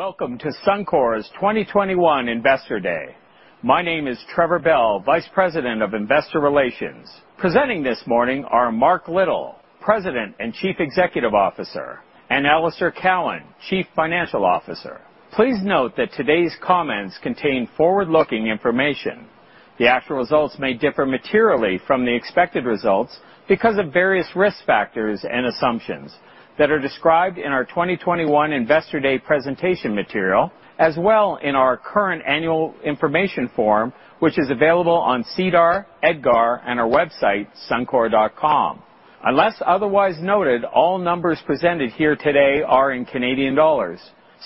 Welcome to Suncor's 2021 Investor Day. My name is Trevor Bell, Vice President of Investor Relations. Presenting this morning are Mark Little, President and Chief Executive Officer, and Alister Cowan, Chief Financial Officer. Please note that today's comments contain forward-looking information. The actual results may differ materially from the expected results because of various risk factors and assumptions that are described in our 2021 Investor Day presentation material, as well in our current annual information form, which is available on SEDAR, EDGAR, and our website, suncor.com. Unless otherwise noted, all numbers presented here today are in Canadian dollars.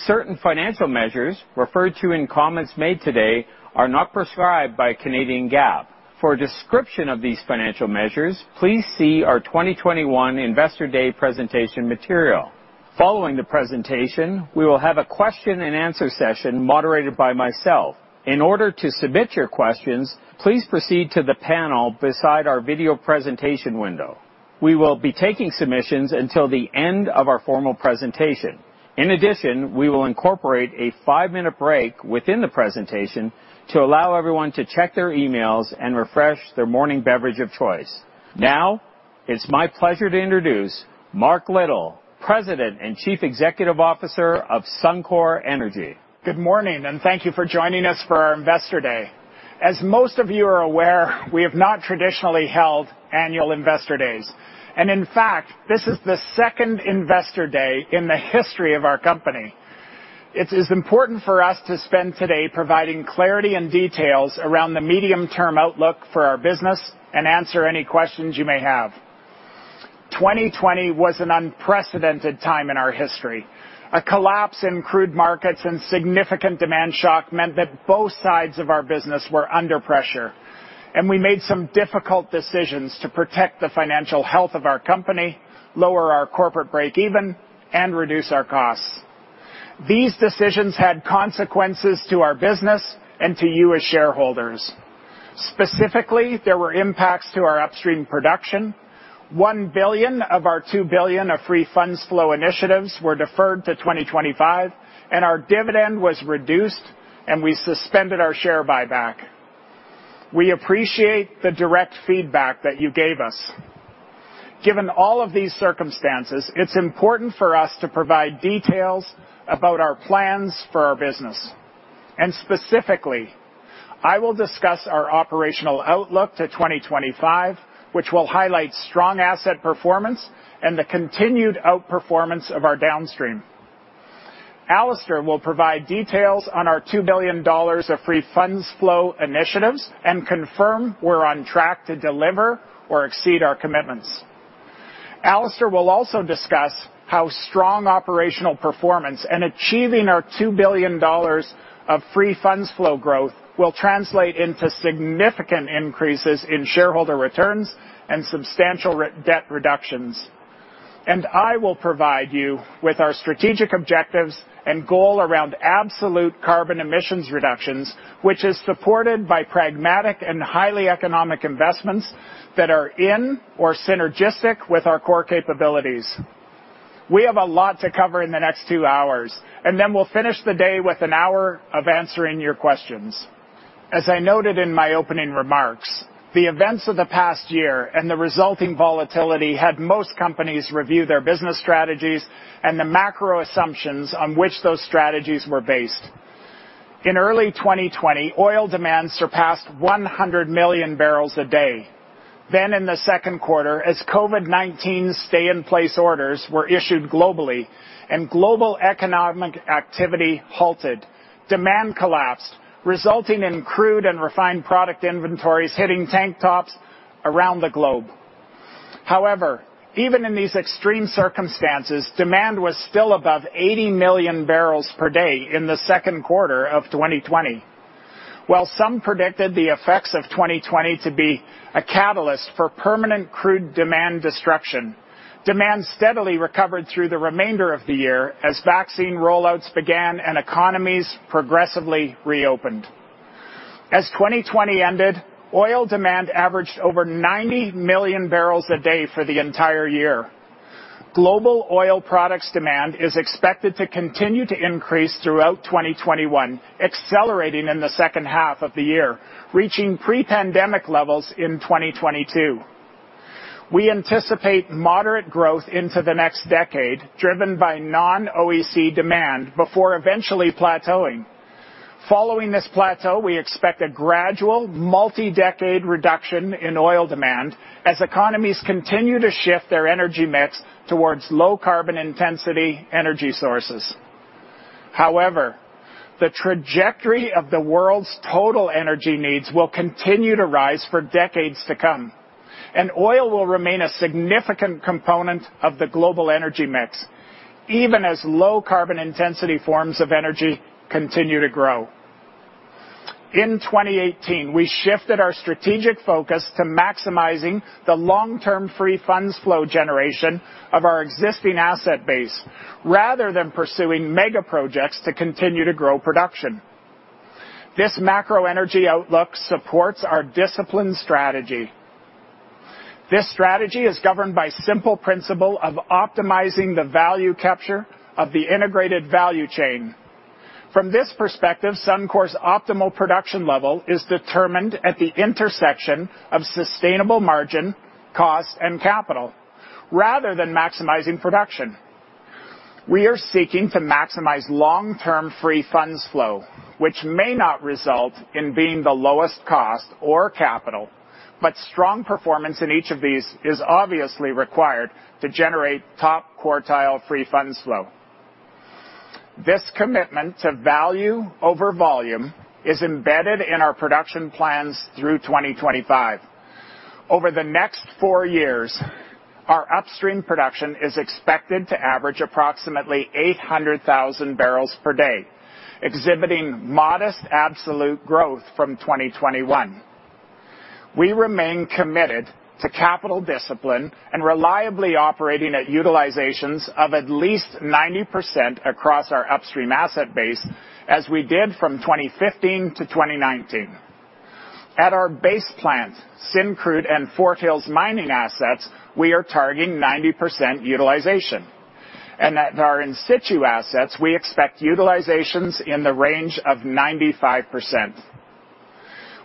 Certain financial measures referred to in comments made today are not prescribed by Canadian GAAP. For a description of these financial measures, please see our 2021 Investor Day presentation material. Following the presentation, we will have a question and answer session moderated by myself. In order to submit your questions, please proceed to the panel beside our video presentation window. We will be taking submissions until the end of our formal presentation. In addition, we will incorporate a five-minute break within the presentation to allow everyone to check their emails and refresh their morning beverage of choice. Now, it's my pleasure to introduce Mark Little, President and Chief Executive Officer of Suncor Energy. Good morning, thank you for joining us for our Investor Day. As most of you are aware, we have not traditionally held annual investor days. In fact, this is the second investor day in the history of our company. It is important for us to spend today providing clarity and details around the medium-term outlook for our business and answer any questions you may have. 2020 was an unprecedented time in our history. A collapse in crude markets and significant demand shock meant that both sides of our business were under pressure and we made some difficult decisions to protect the financial health of our company, lower our corporate breakeven, and reduce our costs. These decisions had consequences to our business and to you as shareholders. Specifically, there were impacts to our upstream production. 1 billion of our 2 billion of Free Funds Flow initiatives were deferred to 2025, our dividend was reduced and we suspended our share buyback. We appreciate the direct feedback that you gave us. Given all of these circumstances, it's important for us to provide details about our plans for our business. Specifically, I will discuss our operational outlook to 2025, which will highlight strong asset performance and the continued outperformance of our Downstream. Alister will provide details on our 2 billion dollars of Free Funds Flow initiatives and confirm we're on track to deliver or exceed our commitments. Alister will also discuss how strong operational performance and achieving our 2 billion dollars of Free Funds Flow growth will translate into significant increases in shareholder returns and substantial debt reductions. I will provide you with our strategic objectives and goal around absolute carbon emissions reductions, which is supported by pragmatic and highly economic investments that are in or synergistic with our core capabilities. We have a lot to cover in the next two hours, and then we'll finish the day with an hour of answering your questions. As I noted in my opening remarks, the events of the past year and the resulting volatility had most companies review their business strategies and the macro assumptions on which those strategies were based. In early 2020, oil demand surpassed 100 million barrels a day. In the second quarter, as COVID-19 stay in place orders were issued globally and global economic activity halted, demand collapsed, resulting in crude and refined product inventories hitting tank tops around the globe. However, even in these extreme circumstances, demand was still above 80 million barrels per day in the second quarter of 2020. While some predicted the effects of 2020 to be a catalyst for permanent crude demand destruction, demand steadily recovered through the remainder of the year as vaccine rollouts began and economies progressively reopened. As 2020 ended, oil demand averaged over 90 million barrels a day for the entire year. Global oil products demand is expected to continue to increase throughout 2021, accelerating in the second half of the year, reaching pre-pandemic levels in 2022. We anticipate moderate growth into the next decade, driven by non-OECD demand, before eventually plateauing. Following this plateau, we expect a gradual, multi-decade reduction in oil demand as economies continue to shift their energy mix towards low carbon intensity energy sources. However, the trajectory of the world's total energy needs will continue to rise for decades to come, and oil will remain a significant component of the global energy mix, even as low carbon intensity forms of energy continue to grow. In 2018, we shifted our strategic focus to maximizing the long-term Free Funds Flow generation of our existing asset base rather than pursuing mega projects to continue to grow production. This macro energy outlook supports our disciplined strategy. This strategy is governed by the simple principle of optimizing the value capture of the integrated value chain. From this perspective, Suncor's optimal production level is determined at the intersection of sustainable margin, cost, and capital rather than maximizing production. We are seeking to maximize long-term Free Funds Flow, which may not result in being the lowest cost or capital, but strong performance in each of these is obviously required to generate top-quartile Free Funds Flow. This commitment to value over volume is embedded in our production plans through 2025. Over the next four years, our upstream production is expected to average approximately 800,000 barrels per day, exhibiting modest absolute growth from 2021. We remain committed to capital discipline and reliably operating at utilizations of at least 90% across our upstream asset base, as we did from 2015 to 2019. At our Base Plant, Syncrude and Fort Hills mining assets, we are targeting 90% utilization. At our in-situ assets, we expect utilizations in the range of 95%.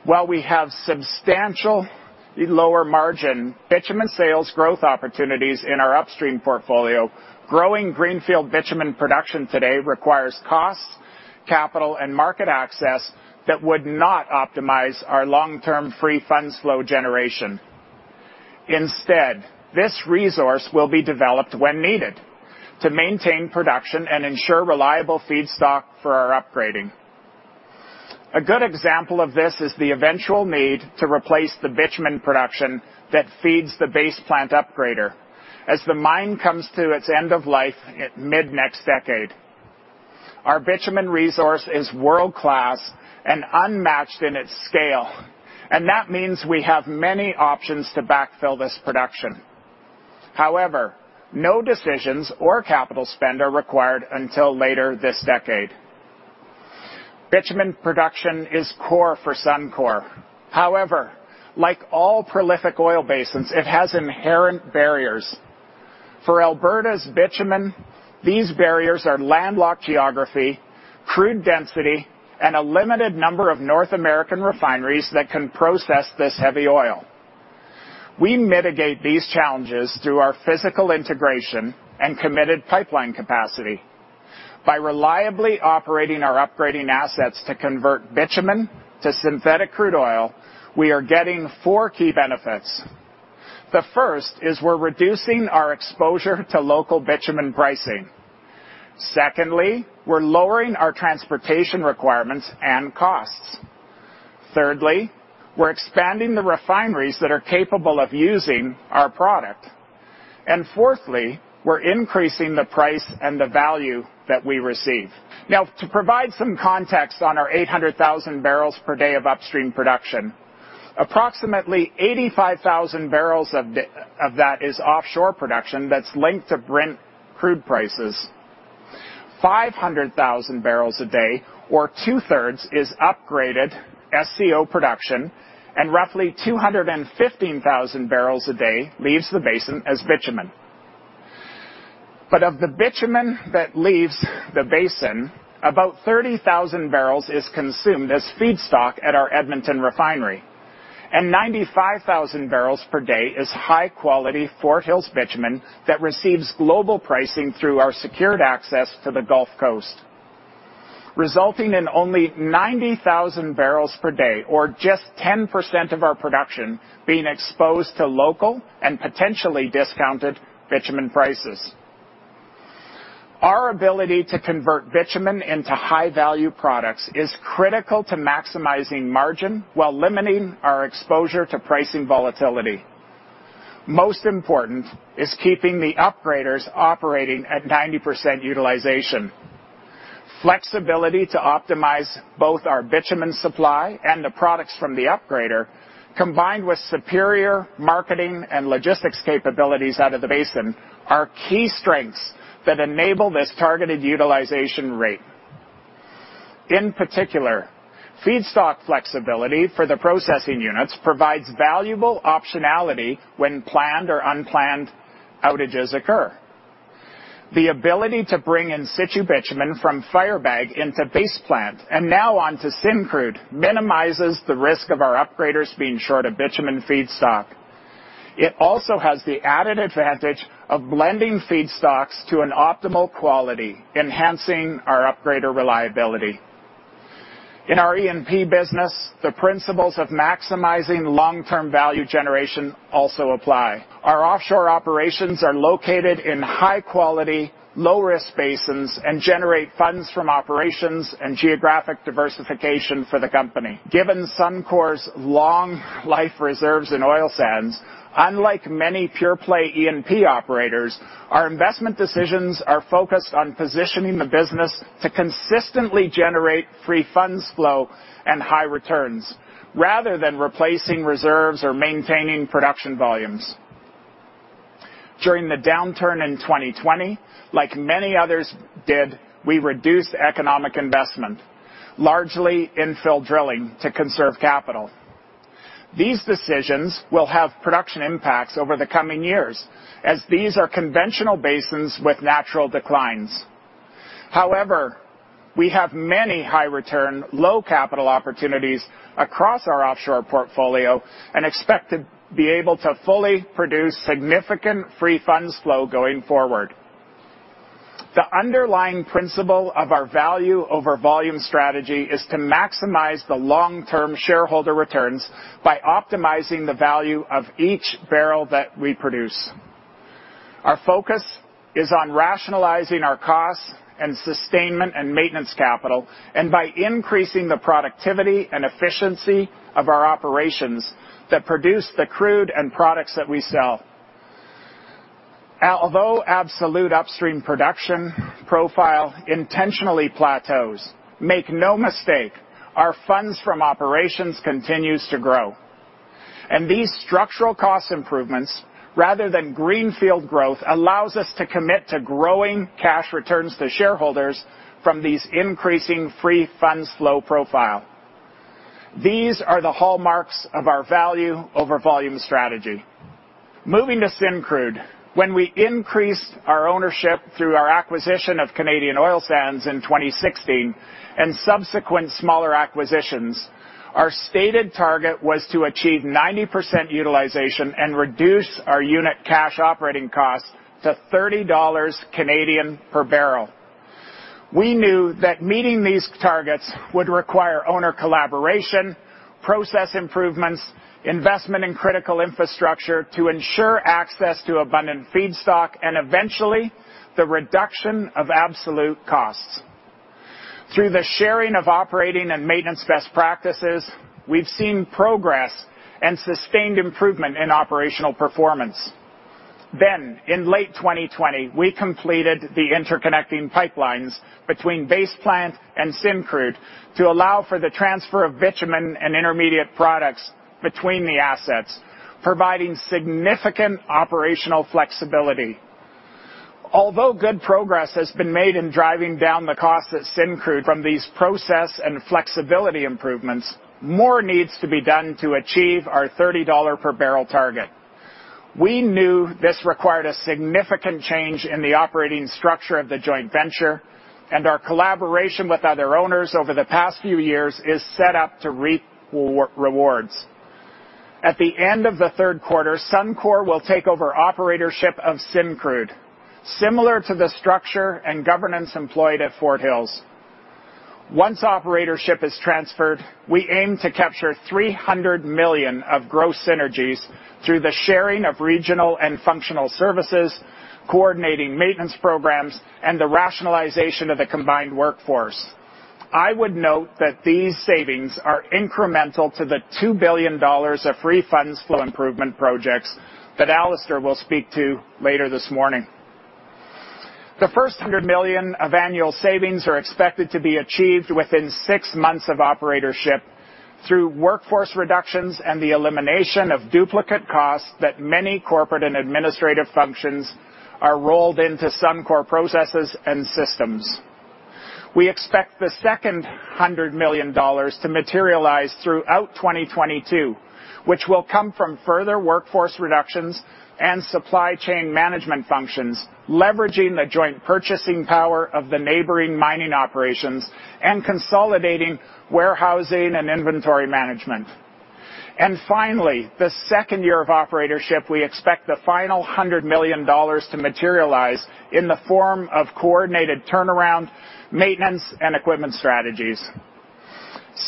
While we have substantially lower margin bitumen sales growth opportunities in our upstream portfolio, growing greenfield bitumen production today requires cost, capital, and market access that would not optimize our long-term Free Funds Flow generation. Instead, this resource will be developed when needed to maintain production and ensure reliable feedstock for our upgrading. A good example of this is the eventual need to replace the bitumen production that feeds the base plant upgrader as the mine comes to its end of life mid next decade. Our bitumen resource is world-class and unmatched in its scale, and that means we have many options to backfill this production. However, no decisions or capital spend are required until later this decade. Bitumen production is core for Suncor. However, like all prolific oil basins, it has inherent barriers. For Alberta's bitumen, these barriers are landlocked geography, crude density, and a limited number of North American refineries that can process this heavy oil. We mitigate these challenges through our physical integration and committed pipeline capacity. By reliably operating our upgrading assets to convert bitumen to synthetic crude oil, we are getting four key benefits. The first is we're reducing our exposure to local bitumen pricing. Secondly, we're lowering our transportation requirements and costs. Thirdly, we're expanding the refineries that are capable of using our product. Fourthly, we're increasing the price and the value that we receive. Now, to provide some context on our 800,000 barrels per day of upstream production, approximately 85,000 barrels of that is offshore production that's linked to Brent crude prices. 500,000 barrels a day or two-thirds is upgraded SCO production, and roughly 215,000 barrels a day leaves the basin as bitumen. Of the bitumen that leaves the basin, about 30,000 barrels is consumed as feedstock at our Edmonton refinery, and 95,000 barrels per day is high-quality Fort Hills bitumen that receives global pricing through our secured access to the Gulf Coast, resulting in only 90,000 barrels per day or just 10% of our production being exposed to local and potentially discounted bitumen prices. Our ability to convert bitumen into high-value products is critical to maximizing margin while limiting our exposure to pricing volatility. Most important is keeping the upgraders operating at 90% utilization. Flexibility to optimize both our bitumen supply and the products from the upgrader, combined with superior marketing and logistics capabilities out of the basin, are key strengths that enable this targeted utilization rate. In particular, feedstock flexibility for the processing units provides valuable optionality when planned or unplanned outages occur. The ability to bring in-situ bitumen from Firebag into base plant and now on to Syncrude minimizes the risk of our upgraders being short of bitumen feedstock. It also has the added advantage of blending feedstocks to an optimal quality, enhancing our upgrader reliability. In our E&P business, the principles of maximizing long-term value generation also apply. Our offshore operations are located in high-quality, low-risk basins and generate funds from operations and geographic diversification for the company. Given Suncor's long life reserves in oil sands, unlike many pure-play E&P operators, our investment decisions are focused on positioning the business to consistently generate Free Funds Flow and high returns rather than replacing reserves or maintaining production volumes. During the downturn in 2020, like many others did, we reduced economic investment, largely infill drilling to conserve capital. These decisions will have production impacts over the coming years, as these are conventional basins with natural declines. However, we have many high return, low capital opportunities across our offshore portfolio and expect to be able to fully produce significant Free Funds Flow going forward. The underlying principle of our value over volume strategy is to maximize the long-term shareholder returns by optimizing the value of each barrel that we produce. Our focus is on rationalizing our costs and sustainment and maintenance capital, and by increasing the productivity and efficiency of our operations that produce the crude and products that we sell. Although absolute Upstream production profile intentionally plateaus, make no mistake, our funds from operations continues to grow. These structural cost improvements rather than greenfield growth allows us to commit to growing cash returns to shareholders from these increasing Free Funds Flow profile. These are the hallmarks of our value over volume strategy. Moving to Syncrude. When we increased our ownership through our acquisition of Canadian Oil Sands in 2016 and subsequent smaller acquisitions, our stated target was to achieve 90% utilization and reduce our unit cash operating costs to 30 Canadian dollars per barrel. We knew that meeting these targets would require owner collaboration, process improvements, investment in critical infrastructure to ensure access to abundant feedstock, and eventually the reduction of absolute costs. Through the sharing of operating and maintenance best practices, we've seen progress and sustained improvement in operational performance. In late 2020, we completed the interconnecting pipelines between Base Plant and Syncrude to allow for the transfer of bitumen and intermediate products between the assets, providing significant operational flexibility. Although good progress has been made in driving down the cost at Syncrude from these process and flexibility improvements, more needs to be done to achieve our 30 dollar per barrel target. We knew this required a significant change in the operating structure of the joint venture, and our collaboration with other owners over the past few years is set up to reap rewards. At the end of the third quarter, Suncor will take over operatorship of Syncrude, similar to the structure and governance employed at Fort Hills. Once operatorship is transferred, we aim to capture 300 million of gross synergies through the sharing of regional and functional services, coordinating maintenance programs, and the rationalization of the combined workforce. I would note that these savings are incremental to the 2 billion dollars of Free Funds Flow improvement projects that Alister will speak to later this morning. The first 100 million of annual savings are expected to be achieved within six months of operatorship through workforce reductions and the elimination of duplicate costs that many corporate and administrative functions are rolled into Suncor processes and systems. We expect the second 100 million dollars to materialize throughout 2022, which will come from further workforce reductions and supply chain management functions, leveraging the joint purchasing power of the neighboring mining operations and consolidating warehousing and inventory management. Finally, the second year of operatorship, we expect the final 100 million dollars to materialize in the form of coordinated turnaround, maintenance, and equipment strategies.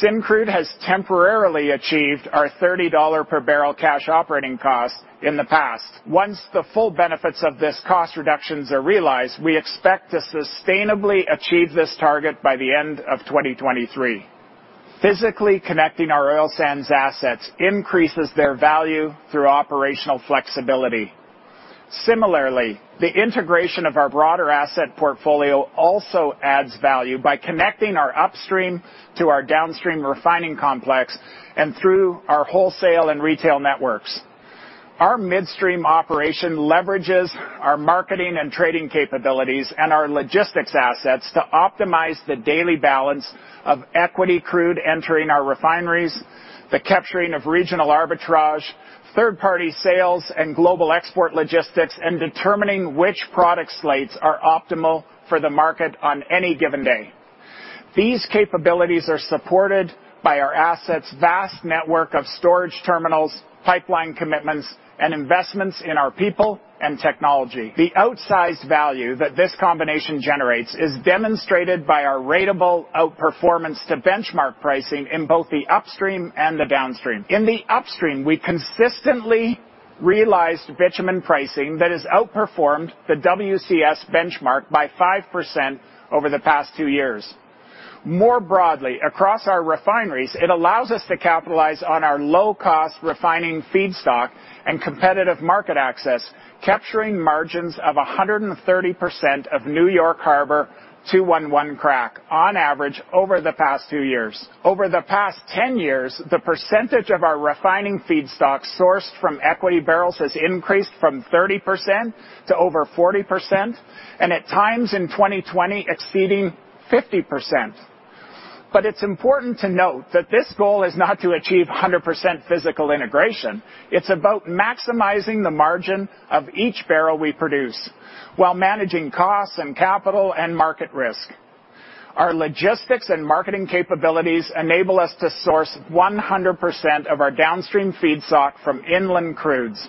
Syncrude has temporarily achieved our 30 dollar per barrel cash operating cost in the past. Once the full benefits of these cost reductions are realized, we expect to sustainably achieve this target by the end of 2023. Physically connecting our oil sands assets increases their value through operational flexibility. Similarly, the integration of our broader asset portfolio also adds value by connecting our Upstream to our Downstream refining complex and through our wholesale and retail networks. Our Midstream operation leverages our marketing and trading capabilities and our logistics assets to optimize the daily balance of equity crude entering our refineries, the capturing of regional arbitrage, third-party sales, and global export logistics, and determining which product slates are optimal for the market on any given day. These capabilities are supported by our assets' vast network of storage terminals, pipeline commitments, and investments in our people and technology. The outsized value that this combination generates is demonstrated by our ratable outperformance to benchmark pricing in both the Upstream and the Downstream. In the Upstream, we consistently realized bitumen pricing that has outperformed the WCS benchmark by 5% over the past two years. More broadly, across our refineries, it allows us to capitalize on our low-cost refining feedstock and competitive market access, capturing margins of 130% of New York Harbor 2-1-1 crack on average over the past two years. Over the past 10 years, the percentage of our refining feedstock sourced from equity barrels has increased from 30% to over 40%, and at times in 2020 exceeding 50%. It's important to note that this goal is not to achieve 100% physical integration. It's about maximizing the margin of each barrel we produce while managing costs and capital and market risk. Our logistics and marketing capabilities enable us to source 100% of our downstream feedstock from inland crudes.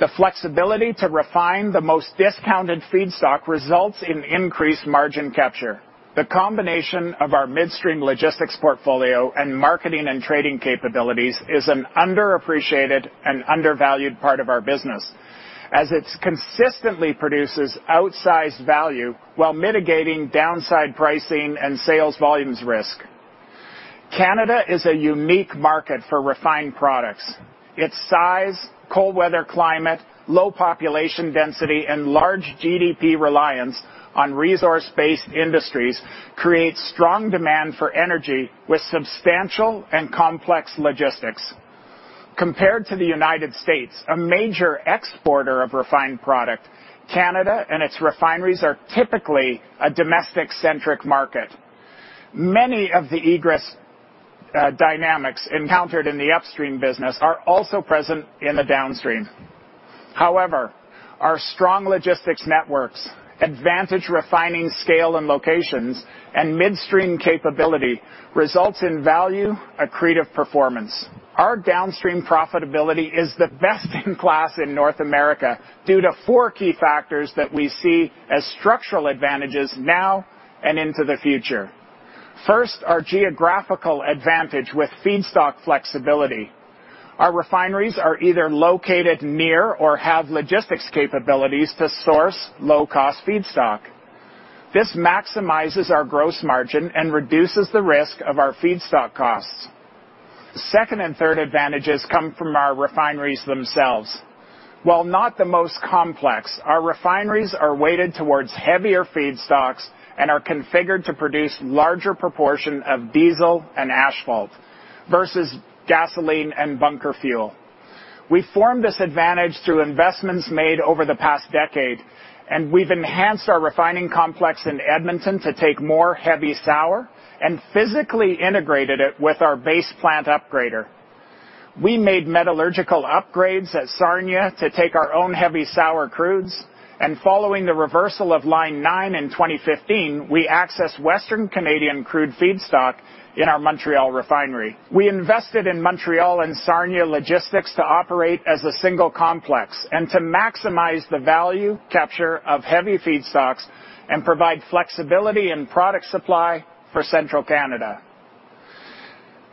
The flexibility to refine the most discounted feedstock results in increased margin capture. The combination of our midstream logistics portfolio and marketing and trading capabilities is an underappreciated and undervalued part of our business, as it consistently produces outsized value while mitigating downside pricing and sales volumes risk. Canada is a unique market for refined products. Its size, cold weather climate, low population density, and large GDP reliance on resource-based industries creates strong demand for energy with substantial and complex logistics. Compared to the United States, a major exporter of refined product, Canada and its refineries are typically a domestic-centric market. Many of the egress dynamics encountered in the upstream business are also present in the downstream. However, our strong logistics networks, advantage refining scale and locations, and midstream capability results in value-accretive performance. Our downstream profitability is the best-in-class in North America due to four key factors that we see as structural advantages now and into the future. First, our geographical advantage with feedstock flexibility. Our refineries are either located near or have logistics capabilities to source low-cost feedstock. This maximizes our gross margin and reduces the risk of our feedstock costs. Second and third advantages come from our refineries themselves. While not the most complex, our refineries are weighted towards heavier feedstocks and are configured to produce larger proportion of diesel and asphalt versus gasoline and bunker fuel. We formed this advantage through investments made over the past decade. We've enhanced our refining complex in Edmonton to take more heavy sour and physically integrated it with our base plant upgrader. We made metallurgical upgrades at Sarnia to take our own heavy sour crudes, and following the reversal of Line 9 in 2015, we accessed Western Canadian crude feedstock in our Montreal refinery. We invested in Montreal and Sarnia logistics to operate as a single complex and to maximize the value capture of heavy feedstocks and provide flexibility and product supply for central Canada.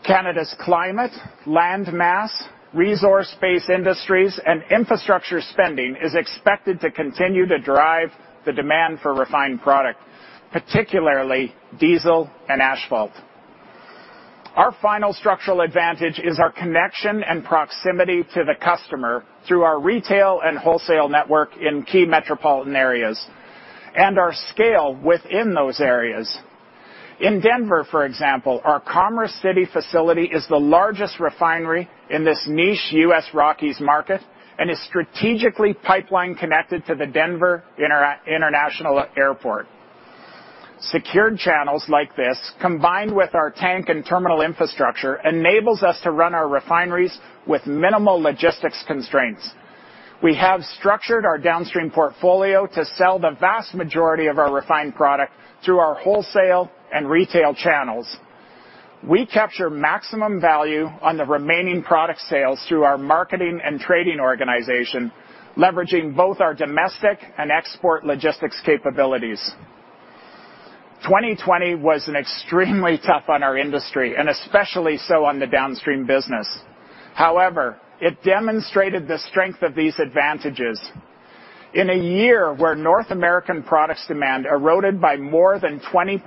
Canada's climate, land mass, resource-based industries, and infrastructure spending is expected to continue to drive the demand for refined product, particularly diesel and asphalt. Our final structural advantage is our connection and proximity to the customer through our retail and wholesale network in key metropolitan areas and our scale within those areas. In Denver, for example, our Commerce City facility is the largest refinery in this niche U.S. Rockies market and is strategically pipeline-connected to the Denver International Airport. Secured channels like this, combined with our tank and terminal infrastructure, enables us to run our refineries with minimal logistics constraints. We have structured our downstream portfolio to sell the vast majority of our refined product through our wholesale and retail channels. We capture maximum value on the remaining product sales through our marketing and trading organization, leveraging both our domestic and export logistics capabilities. 2020 was extremely tough on our industry and especially so on the downstream business. However, it demonstrated the strength of these advantages. In a year where North American product demand eroded by more than 20%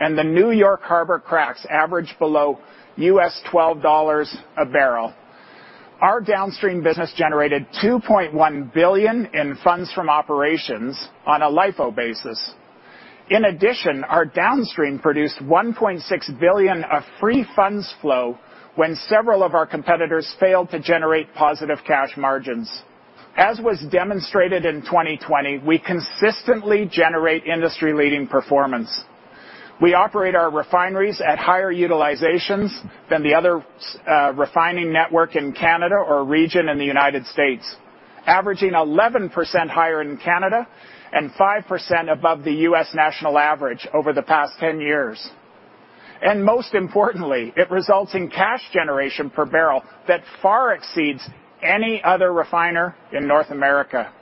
and the New York Harbor Cracks averaged below $12 a barrel, our downstream business generated 2.1 billion in funds from operations on a LIFO basis. In addition, our downstream produced 1.6 billion of Free Funds Flow when several of our competitors failed to generate positive cash margins. As was demonstrated in 2020, we consistently generate industry-leading performance. We operate our refineries at higher utilizations than the other refining network in Canada or region in the U.S., averaging 11% higher in Canada and 5% above the U.S. national average over the past 10 years. Most importantly, it results in cash generation per barrel that far exceeds any other refiner in North America.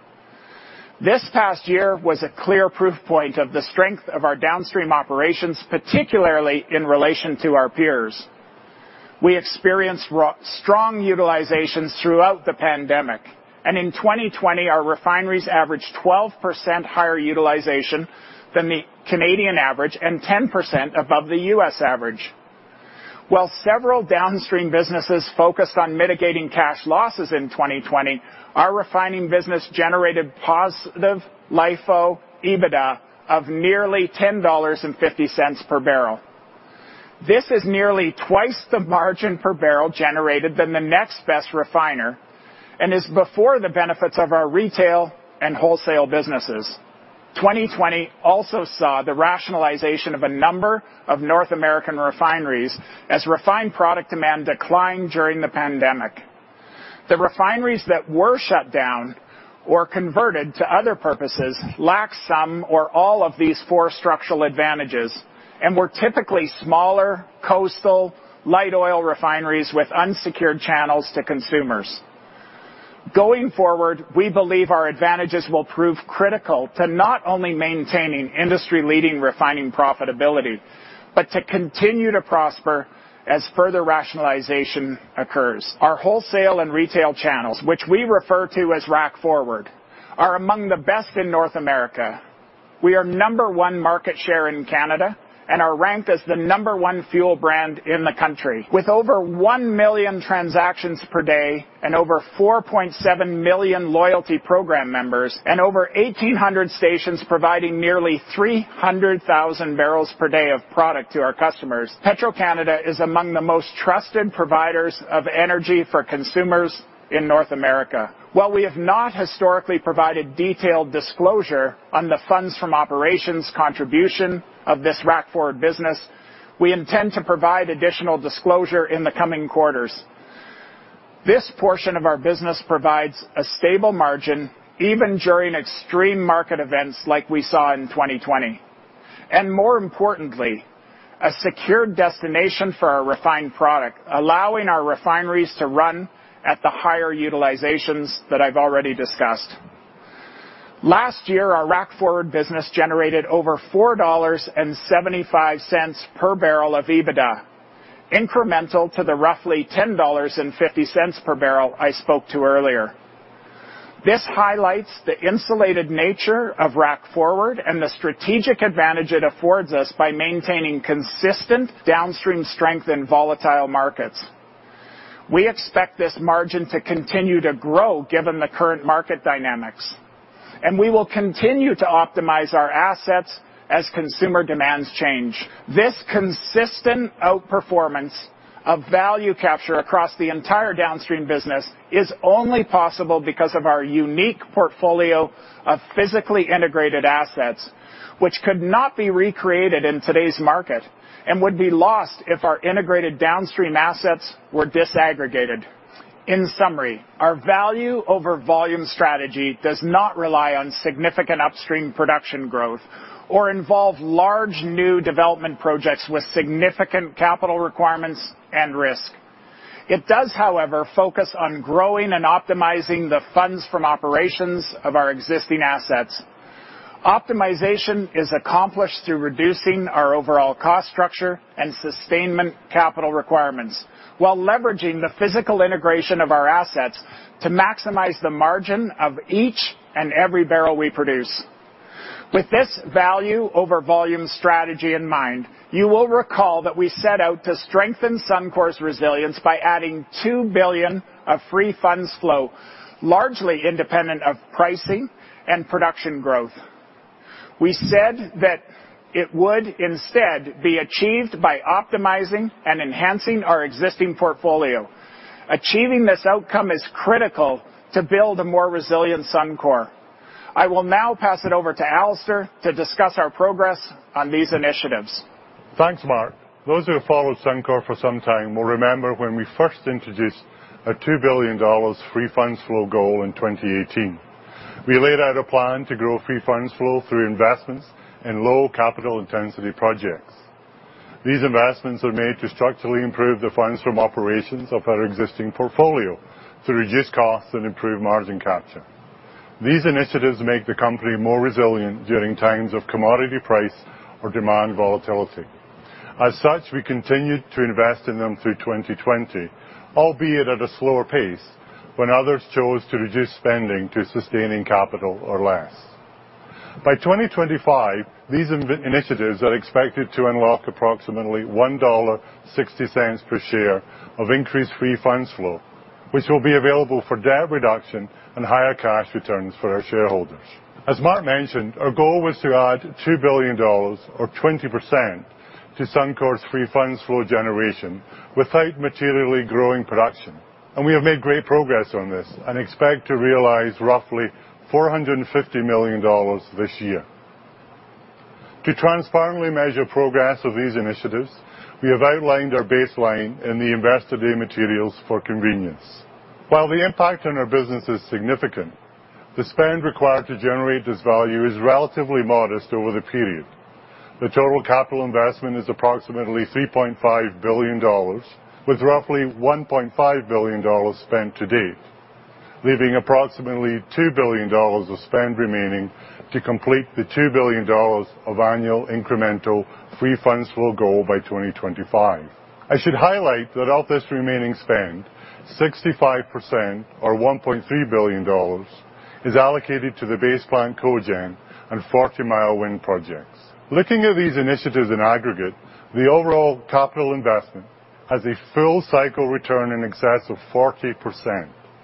This past year was a clear proof point of the strength of our downstream operations, particularly in relation to our peers. We experienced strong utilizations throughout the pandemic. In 2020, our refineries averaged 12% higher utilization than the Canadian average and 10% above the U.S. average. While several downstream businesses focused on mitigating cash losses in 2020, our refining business generated positive LIFO EBITDA of nearly 10.50 dollars per barrel. This is nearly twice the margin per barrel generated than the next best refiner and is before the benefits of our retail and wholesale businesses. 2020 also saw the rationalization of a number of North American refineries as refined product demand declined during the pandemic. The refineries that were shut down or converted to other purposes lacked some or all of these four structural advantages and were typically smaller, coastal, light oil refineries with unsecured channels to consumers. Going forward, we believe our advantages will prove critical to not only maintaining industry-leading refining profitability but to continue to prosper as further rationalization occurs. Our wholesale and retail channels, which we refer to as Rack Forward, are among the best in North America. We are number one market share in Canada and are ranked as the number one fuel brand in the country. With over 1 million transactions per day and over 4.7 million loyalty program members and over 1,800 stations providing nearly 300,000 barrels per day of product to our customers, Petro-Canada is among the most trusted providers of energy for consumers in North America. While we have not historically provided detailed disclosure on the funds from operations contribution of this Rack Forward business, we intend to provide additional disclosure in the coming quarters. This portion of our business provides a stable margin, even during extreme market events like we saw in 2020. More importantly, a secured destination for our refined product, allowing our refineries to run at the higher utilizations that I've already discussed. Last year, our Rack Forward business generated over 4.75 dollars per barrel of EBITDA, incremental to the roughly 10.50 dollars per barrel I spoke to earlier. This highlights the insulated nature of Rack Forward and the strategic advantage it affords us by maintaining consistent Downstream strength in volatile markets. We expect this margin to continue to grow given the current market dynamics, and we will continue to optimize our assets as consumer demands change. This consistent outperformance of value capture across the entire Downstream business is only possible because of our unique portfolio of physically integrated assets which could not be recreated in today's market and would be lost if our integrated Downstream assets were disaggregated. In summary, our value over volume strategy does not rely on significant Upstream production growth or involve large new development projects with significant capital requirements and risk. It does, however, focus on growing and optimizing the funds from operations of our existing assets. Optimization is accomplished through reducing our overall cost structure and sustainment capital requirements while leveraging the physical integration of our assets to maximize the margin of each and every barrel we produce. With this value over volume strategy in mind, you will recall that we set out to strengthen Suncor's resilience by adding 2 billion of Free Funds Flow, largely independent of pricing and production growth. We said that it would instead be achieved by optimizing and enhancing our existing portfolio. Achieving this outcome is critical to build a more resilient Suncor. I will now pass it over to Alister to discuss our progress on these initiatives. Thanks, Mark. Those who have followed Suncor for some time will remember when we first introduced a 2 billion dollars Free Funds Flow goal in 2018. We laid out a plan to grow Free Funds Flow through investments in low capital intensity projects. These investments are made to structurally improve the funds from operations of our existing portfolio to reduce costs and improve margin capture. These initiatives make the company more resilient during times of commodity price or demand volatility. As such, we continued to invest in them through 2020, albeit at a slower pace when others chose to reduce spending to sustaining capital or less. By 2025, these initiatives are expected to unlock approximately 1.60 dollar per share of increased Free Funds Flow, which will be available for debt reduction and higher cash returns for our shareholders. As Mark mentioned, our goal was to add 2 billion dollars or 20% to Suncor's Free Funds Flow generation without materially growing production. We have made great progress on this and expect to realize roughly 450 million dollars this year. To transparently measure progress of these initiatives, we have outlined our baseline in the Investor Day materials for convenience. While the impact on our business is significant, the spend required to generate this value is relatively modest over the period. The total capital investment is approximately 3.5 billion dollars, with roughly 1.5 billion dollars spent to date. Leaving approximately 2 billion dollars of spend remaining to complete the 2 billion dollars of annual incremental Free Funds Flow goal by 2025. I should highlight that of this remaining spend, 65% or 1.3 billion dollars is allocated to the Base Plant Cogen and Forty Mile wind projects. Looking at these initiatives in aggregate, the overall capital investment has a full cycle return in excess of 40%.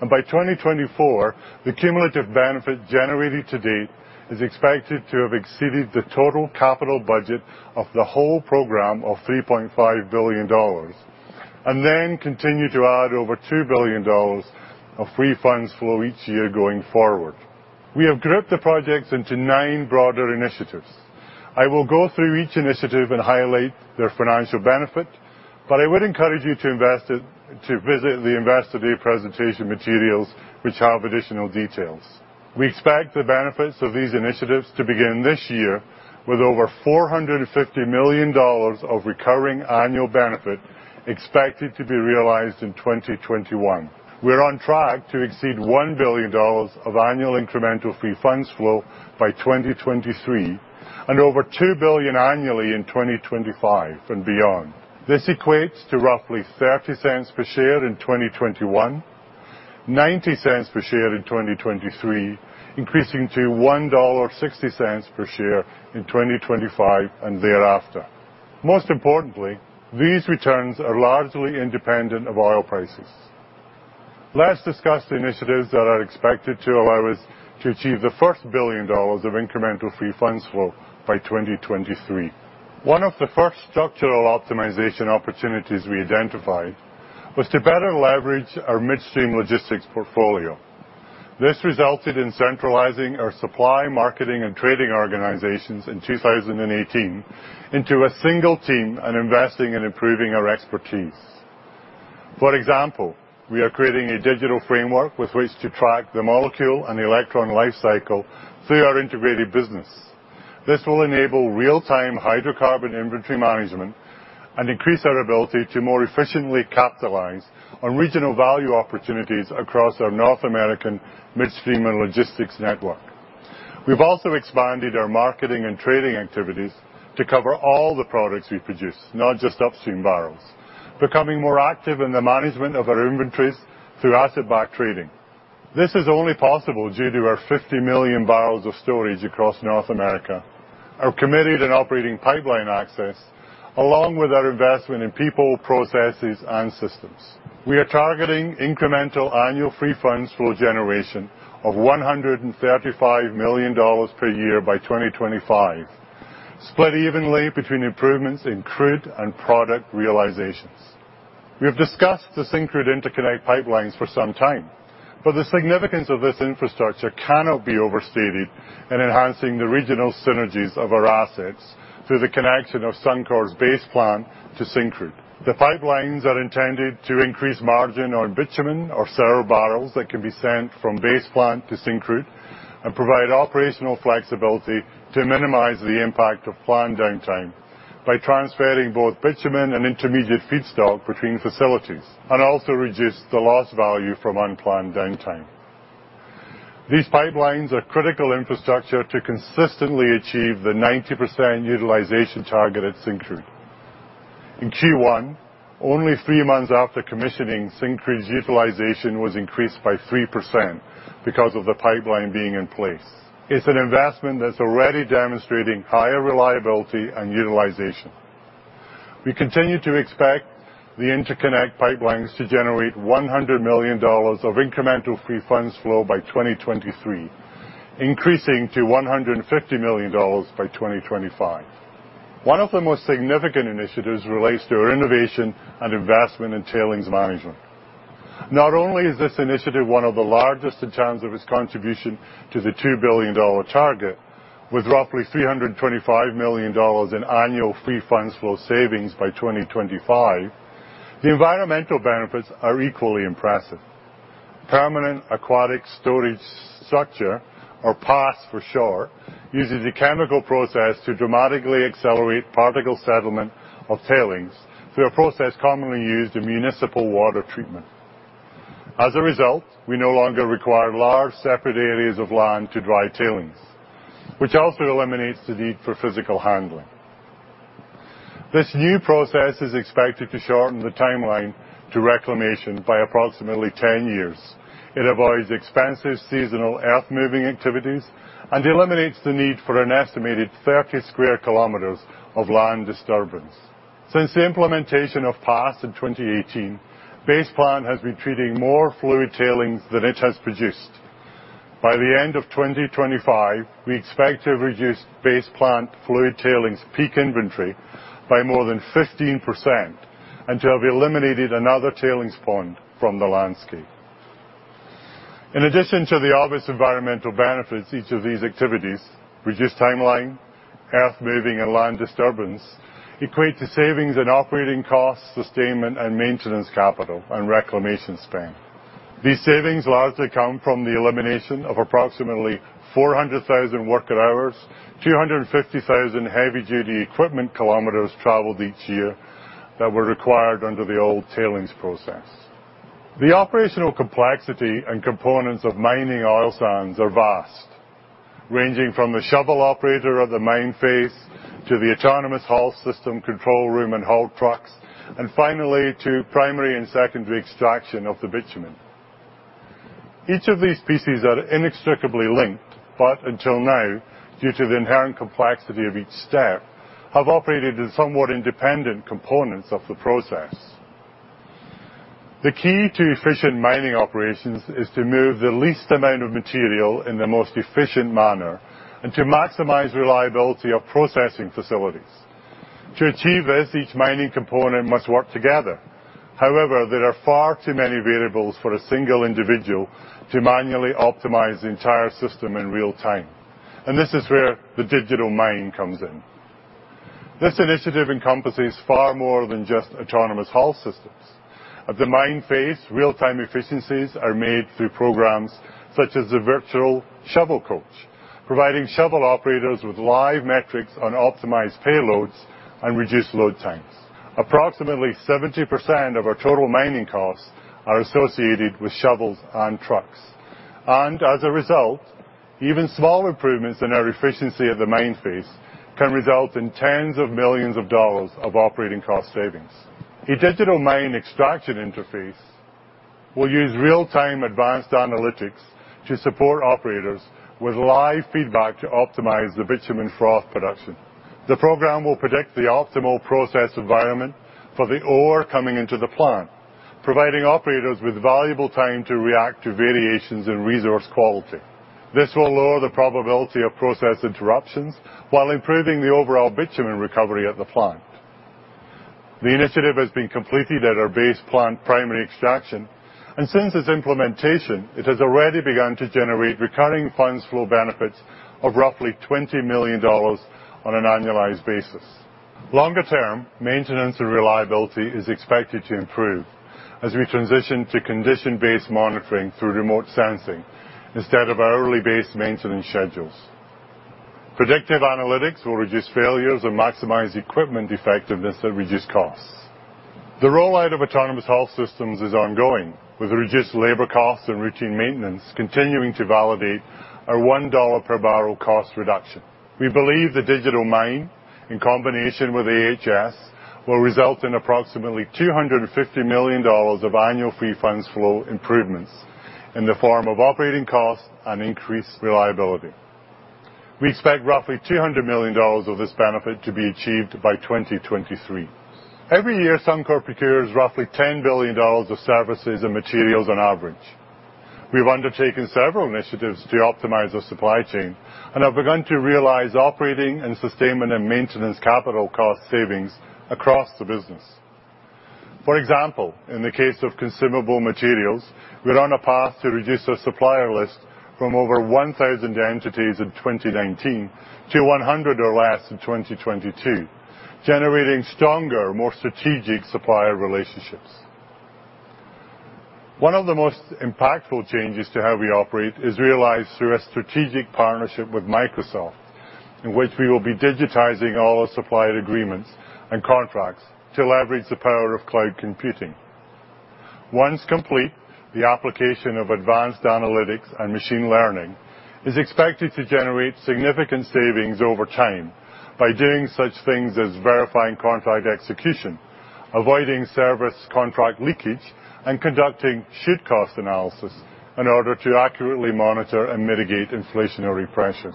By 2024, the cumulative benefit generated to date is expected to have exceeded the total capital budget of the whole program of 3.5 billion dollars, and then continue to add over 2 billion dollars of Free Funds Flow each year going forward. We have grouped the projects into nine broader initiatives. I will go through each initiative and highlight their financial benefit, I would encourage you to visit the Investor Day presentation materials which have additional details. We expect the benefits of these initiatives to begin this year with over 450 million dollars of recurring annual benefit expected to be realized in 2021. We're on track to exceed 1 billion dollars of annual incremental Free Funds Flow by 2023 and over 2 billion annually in 2025 and beyond. This equates to roughly 0.30 per share in 2021, 0.90 per share in 2023, increasing to 1.60 dollar per share in 2025 and thereafter. Most importantly, these returns are largely independent of oil prices. Let's discuss the initiatives that are expected to allow us to achieve the first 1 billion dollars of incremental Free Funds Flow by 2023. One of the first structural optimization opportunities we identified was to better leverage our midstream logistics portfolio. This resulted in centralizing our supply, marketing, and trading organizations in 2018 into a single team and investing in improving our expertise. For example, we are creating a digital framework with which to track the molecule and electron life cycle through our integrated business. This will enable real-time hydrocarbon inventory management and increase our ability to more efficiently capitalize on regional value opportunities across our North American Midstream and logistics network. We've also expanded our marketing and trading activities to cover all the products we produce, not just Upstream barrels, becoming more active in the management of our inventories through asset-backed trading. This is only possible due to our 50 million barrels of storage across North America, our committed and operating pipeline access, along with our investment in people, processes, and systems. We are targeting incremental Annual Free Funds Flow generation of 135 million dollars per year by 2025, split evenly between improvements in crude and product realizations. We have discussed the Syncrude interconnect pipelines for some time, the significance of this infrastructure cannot be overstated in enhancing the regional synergies of our assets through the connection of Suncor's Base Plant to Syncrude. The pipelines are intended to increase margin on bitumen or several barrels that can be sent from Base Plant to Syncrude and provide operational flexibility to minimize the impact of plant downtime by transferring both bitumen and intermediate feedstock between facilities and also reduce the loss value from unplanned downtime. These pipelines are critical infrastructure to consistently achieve the 90% utilization target at Syncrude. In Q1, only three months after commissioning, Syncrude's utilization was increased by 3% because of the pipeline being in place. It's an investment that's already demonstrating higher reliability and utilization. We continue to expect the interconnect pipelines to generate 100 million dollars of incremental Free Funds Flow by 2023, increasing to 150 million dollars by 2025. One of the most significant initiatives relates to our innovation and investment in tailings management. Not only is this initiative one of the largest in terms of its contribution to the 2 billion dollar target, with roughly 325 million dollars in Annual Free Funds Flow savings by 2025, the environmental benefits are equally impressive. Permanent Aquatic Storage Structure, or PASS for short, uses a chemical process to dramatically accelerate particle settlement of tailings through a process commonly used in municipal water treatment. As a result, we no longer require large separate areas of land to dry tailings, which also eliminates the need for physical handling. This new process is expected to shorten the timeline to reclamation by approximately 10 years. It avoids expensive seasonal earth-moving activities and eliminates the need for an estimated 30 sq km of land disturbance. Since the implementation of PASS in 2018, Base Plant has been treating more fluid tailings than it has produced. By the end of 2025, we expect to have reduced Base Plant fluid tailings peak inventory by more than 15% and to have eliminated another tailings pond from the landscape. In addition to the obvious environmental benefits, each of these activities, reduced timeline, earth moving, and land disturbance, equate to savings in operating costs, sustainment and maintenance capital, and reclamation spend. These savings largely come from the elimination of approximately 400,000 worker hours, 250,000 heavy-duty equipment kilometers traveled each year that were required under the old tailings process. The operational complexity and components of mining oil sands are vast, ranging from the shovel operator at the mine face to the Autonomous Haul System control room and haul trucks, and finally to primary and secondary extraction of the bitumen. Each of these pieces are inextricably linked, but until now, due to the inherent complexity of each step, have operated as somewhat independent components of the process. The key to efficient mining operations is to move the least amount of material in the most efficient manner and to maximize reliability of processing facilities. To achieve this, each mining component must work together. However, there are far too many variables for a single individual to manually optimize the entire system in real time, and this is where the digital mine comes in. This initiative encompasses far more than just Autonomous Haul Systems. At the mine face, real-time efficiencies are made through programs such as the virtual shovel coach, providing shovel operators with live metrics on optimized payloads and reduced load times. Approximately 70% of our total mining costs are associated with shovels and trucks. As a result, even small improvements in our efficiency at the mine face can result in tens of millions of dollars of operating cost savings. A digital mine extraction interface will use real-time advanced analytics to support operators with live feedback to optimize the bitumen froth production. The program will predict the optimal process environment for the ore coming into the plant, providing operators with valuable time to react to variations in resource quality. This will lower the probability of process interruptions while improving the overall bitumen recovery at the plant. The initiative has been completed at our base plant primary extraction. Since its implementation, it has already begun to generate recurring funds flow benefits of roughly 20 million dollars on an annualized basis. Longer-term, maintenance and reliability is expected to improve as we transition to condition-based monitoring through remote sensing instead of hourly-based maintenance schedules. Predictive analytics will reduce failures and maximize equipment effectiveness to reduce costs. The rollout of Autonomous Haul Systems is ongoing, with reduced labor costs and routine maintenance continuing to validate our 1 dollar per barrel cost reduction. We believe the digital mine, in combination with AHS, will result in approximately 250 million dollars of Annual Free Funds Flow improvements in the form of operating costs and increased reliability. We expect roughly 200 million dollars of this benefit to be achieved by 2023. Every year, Suncor procures roughly 10 billion dollars of services and materials on average. We have undertaken several initiatives to optimize the supply chain and have begun to realize operating and sustainment and maintenance capital cost savings across the business. For example, in the case of consumable materials, we're on a path to reduce our supplier list from over 1,000 entities in 2019 to 100 or less in 2022, generating stronger, more strategic supplier relationships. One of the most impactful changes to how we operate is realized through a strategic partnership with Microsoft, in which we will be digitizing all our supplier agreements and contracts to leverage the power of cloud computing. Once complete, the application of advanced analytics and machine learning is expected to generate significant savings over time by doing such things as verifying contract execution, avoiding service contract leakage, and conducting should-cost analysis in order to accurately monitor and mitigate inflationary pressures.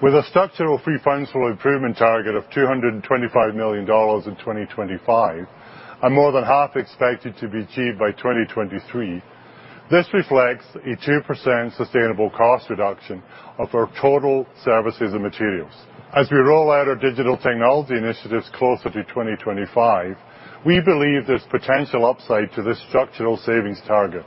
With a structural Free Funds Flow improvement target of 225 million dollars in 2025, and more than half expected to be achieved by 2023, this reflects a 2% sustainable cost reduction of our total services and materials. As we roll out our digital technology initiatives closer to 2025, we believe there is potential upside to this structural savings target.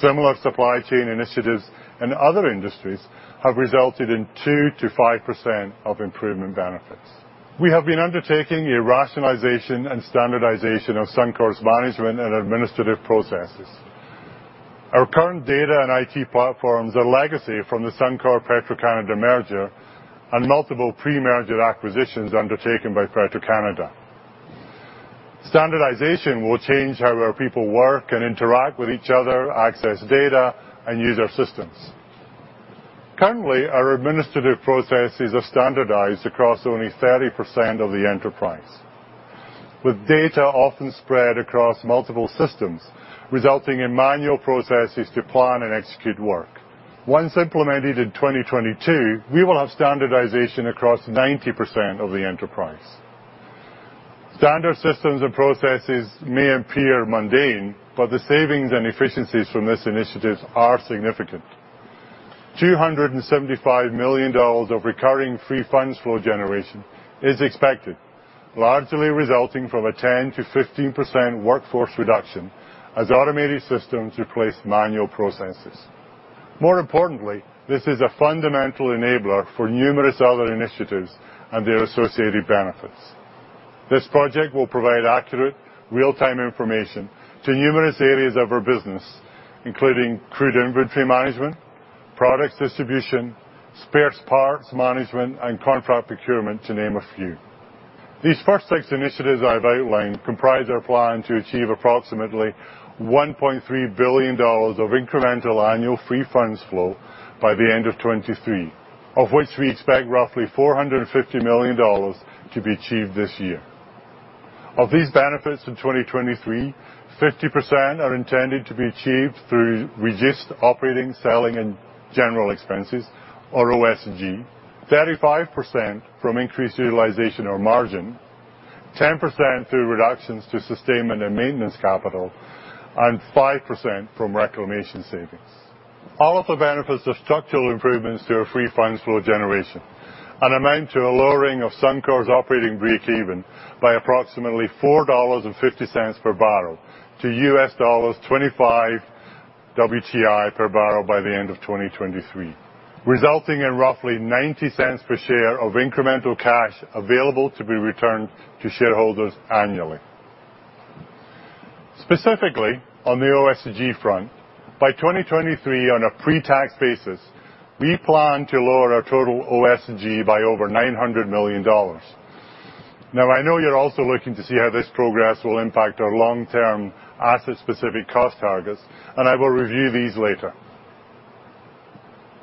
Similar supply chain initiatives in other industries have resulted in 2% to 5% of improvement benefits. We have been undertaking the rationalization and standardization of Suncor's management and administrative processes. Our current data and IT platforms are a legacy from the Suncor Petro-Canada merger and multiple pre-merger acquisitions undertaken by Petro-Canada. Standardization will change how our people work and interact with each other, access data, and use our systems. Currently, our administrative processes are standardized across only 30% of the enterprise, with data often spread across multiple systems, resulting in manual processes to plan and execute work. Once implemented in 2022, we will have standardization across 90% of the enterprise. Standard systems and processes may appear mundane, but the savings and efficiencies from this initiative are significant. 275 million dollars of recurring Free Funds Flow generation is expected, largely resulting from a 10% to 15% workforce reduction as automated systems replace manual processes. More importantly, this is a fundamental enabler for numerous other initiatives and their associated benefits. This project will provide accurate, real-time information to numerous areas of our business, including crude inventory management, products distribution, spares parts management, and contract procurement to name a few. These first six initiatives I've outlined comprise our plan to achieve approximately 1.3 billion dollars of incremental Annual Free Funds Flow by the end of 2023, of which we expect roughly 450 million dollars to be achieved this year. Of these benefits in 2023, 50% are intended to be achieved through reduced operating, selling, and general expenses or OS&G. 35% from increased utilization or margin, 10% through reductions to sustainment and maintenance capital, and 5% from reclamation savings. All of the benefits are structural improvements to our Free Funds Flow generation and amount to a lowering of Suncor's operating breakeven by approximately 4.50 dollars per barrel to $25 WTI per barrel by the end of 2023, resulting in roughly 0.90 per share of incremental cash available to be returned to shareholders annually. Specifically, on the OS&G front, by 2023, on a pre-tax basis, we plan to lower our total OS&G by over 900 million dollars. I know you're also looking to see how this progress will impact our long-term asset-specific cost targets, and I will review these later.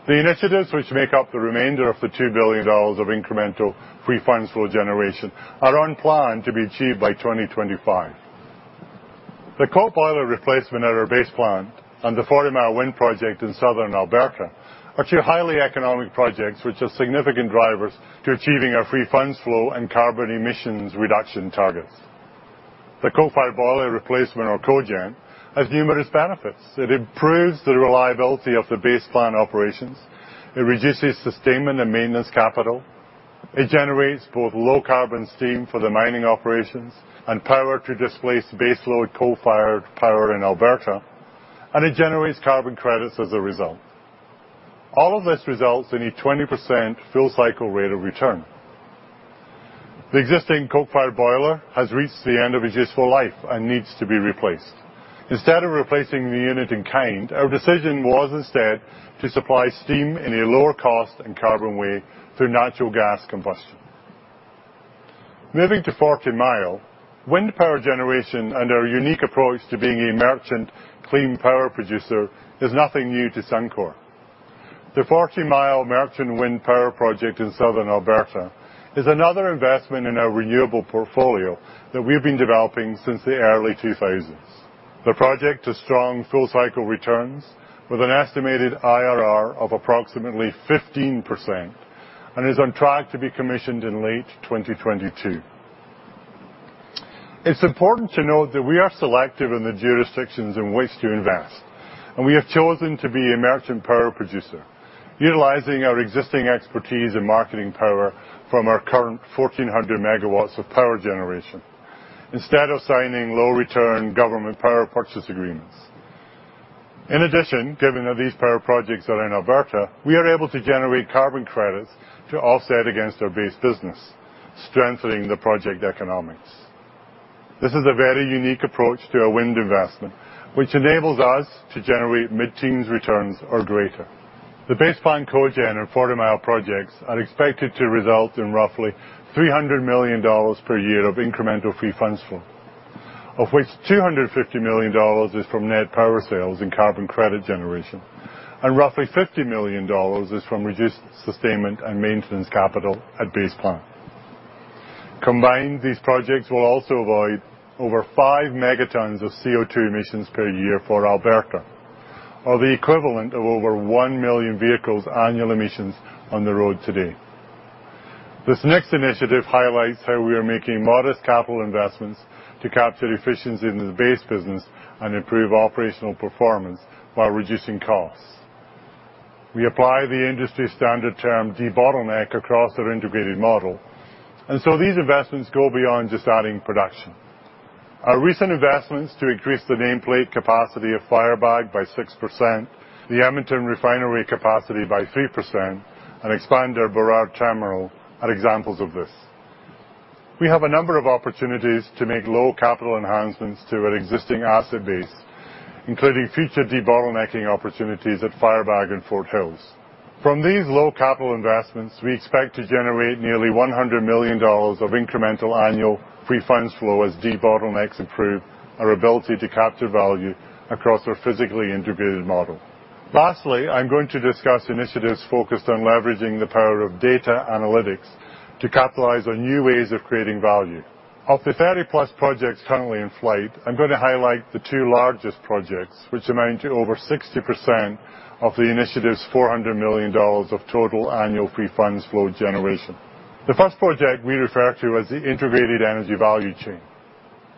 The initiatives which make up the remainder of the 2 billion dollars of incremental Free Funds Flow generation are on plan to be achieved by 2025. The coal boiler replacement at our Base Plant and the Forty Mile wind project in Southern Alberta are two highly economic projects which are significant drivers to achieving our Free Funds Flow and carbon emissions reduction targets. The coal-fired boiler replacement or cogen has numerous benefits. It improves the reliability of the Base Plant operations. It reduces sustainment and maintenance capital. It generates both low carbon steam for the mining operations and power to displace base load coal-fired power in Alberta, and it generates carbon credits as a result. All of this results in a 20% full cycle rate of return. The existing coal-fired boiler has reached the end of its useful life and needs to be replaced. Instead of replacing the unit in kind, our decision was instead to supply steam in a lower cost and carbon way through natural gas combustion. Moving to Forty Mile, wind power generation and our unique approach to being a merchant clean power producer is nothing new to Suncor. The Forty Mile merchant wind power project in Southern Alberta is another investment in our renewable portfolio that we've been developing since the early 2000s. The project has strong full cycle returns with an estimated IRR of approximately 15% and is on track to be commissioned in late 2022. It's important to note that we are selective in the jurisdictions in which to invest, and we have chosen to be a merchant power producer, utilizing our existing expertise in marketing power from our current 1,400 MW of power generation, instead of signing low return government power purchase agreements. In addition, given that these power projects are in Alberta, we are able to generate carbon credits to offset against our base business, strengthening the project economics. This is a very unique approach to our wind investment, which enables us to generate mid-teens returns or greater. The Base Plant cogen and Forty Mile projects are expected to result in roughly 300 million dollars per year of incremental Free Funds Flow, of which 250 million dollars is from net power sales and carbon credit generation, and roughly 50 million dollars is from reduced sustainment and maintenance capital at Base Plant. Combined, these projects will also avoid over five megatons of CO2 emissions per year for Alberta or the equivalent of over 1 million vehicles' annual emissions on the road today. This next initiative highlights how we are making modest capital investments to capture efficiency in the base business and improve operational performance while reducing costs. We apply the industry-standard term debottleneck across our integrated model, and so these investments go beyond just adding production. Our recent investments to increase the nameplate capacity of Firebag by 6%, the Edmonton Refinery capacity by 3%, and expand our Burrard Terminal are examples of this. We have a number of opportunities to make low capital enhancements to our existing asset base, including future debottlenecking opportunities at Firebag and Fort Hills. From these low capital investments, we expect to generate nearly 100 million dollars of incremental Annual Free Funds Flow as debottlenecks improve our ability to capture value across our physically integrated model. Lastly, I'm going to discuss initiatives focused on leveraging the power of data analytics to capitalize on new ways of creating value. Of the 30-plus projects currently in flight, I'm going to highlight the two largest projects, which amount to over 60% of the initiative's 400 million dollars of total Annual Free Funds Flow generation. The first project we refer to as the integrated energy value chain.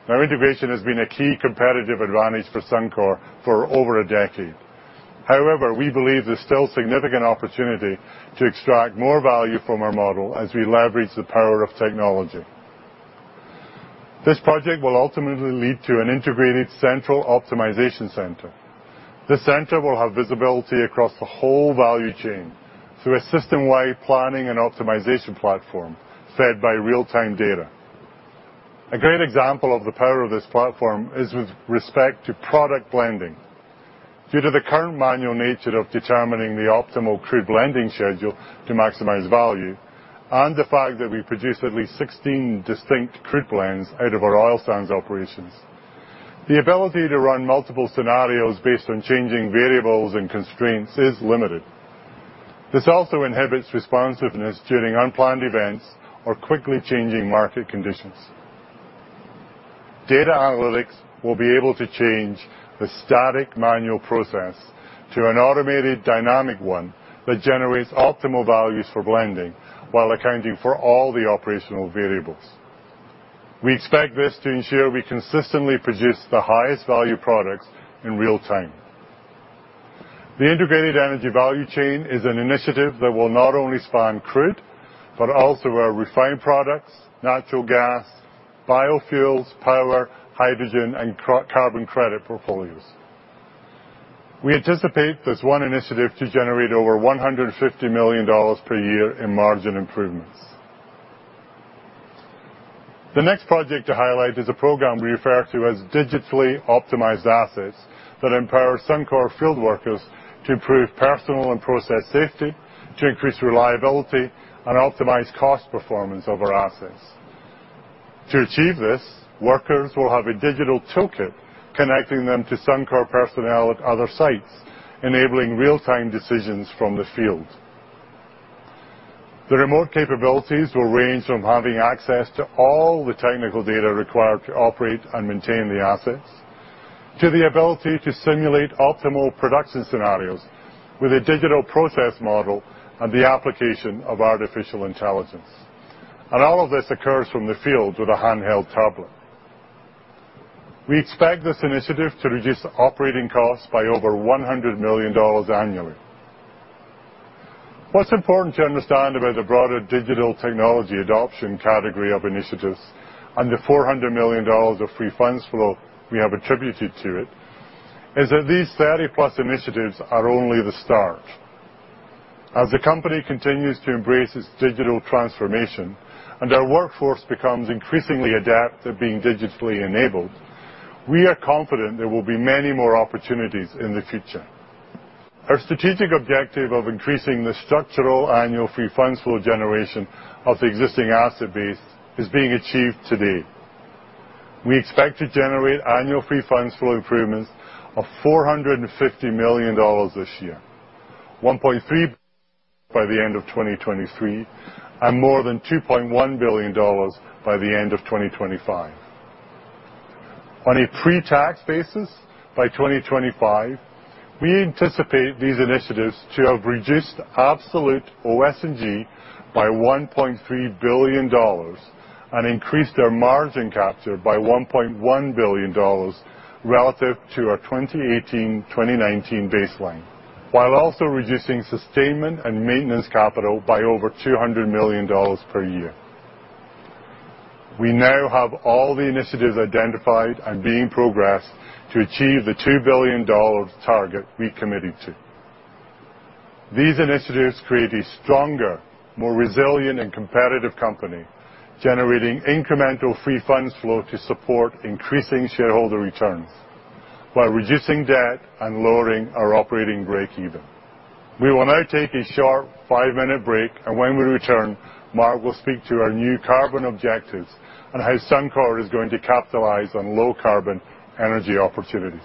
Integration has been a key competitive advantage for Suncor for over a decade. We believe there's still significant opportunity to extract more value from our model as we leverage the power of technology. This project will ultimately lead to an integrated central optimization center. This center will have visibility across the whole value chain through a system-wide planning and optimization platform fed by real-time data. A great example of the power of this platform is with respect to product blending. Due to the current manual nature of determining the optimal crude blending schedule to maximize value, and the fact that we produce at least 16 distinct crude blends out of our oil sands operations, the ability to run multiple scenarios based on changing variables and constraints is limited. This also inhibits responsiveness during unplanned events or quickly changing market conditions. Data analytics will be able to change the static manual process to an automated dynamic one that generates optimal values for blending while accounting for all the operational variables. We expect this to ensure we consistently produce the highest value products in real time. The Integrated Energy Value Chain is an initiative that will not only span crude, but also our refined products, natural gas, biofuels, power, hydrogen, and carbon credit portfolios. We anticipate this one initiative to generate over 150 million dollars per year in margin improvements. The next project to highlight is a program we refer to as Digitally Optimized Assets that empower Suncor field workers to improve personal and process safety, to increase reliability, and optimize cost performance of our assets. To achieve this, workers will have a digital toolkit connecting them to Suncor personnel at other sites, enabling real-time decisions from the field. The remote capabilities will range from having access to all the technical data required to operate and maintain the assets, to the ability to simulate optimal production scenarios with a digital process model and the application of artificial intelligence. All of this occurs from the field with a handheld tablet. We expect this initiative to reduce operating costs by over 100 million dollars annually. What's important to understand about the broader digital technology adoption category of initiatives and the 400 million dollars of Free Funds Flow we have attributed to it, is that these 30-plus initiatives are only the start. As the company continues to embrace its digital transformation and our workforce becomes increasingly adept at being digitally enabled, we are confident there will be many more opportunities in the future. Our strategic objective of increasing the structural Annual Free Funds Flow generation of the existing asset base is being achieved today. We expect to generate Annual Free Funds Flow improvements of 450 million dollars this year, 1.3 billion by the end of 2023, and more than 2.1 billion dollars by the end of 2025. On a pre-tax basis, by 2025, we anticipate these initiatives to have reduced absolute OS&G by 1.3 billion dollars and increased our margin capture by 1.1 billion dollars relative to our 2018/2019 baseline, while also reducing sustainment and maintenance capital by over 200 million dollars per year. We now have all the initiatives identified and being progressed to achieve the 2 billion dollar target we committed to. These initiatives create a stronger, more resilient, and competitive company, generating incremental Free Funds Flow to support increasing shareholder returns while reducing debt and lowering our operating breakeven. We will now take a short five-minute break, and when we return, Mark will speak to our new carbon objectives and how Suncor is going to capitalize on low-carbon energy opportunities.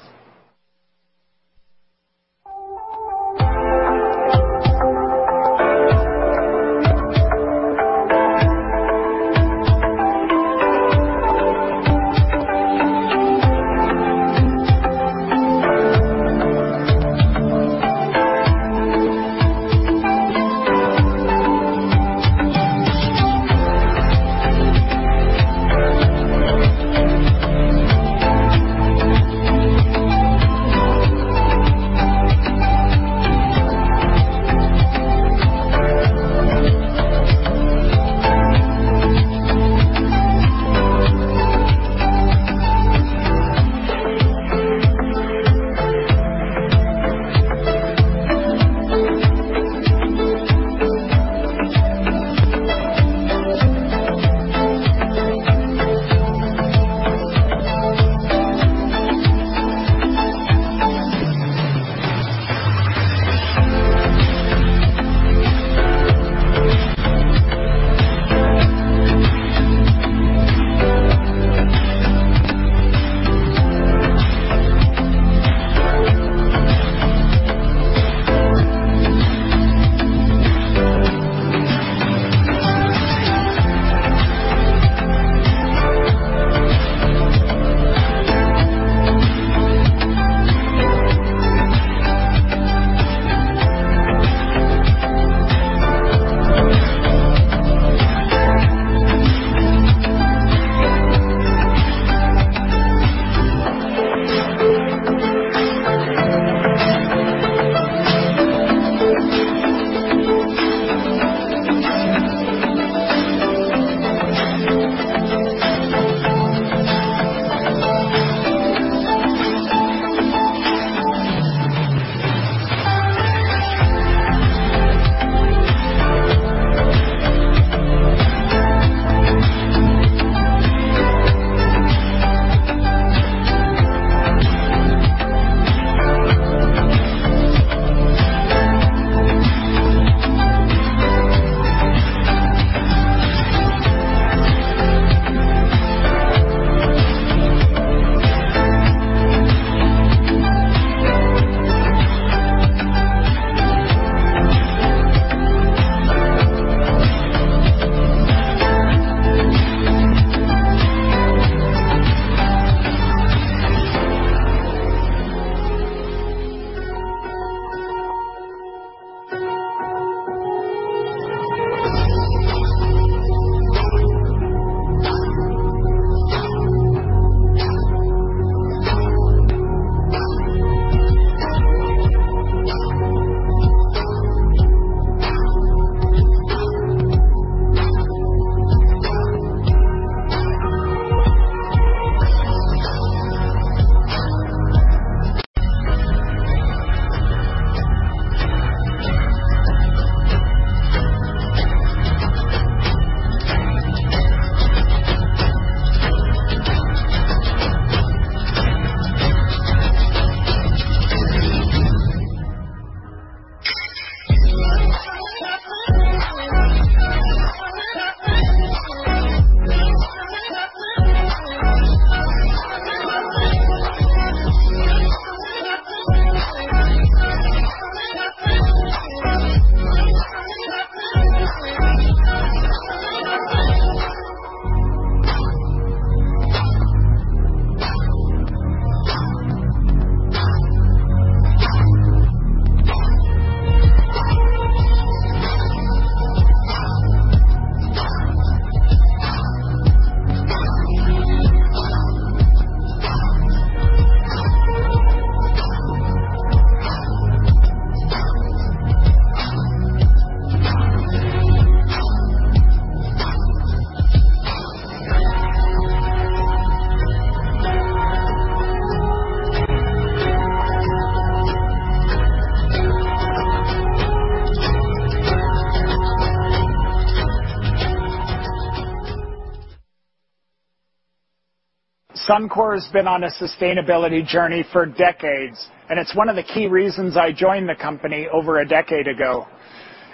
Suncor has been on a sustainability journey for decades, it's one of the key reasons I joined the company over a decade ago.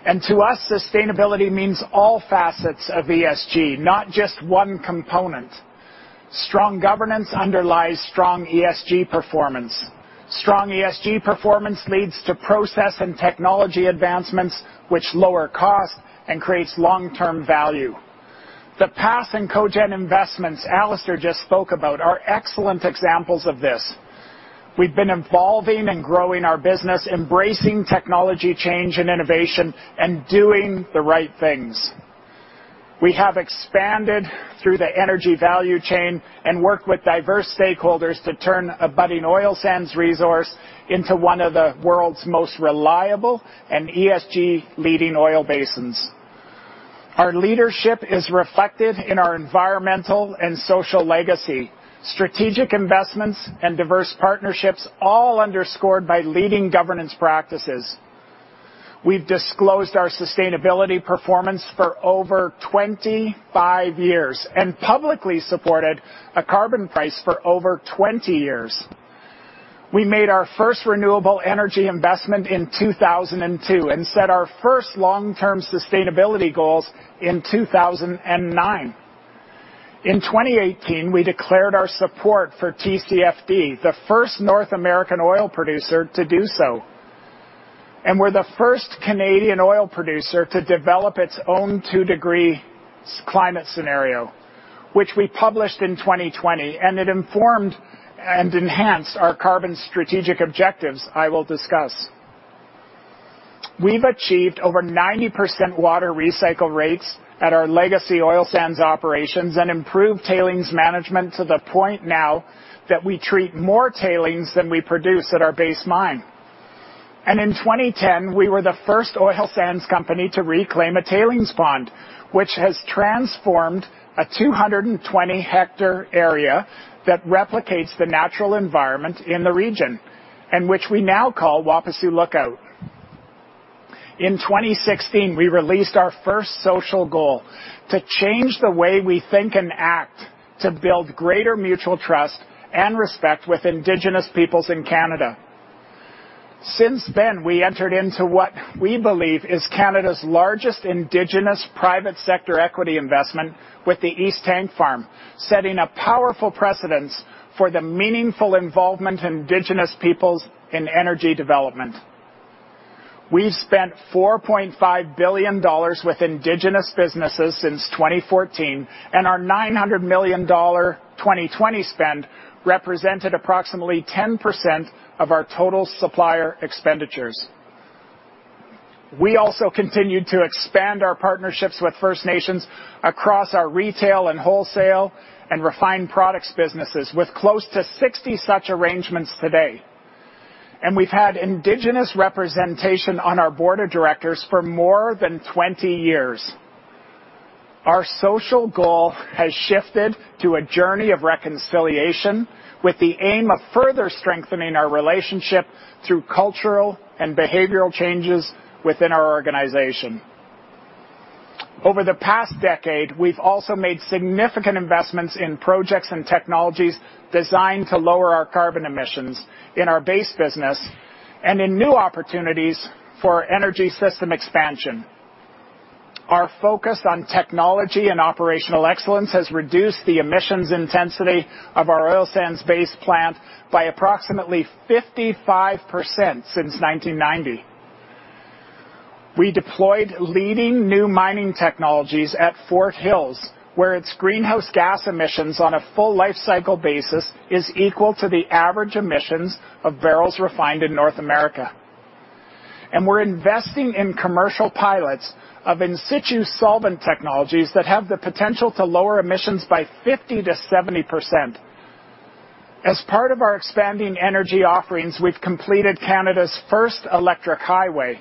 To us, sustainability means all facets of ESG, not just one component. Strong governance underlies strong ESG performance. Strong ESG performance leads to process and technology advancements, which lower cost and creates long-term value. The PASS and Cogen investments Alister just spoke about are excellent examples of this. We've been evolving and growing our business, embracing technology change and innovation, and doing the right things. We have expanded through the energy value chain and worked with diverse stakeholders to turn a budding oil sands resource into one of the world's most reliable and ESG leading oil basins. Our leadership is reflected in our environmental and social legacy, strategic investments, and diverse partnerships, all underscored by leading governance practices. We've disclosed our sustainability performance for over 25 years and publicly supported a carbon price for over 20 years. We made our first renewable energy investment in 2002 and set our first long-term sustainability goals in 2009. In 2018, we declared our support for TCFD, the first North American oil producer to do so. We're the first Canadian oil producer to develop its own two-degree climate scenario, which we published in 2020, and it informed and enhanced our carbon strategic objectives I will discuss. We've achieved over 90% water recycle rates at our legacy oil sands operations and improved tailings management to the point now that we treat more tailings than we produce at our Base mine. In 2010, we were the first oil sands company to reclaim a tailings pond, which has transformed a 220-hectare area that replicates the natural environment in the region, and which we now call Wapisiw Lookout. In 2016, we released our first social goal to change the way we think and act to build greater mutual trust and respect with indigenous peoples in Canada. Since then, we entered into what we believe is Canada's largest indigenous private sector equity investment with the East Tank Farm, setting a powerful precedence for the meaningful involvement of indigenous peoples in energy development. We've spent 4.5 billion dollars with indigenous businesses since 2014, and our 900 million dollar 2020 spend represented approximately 10% of our total supplier expenditures. We also continued to expand our partnerships with First Nations across our retail and wholesale and refined products businesses, with close to 60 such arrangements today. We've had indigenous representation on our board of directors for more than 20 years. Our social goal has shifted to a journey of reconciliation with the aim of further strengthening our relationship through cultural and behavioral changes within our organization. Over the past decade, we've also made significant investments in projects and technologies designed to lower our carbon emissions in our base business and in new opportunities for energy system expansion. Our focus on technology and operational excellence has reduced the emissions intensity of our oil sands-based plants by approximately 55% since 1990. We deployed leading new mining technologies at Fort Hills, where its greenhouse gas emissions on a full lifecycle basis is equal to the average emissions of barrels refined in North America. We're investing in commercial pilots of in-situ solvent technologies that have the potential to lower emissions by 50% to 70%. As part of our expanding energy offerings, we've completed Canada's Electric Highway.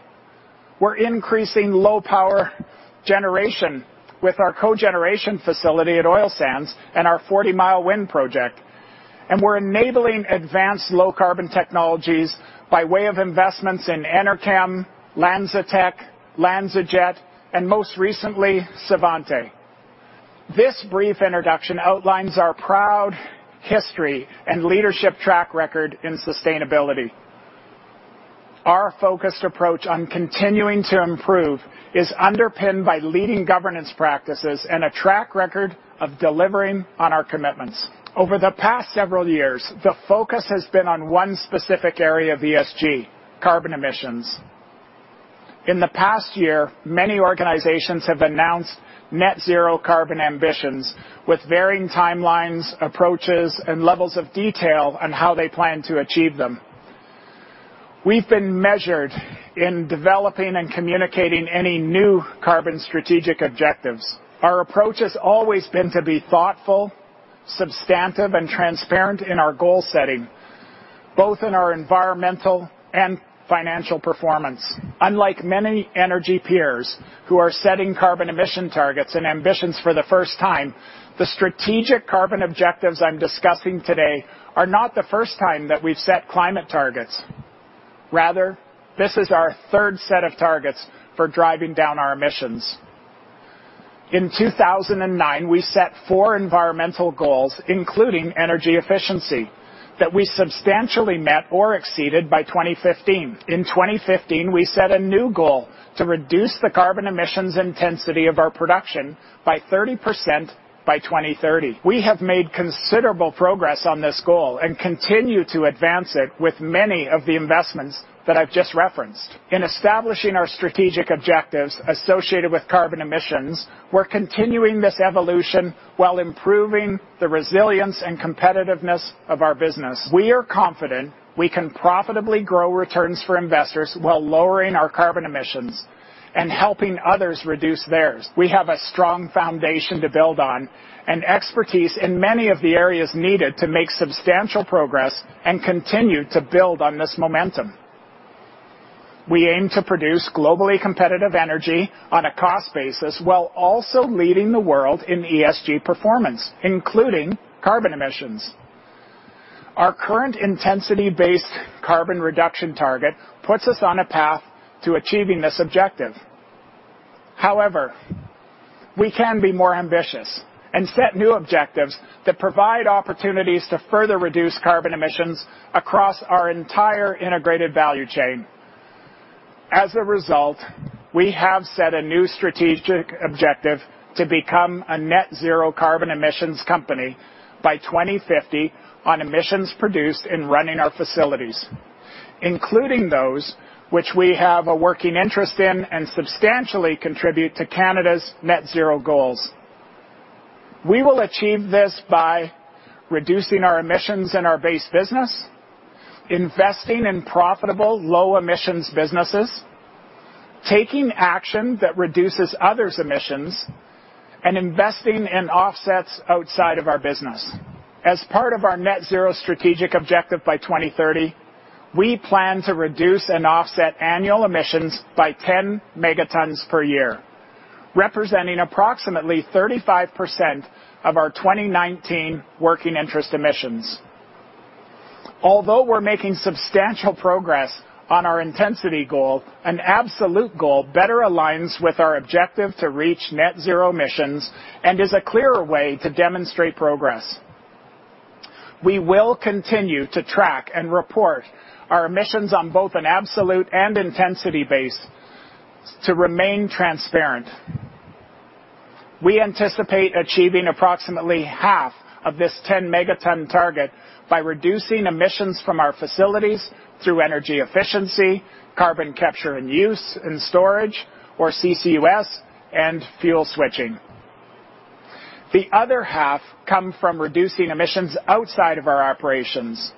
We're increasing low-power generation with our Cogeneration facility at oil sands and our Forty Mile Wind project. We're enabling advanced low-carbon technologies by way of investments in Enerkem, LanzaTech, LanzaJet, and most recently, Svante. This brief introduction outlines our proud history and leadership track record in sustainability. Our focused approach on continuing to improve is underpinned by leading governance practices and a track record of delivering on our commitments. Over the past several years, the focus has been on one specific area of ESG, carbon emissions. In the past year, many organizations have announced net-zero carbon ambitions with varying timelines, approaches, and levels of detail on how they plan to achieve them. We've been measured in developing and communicating any new carbon strategic objectives. Our approach has always been to be thoughtful, substantive, and transparent in our goal setting, both in our environmental and financial performance. Unlike many energy peers who are setting carbon emission targets and ambitions for the first time, the strategic carbon objectives I'm discussing today are not the first time that we've set climate targets. Rather, this is our third set of targets for driving down our emissions. In 2009, we set four environmental goals, including energy efficiency, that we substantially met or exceeded by 2015. In 2015, we set a new goal to reduce the carbon emissions intensity of our production by 30% by 2030. We have made considerable progress on this goal and continue to advance it with many of the investments that I've just referenced. In establishing our strategic objectives associated with carbon emissions, we're continuing this evolution while improving the resilience and competitiveness of our business. We are confident we can profitably grow returns for investors while lowering our carbon emissions and helping others reduce theirs. We have a strong foundation to build on and expertise in many of the areas needed to make substantial progress and continue to build on this momentum. We aim to produce globally competitive energy on a cost basis while also leading the world in ESG performance, including carbon emissions. Our current intensity-based carbon reduction target puts us on a path to achieving this objective. However, we can be more ambitious and set new objectives that provide opportunities to further reduce carbon emissions across our entire integrated value chain. As a result, we have set a new strategic objective to become a net-zero carbon emissions company by 2050 on emissions produced in running our facilities, including those which we have a working interest in and substantially contribute to Canada's net-zero goals. We will achieve this by reducing our emissions in our base business, investing in profitable low-emissions businesses, taking action that reduces others' emissions, and investing in offsets outside of our business. As part of our net-zero strategic objective by 2030, we plan to reduce and offset annual emissions by 10 megatons per year, representing approximately 35% of our 2019 working interest emissions. Although we're making substantial progress on our intensity goal, an absolute goal better aligns with our objective to reach net-zero emissions and is a clearer way to demonstrate progress. We will continue to track and report our emissions on both an absolute and intensity base to remain transparent. We anticipate achieving approximately half of this 10-megaton target by reducing emissions from our facilities through energy efficiency, Carbon Capture and Use and Storage or CCUS, and fuel switching. The other half come from reducing emissions outside of our operations,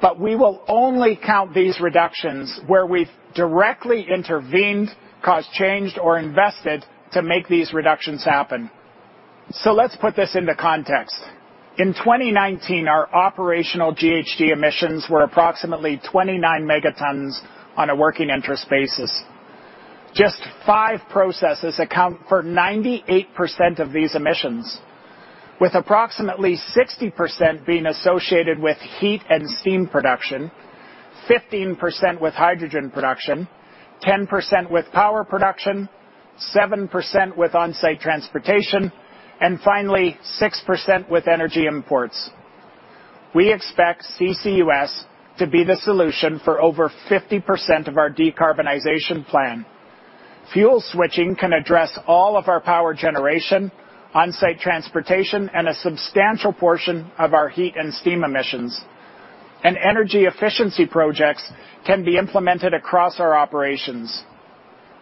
but we will only count these reductions where we've directly intervened, caused change, or invested to make these reductions happen. Let's put this into context. In 2019, our operational GHG emissions were approximately 29 megatons on a working interest basis. Just five processes account for 98% of these emissions, with approximately 60% being associated with Heat and Steam Production, 15% with Hydrogen Production, 10% with Power Production, 7% with On-Site Transportation, and finally, 6% with Energy Imports. We expect CCUS to be the solution for over 50% of our decarbonization plan. Fuel switching can address all of our power generation, on-site transportation, and a substantial portion of our heat and steam emissions. Energy efficiency projects can be implemented across our operations.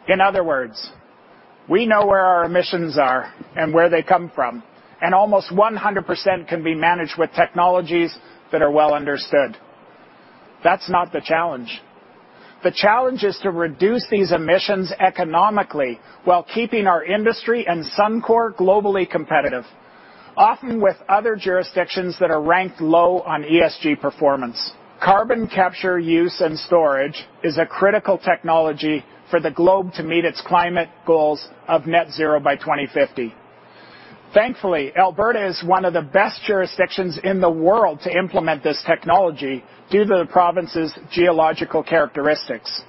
In other words, we know where our emissions are and where they come from, and almost 100% can be managed with technologies that are well understood. That's not the challenge. The challenge is to reduce these emissions economically while keeping our industry and Suncor globally competitive, often with other jurisdictions that are ranked low on ESG performance. Carbon Capture, Use, and Storage is a critical technology for the globe to meet its climate goals of net zero by 2050. Thankfully, Alberta is one of the best jurisdictions in the world to implement this technology due to the province's geological characteristics.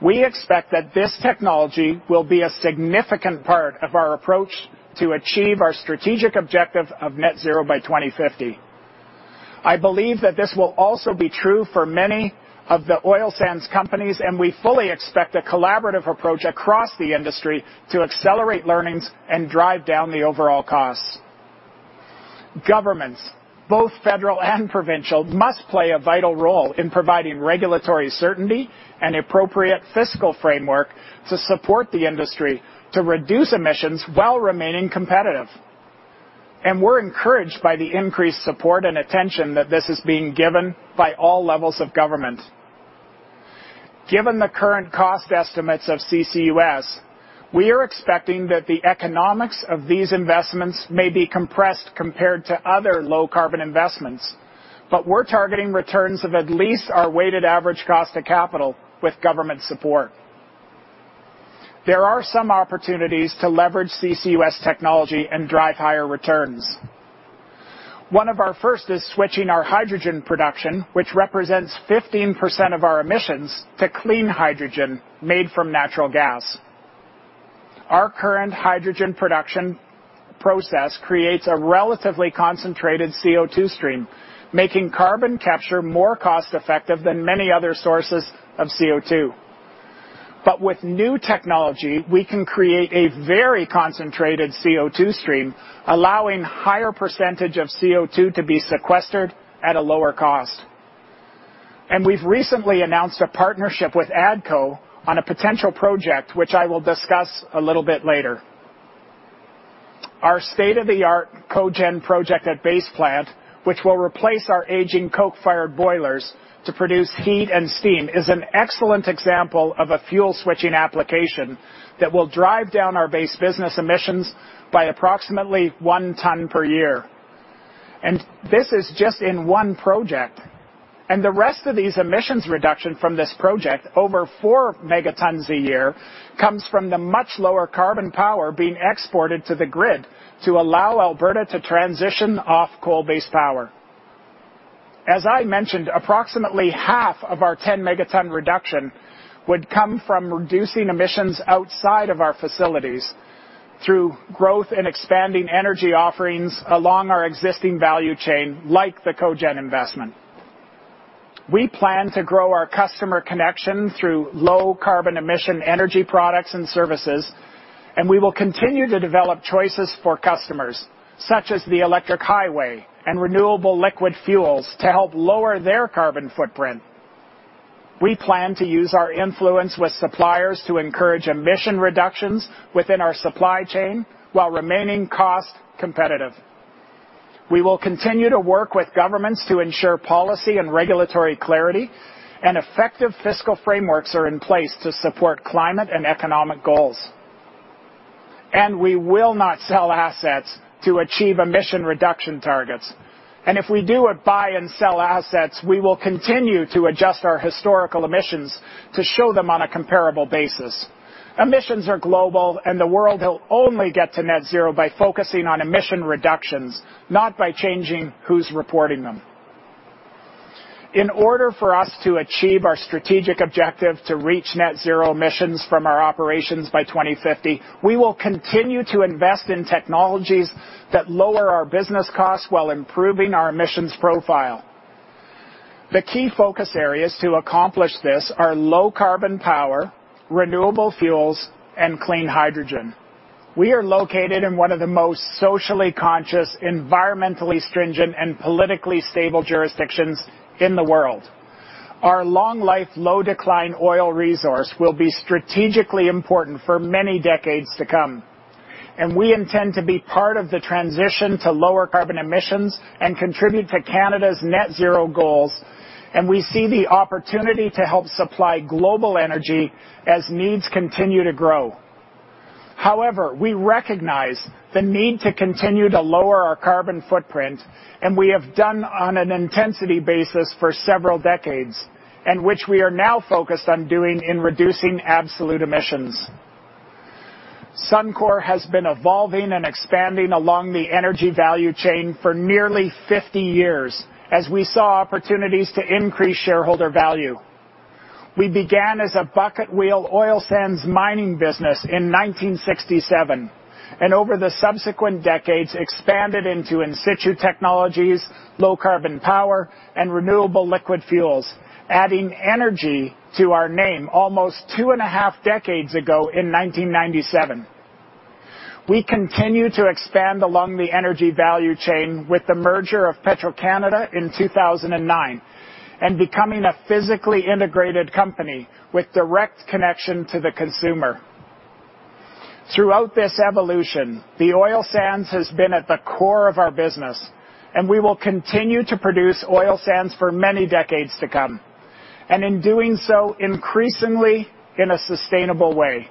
We expect that this technology will be a significant part of our approach to achieve our strategic objective of net zero by 2050. I believe that this will also be true for many of the oil sands companies, and we fully expect a collaborative approach across the industry to accelerate learnings and drive down the overall costs. Governments, both federal and provincial, must play a vital role in providing regulatory certainty and appropriate fiscal framework to support the industry to reduce emissions while remaining competitive, and we're encouraged by the increased support and attention that this is being given by all levels of government. Given the current cost estimates of CCUS, we are expecting that the economics of these investments may be compressed compared to other low-carbon investments. We're targeting returns of at least our Weighted Average Cost of Capital with government support. There are some opportunities to leverage CCUS technology and drive higher returns. One of our first is switching our Hydrogen Production, which represents 15% of our emissions, to clean hydrogen made from natural gas. Our current Hydrogen Production process creates a relatively concentrated CO2 stream, making Carbon Capture more cost-effective than many other sources of CO2. With new technology, we can create a very concentrated CO2 stream, allowing higher percentage of CO2 to be sequestered at a lower cost. We've recently announced a partnership with ATCO on a potential project, which I will discuss a little bit later. Our state-of-the-art Cogen project at Base Plant, which will replace our aging coke-fired boilers to produce heat and steam, is an excellent example of a fuel switching application that will drive down our base business emissions by approximately one ton per year. This is just in one project. The rest of these emissions reduction from this project, over four megatons a year, comes from the much lower carbon power being exported to the grid to allow Alberta to transition off coal-based power. As I mentioned, approximately half of our 10-megaton reduction would come from reducing emissions outside of our facilities through growth and expanding energy offerings along our existing value chain, like the Cogen investment. We plan to grow our customer connection through low carbon emission energy products and services, and we will continue to develop choices for customers, such as the Electric Highway and renewable liquid fuels, to help lower their carbon footprint. We plan to use our influence with suppliers to encourage emission reductions within our supply chain while remaining cost competitive. We will continue to work with governments to ensure policy and regulatory clarity and effective fiscal frameworks are in place to support climate and economic goals. We will not sell assets to achieve emission reduction targets. If we do buy and sell assets, we will continue to adjust our historical emissions to show them on a comparable basis. Emissions are global, and the world will only get to net zero by focusing on emission reductions, not by changing who's reporting them. In order for us to achieve our strategic objective to reach net zero emissions from our operations by 2050, we will continue to invest in technologies that lower our business costs while improving our emissions profile. The key focus areas to accomplish this are low carbon power, renewable fuels, and clean hydrogen. We are located in one of the most socially conscious, environmentally stringent, and politically stable jurisdictions in the world. Our long-life, low-decline oil resource will be strategically important for many decades to come, and we intend to be part of the transition to lower carbon emissions and contribute to Canada's net zero goals, and we see the opportunity to help supply global energy as needs continue to grow. However, we recognize the need to continue to lower our carbon footprint, and we have done on an intensity basis for several decades, and which we are now focused on doing in reducing absolute emissions. Suncor has been evolving and expanding along the energy value chain for nearly 50 years as we saw opportunities to increase shareholder value. We began as a bucket wheel oil sands mining business in 1967 and over the subsequent decades expanded into in situ technologies, low-carbon power, and renewable liquid fuels, adding energy to our name almost two and a half decades ago in 1997. We continue to expand along the energy value chain with the merger of Petro-Canada in 2009 and becoming a physically integrated company with direct connection to the consumer. Throughout this evolution, the oil sands has been at the core of our business, and we will continue to produce oil sands for many decades to come, and in doing so, increasingly in a sustainable way.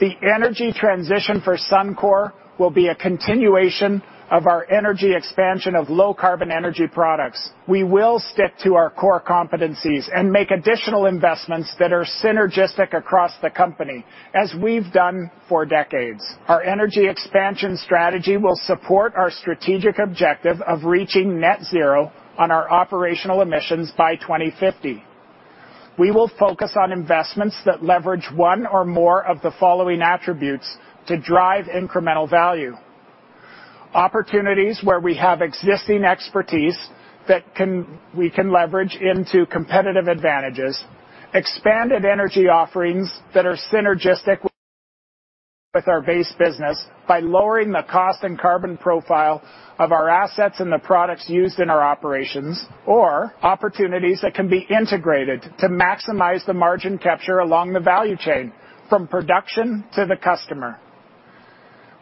The energy transition for Suncor will be a continuation of our energy expansion of low-carbon energy products. We will stick to our core competencies and make additional investments that are synergistic across the company, as we've done for decades. Our energy expansion strategy will support our strategic objective of reaching net zero on our operational emissions by 2050. We will focus on investments that leverage one or more of the following attributes to drive incremental value. Opportunities where we have existing expertise that we can leverage into competitive advantages, expanded energy offerings that are synergistic with our base business by lowering the cost and carbon profile of our assets and the products used in our operations, or opportunities that can be integrated to maximize the margin capture along the value chain from production to the customer.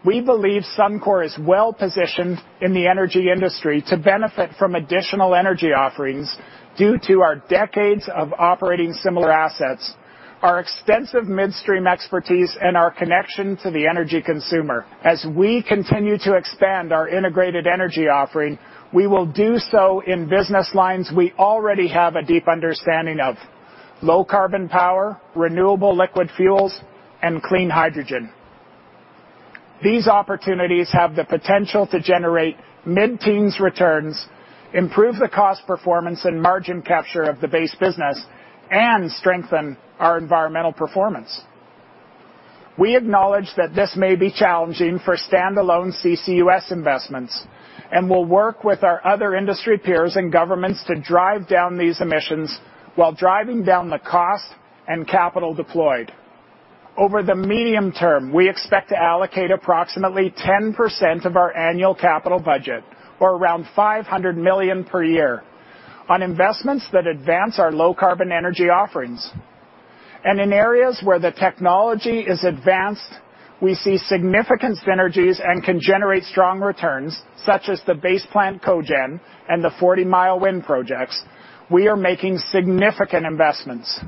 We believe Suncor is well-positioned in the energy industry to benefit from additional energy offerings due to our decades of operating similar assets, our extensive midstream expertise, and our connection to the energy consumer. As we continue to expand our integrated energy offering, we will do so in business lines we already have a deep understanding of, low-carbon power, renewable liquid fuels, and clean hydrogen. These opportunities have the potential to generate mid-teens returns, improve the cost performance and margin capture of the base business, and strengthen our environmental performance. We acknowledge that this may be challenging for standalone CCUS investments and will work with our other industry peers and governments to drive down these emissions while driving down the cost and capital deployed. Over the medium term, we expect to allocate approximately 10% of our annual capital budget, or around 500 million per year, on investments that advance our low-carbon energy offerings. In areas where the technology is advanced, we see significant synergies and can generate strong returns, such as the Base Plant Cogen and the Forty Mile Wind projects, we are making significant investments.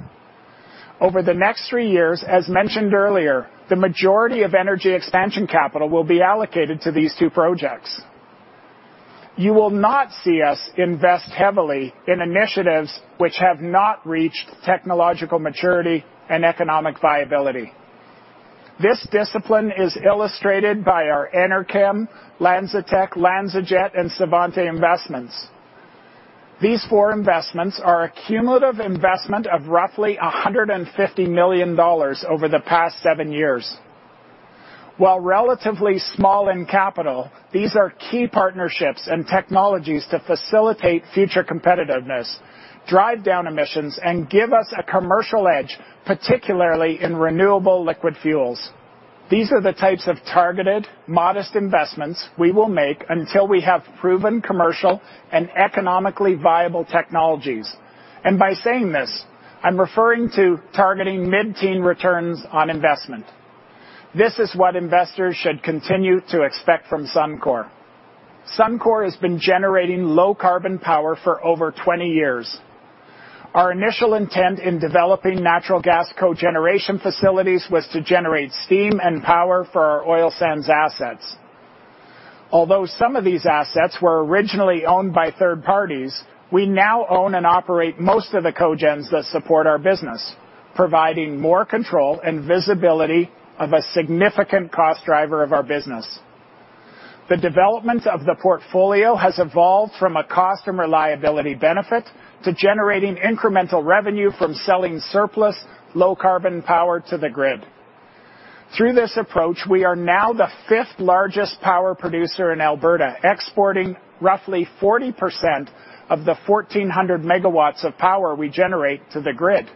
Over the next three years, as mentioned earlier, the majority of energy expansion capital will be allocated to these two projects. You will not see us invest heavily in initiatives which have not reached technological maturity and economic viability. This discipline is illustrated by our Enerkem, LanzaTech, LanzaJet, and Svante investments. These four investments are a cumulative investment of roughly 150 million dollars over the past seven years. While relatively small in capital, these are key partnerships and technologies to facilitate future competitiveness, drive down emissions, and give us a commercial edge, particularly in renewable liquid fuels. These are the types of targeted, modest investments we will make until we have proven commercial and economically viable technologies. By saying this, I'm referring to targeting mid-teen returns on investment. This is what investors should continue to expect from Suncor. Suncor has been generating low-carbon power for over 20 years. Our initial intent in developing natural gas cogeneration facilities was to generate steam and power for our oil sands assets. Although some of these assets were originally owned by third parties, we now own and operate most of the Cogen that support our business, providing more control and visibility of a significant cost driver of our business. The development of the portfolio has evolved from a cost and reliability benefit to generating incremental revenue from selling surplus low-carbon power to the grid. Through this approach, we are now the fifth-largest power producer in Alberta, exporting roughly 40% of the 1,400 megawatts of power we generate to the grid.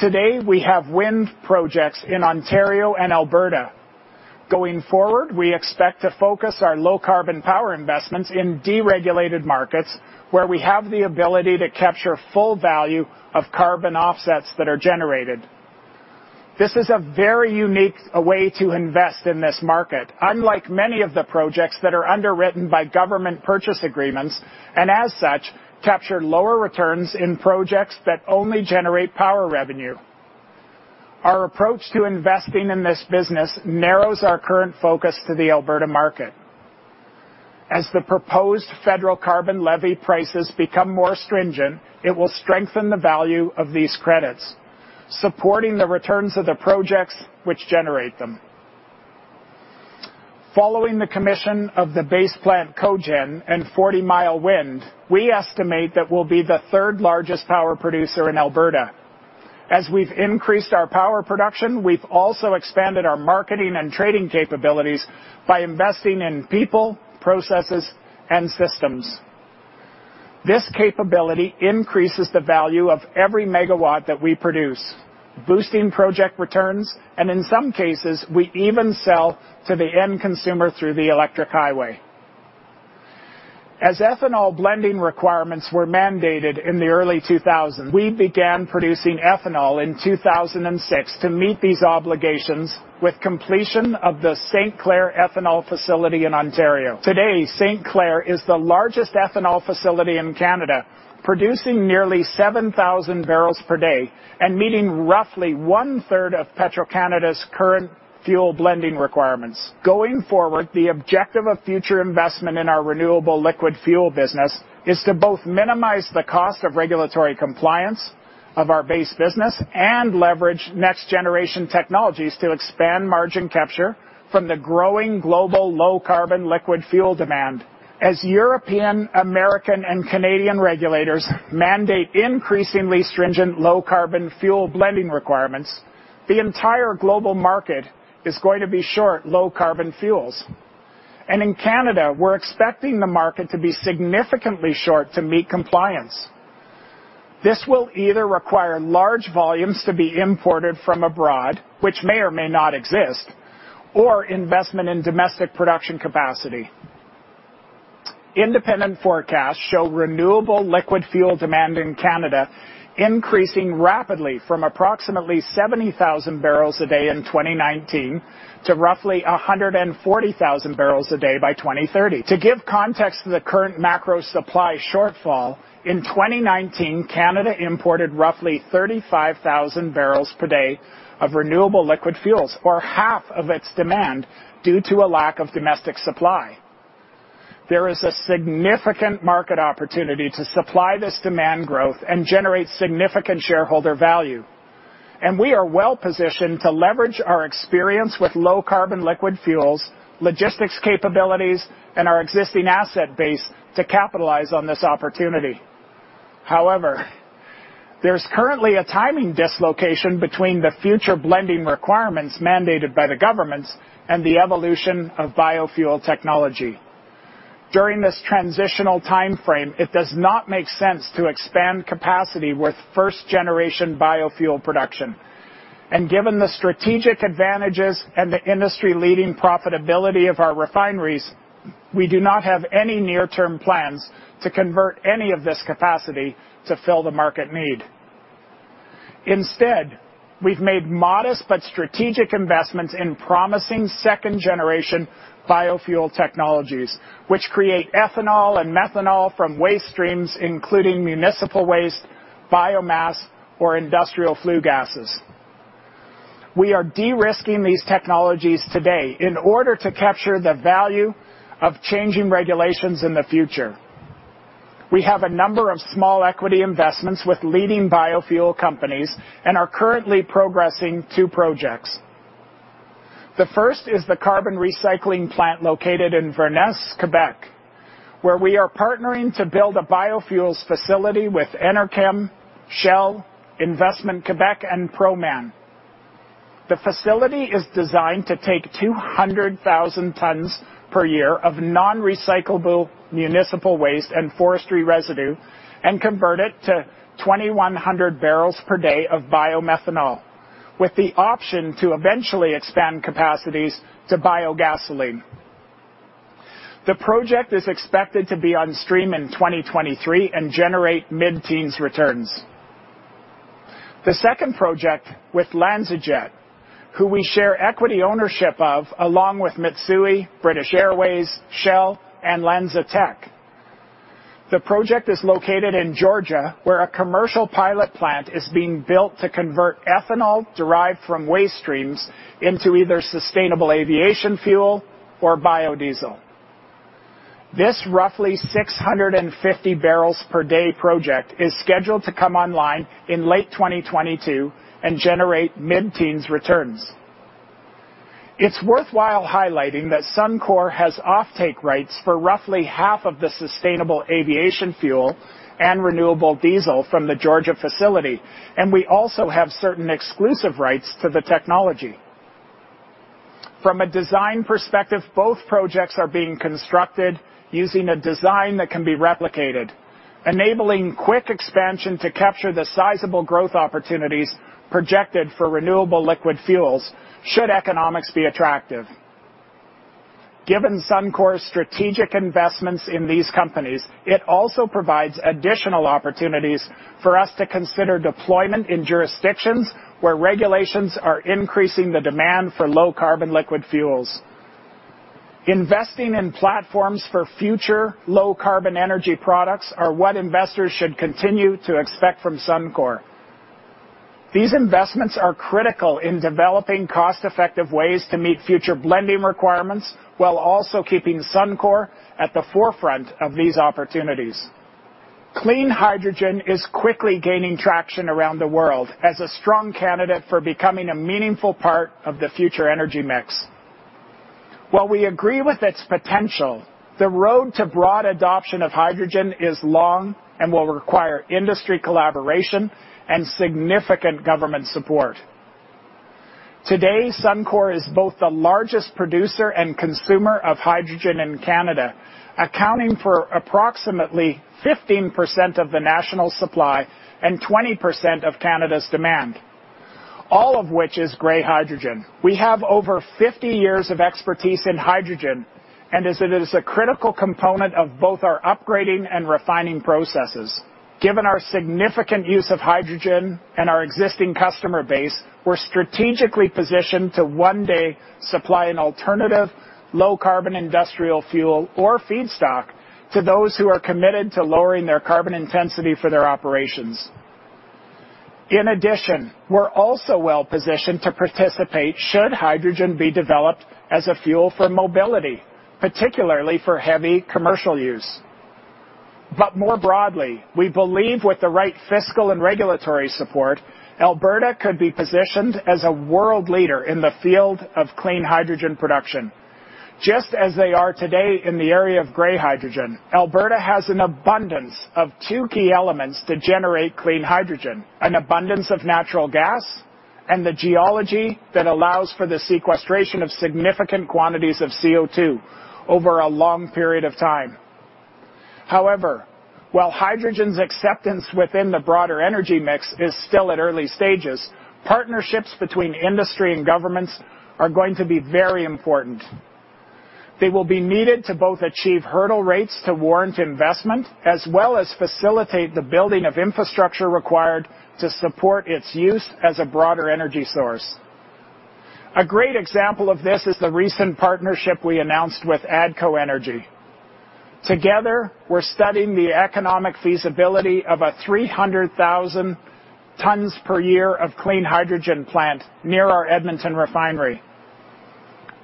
Today, we have wind projects in Ontario and Alberta. Going forward, we expect to focus our low-carbon power investments in deregulated markets where we have the ability to capture full value of carbon offsets that are generated. This is a very unique way to invest in this market, unlike many of the projects that are underwritten by government purchase agreements, and as such, capture lower returns in projects that only generate power revenue. Our approach to investing in this business narrows our current focus to the Alberta market. As the proposed federal carbon levy prices become more stringent, it will strengthen the value of these credits, supporting the returns of the projects which generate them. Following the commission of the Base Plant Cogen and Forty Mile Wind, we estimate that we'll be the third-largest power producer in Alberta. As we've increased our power production, we've also expanded our marketing and trading capabilities by investing in people, processes, and systems. This capability increases the value of every megawatt that we produce, boosting project returns, and in some cases, we even sell to the end consumer through the Electric Highway. As ethanol blending requirements were mandated in the early 2000s, we began producing ethanol in 2006 to meet these obligations with completion of the St. Clair Ethanol facility in Ontario. Today, St. Clair is the largest ethanol facility in Canada, producing nearly 7,000 barrels per day and meeting roughly one-third of Petro-Canada's current fuel blending requirements. Going forward, the objective of future investment in our renewable liquid fuel business is to both minimize the cost of regulatory compliance of our base business and leverage next-generation technologies to expand margin capture from the growing global low-carbon liquid fuel demand. As European, American, and Canadian regulators mandate increasingly stringent low-carbon fuel blending requirements, the entire global market is going to be short low-carbon fuels. In Canada, we're expecting the market to be significantly short to meet compliance. This will either require large volumes to be imported from abroad which may or may not exist, or investment in domestic production capacity. Independent forecasts show renewable liquid fuel demand in Canada increasing rapidly from approximately 70,000 barrels a day in 2019 to roughly 140,000 barrels a day by 2030. To give context to the current macro supply shortfall, in 2019, Canada imported roughly 35,000 barrels per day of renewable liquid fuels or half of its demand due to a lack of domestic supply. There is a significant market opportunity to supply this demand growth and generate significant shareholder value, and we are well-positioned to leverage our experience with low-carbon liquid fuels, logistics capabilities, and our existing asset base to capitalize on this opportunity. However, there's currently a timing dislocation between the future blending requirements mandated by the governments and the evolution of biofuel technology. During this transitional timeframe, it does not make sense to expand capacity with first-generation biofuel production. Given the strategic advantages and the industry-leading profitability of our refineries, we do not have any near-term plans to convert any of this capacity to fill the market need. Instead, we've made modest but strategic investments in promising second-generation biofuel technologies, which create ethanol and methanol from waste streams, including municipal waste, biomass, or industrial flue gases. We are de-risking these technologies today in order to capture the value of changing regulations in the future. We have a number of small equity investments with leading biofuel companies and are currently progressing two projects. The first is the carbon recycling plant located in Varennes, Quebec, where we are partnering to build a biofuels facility with Enerkem, Shell, Investissement Québec, and Proman. The facility is designed to take 200,000 tons per year of non-recyclable municipal waste and forestry residue and convert it to 2,100 barrels per day of biomethanol, with the option to eventually expand capacities to biogasoline. The project is expected to be on stream in 2023 and generate mid-teens returns. The second project with LanzaJet, who we share equity ownership of along with Mitsui, British Airways, Shell, and LanzaTech. The project is located in Georgia, where a commercial pilot plant is being built to convert ethanol derived from waste streams into either Sustainable Aviation Fuel or biodiesel. This roughly 650 barrels per day project is scheduled to come online in late 2022 and generate mid-teens returns. It is worthwhile highlighting that Suncor has offtake rights for roughly half of the Sustainable Aviation Fuel and renewable diesel from the Georgia facility, and we also have certain exclusive rights to the technology. From a design perspective, both projects are being constructed using a design that can be replicated, enabling quick expansion to capture the sizable growth opportunities projected for renewable liquid fuels should economics be attractive. Given Suncor's strategic investments in these companies, it also provides additional opportunities for us to consider deployment in jurisdictions where regulations are increasing the demand for low-carbon liquid fuels. Investing in platforms for future low-carbon energy products are what investors should continue to expect from Suncor. These investments are critical in developing cost-effective ways to meet future blending requirements while also keeping Suncor at the forefront of these opportunities. Clean hydrogen is quickly gaining traction around the world as a strong candidate for becoming a meaningful part of the future energy mix. While we agree with its potential, the road to broad adoption of hydrogen is long and will require industry collaboration and significant government support. Today, Suncor is both the largest producer and consumer of hydrogen in Canada, accounting for approximately 15% of the national supply and 20% of Canada's demand, all of which is gray hydrogen. We have over 50 years of expertise in hydrogen, and as it is a critical component of both our upgrading and refining processes. Given our significant use of hydrogen and our existing customer base, we're strategically positioned to one day supply an alternative, low-carbon industrial fuel or feedstock to those who are committed to lowering their carbon intensity for their operations. In addition, we're also well-positioned to participate should hydrogen be developed as a fuel for mobility, particularly for heavy commercial use. More broadly, we believe with the right fiscal and regulatory support, Alberta could be positioned as a world leader in the field of clean hydrogen production. Just as they are today in the area of gray hydrogen, Alberta has an abundance of two key elements to generate clean hydrogen, an abundance of natural gas, and the geology that allows for the sequestration of significant quantities of CO2 over a long period of time. However, while hydrogen's acceptance within the broader energy mix is still at early stages, partnerships between industry and governments are going to be very important. They will be needed to both achieve hurdle rates to warrant investment as well as facilitate the building of infrastructure required to support its use as a broader energy source. A great example of this is the recent partnership we announced with ATCO Energy. Together, we're studying the economic feasibility of a 300,000 tons per year of clean hydrogen plant near our Edmonton refinery.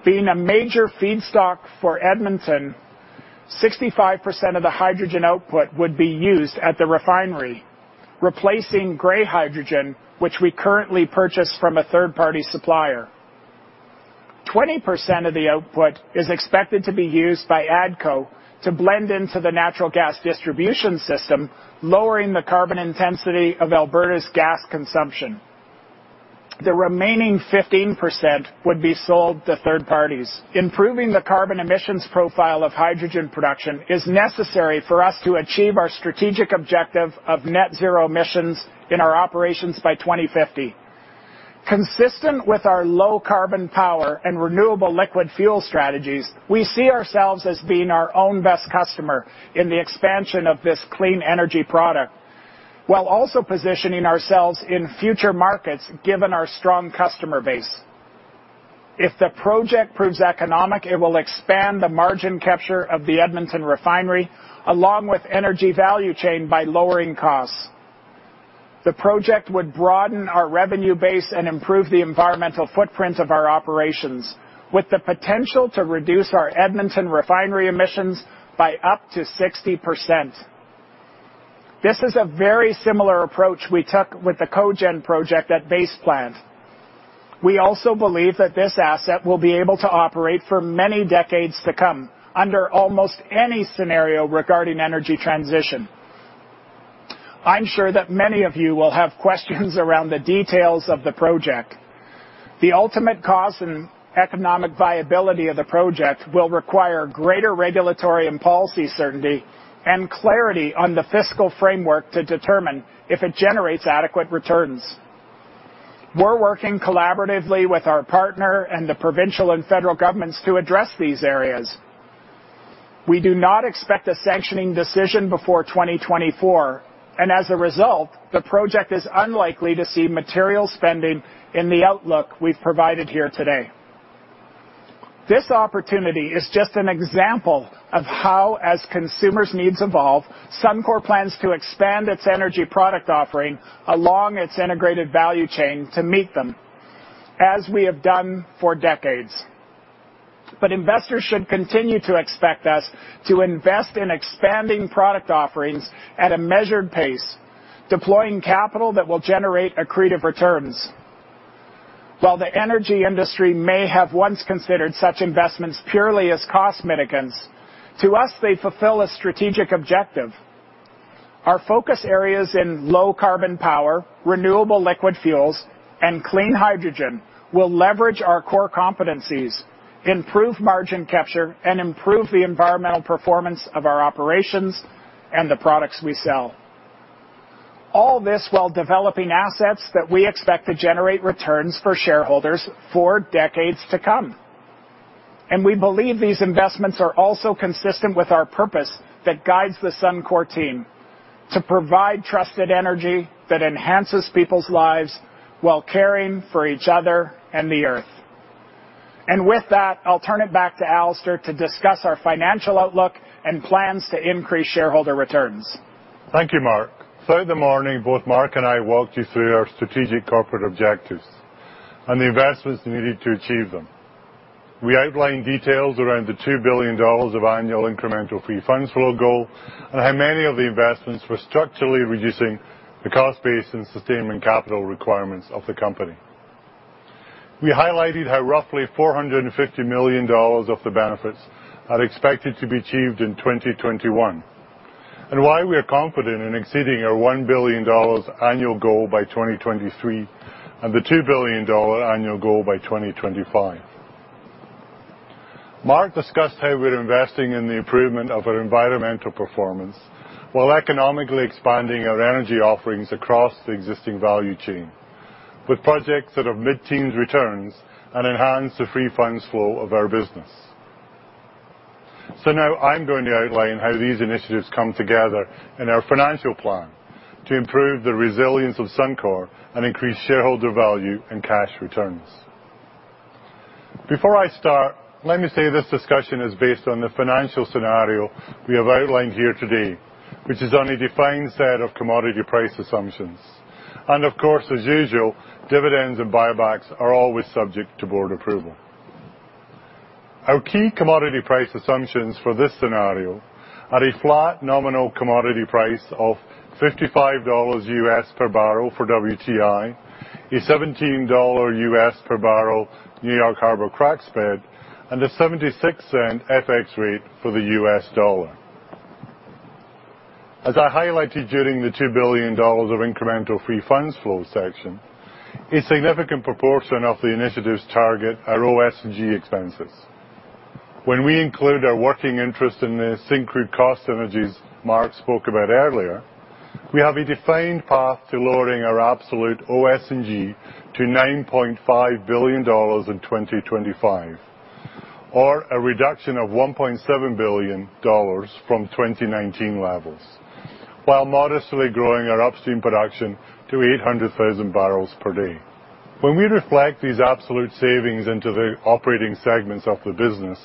Being a major feedstock for Edmonton, 65% of the hydrogen output would be used at the refinery, replacing gray hydrogen, which we currently purchase from a third-party supplier. 20% of the output is expected to be used by ATCO to blend into the natural gas distribution system, lowering the carbon intensity of Alberta's gas consumption. The remaining 15% would be sold to third parties. Improving the carbon emissions profile of hydrogen production is necessary for us to achieve our strategic objective of net-zero emissions in our operations by 2050. Consistent with our low-carbon power and renewable liquid fuel strategies, we see ourselves as being our own best customer in the expansion of this clean energy product, while also positioning ourselves in future markets given our strong customer base. If the project proves economic, it will expand the margin capture of the Edmonton refinery, along with energy value chain by lowering costs. The project would broaden our revenue base and improve the environmental footprint of our operations, with the potential to reduce our Edmonton refinery emissions by up to 60%. This is a very similar approach we took with the Cogen project at Base Plant. We also believe that this asset will be able to operate for many decades to come under almost any scenario regarding energy transition. I'm sure that many of you will have questions around the details of the project. The ultimate cost and economic viability of the project will require greater regulatory and policy certainty and clarity on the fiscal framework to determine if it generates adequate returns. We're working collaboratively with our partner and the provincial and federal governments to address these areas. We do not expect a sanctioning decision before 2024, and as a result, the project is unlikely to see material spending in the outlook we've provided here today. This opportunity is just an example of how, as consumers' needs evolve, Suncor plans to expand its energy product offering along its integrated value chain to meet them, as we have done for decades. Investors should continue to expect us to invest in expanding product offerings at a measured pace, deploying capital that will generate accretive returns. While the energy industry may have once considered such investments purely as cost mitigants, to us, they fulfill a strategic objective. Our focus areas in low-carbon power, renewable liquid fuels, and clean hydrogen will leverage our core competencies, improve margin capture, and improve the environmental performance of our operations and the products we sell. All this while developing assets that we expect to generate returns for shareholders for decades to come. We believe these investments are also consistent with our purpose that guides the Suncor team, to provide trusted energy that enhances people's lives while caring for each other and the Earth. With that, I'll turn it back to Alister to discuss our financial outlook and plans to increase shareholder returns. Thank you, Mark. Throughout the morning, both Mark and I walked you through our strategic corporate objectives and the investments needed to achieve them. We outlined details around the 2 billion dollars of annual incremental Free Funds Flow goal and how many of the investments were structurally reducing the cost base and sustainment capital requirements of the company. We highlighted how roughly 450 million dollars of the benefits are expected to be achieved in 2021, and why we're confident in exceeding our 1 billion dollars annual goal by 2023, and the 2 billion dollar annual goal by 2025. Mark discussed how we're investing in the improvement of our environmental performance while economically expanding our energy offerings across the existing value chain, with projects that have mid-teens returns and enhance the Free Funds Flow of our business. Now I'm going to outline how these initiatives come together in our financial plan to improve the resilience of Suncor and increase shareholder value and cash returns. Before I start, let me say this discussion is based on the financial scenario we have outlined here today, which is on a defined set of commodity price assumptions. Of course, as usual, dividends and buybacks are always subject to board approval. Our key commodity price assumptions for this scenario are a flat nominal commodity price of $55 U.S. per barrel for WTI, a $17 U.S. per barrel New York Harbor Crack spread, and a $0.76 FX rate for the US dollar. As I highlighted during the $2 billion of incremental Free Funds Flow section, a significant proportion of the initiatives target our OS&G expenses. When we include our working interest in the Syncrude cost synergies Mark spoke about earlier, we have a defined path to lowering our absolute OS&G to 9.5 billion dollars in 2025, or a reduction of 1.7 billion dollars from 2019 levels, while modestly growing our Upstream production to 800,000 barrels per day. When we reflect these absolute savings into the operating segments of the business,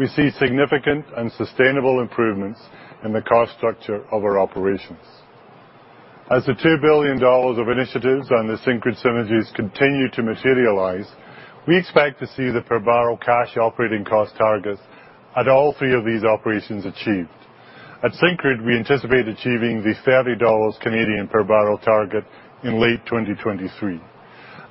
we see significant and sustainable improvements in the cost structure of our operations. As the 2 billion dollars of initiatives on the Syncrude synergies continue to materialize, we expect to see the per-barrel cash operating cost targets at all three of these operations achieved. At Syncrude, we anticipate achieving the 30 Canadian dollars per barrel target in late 2023.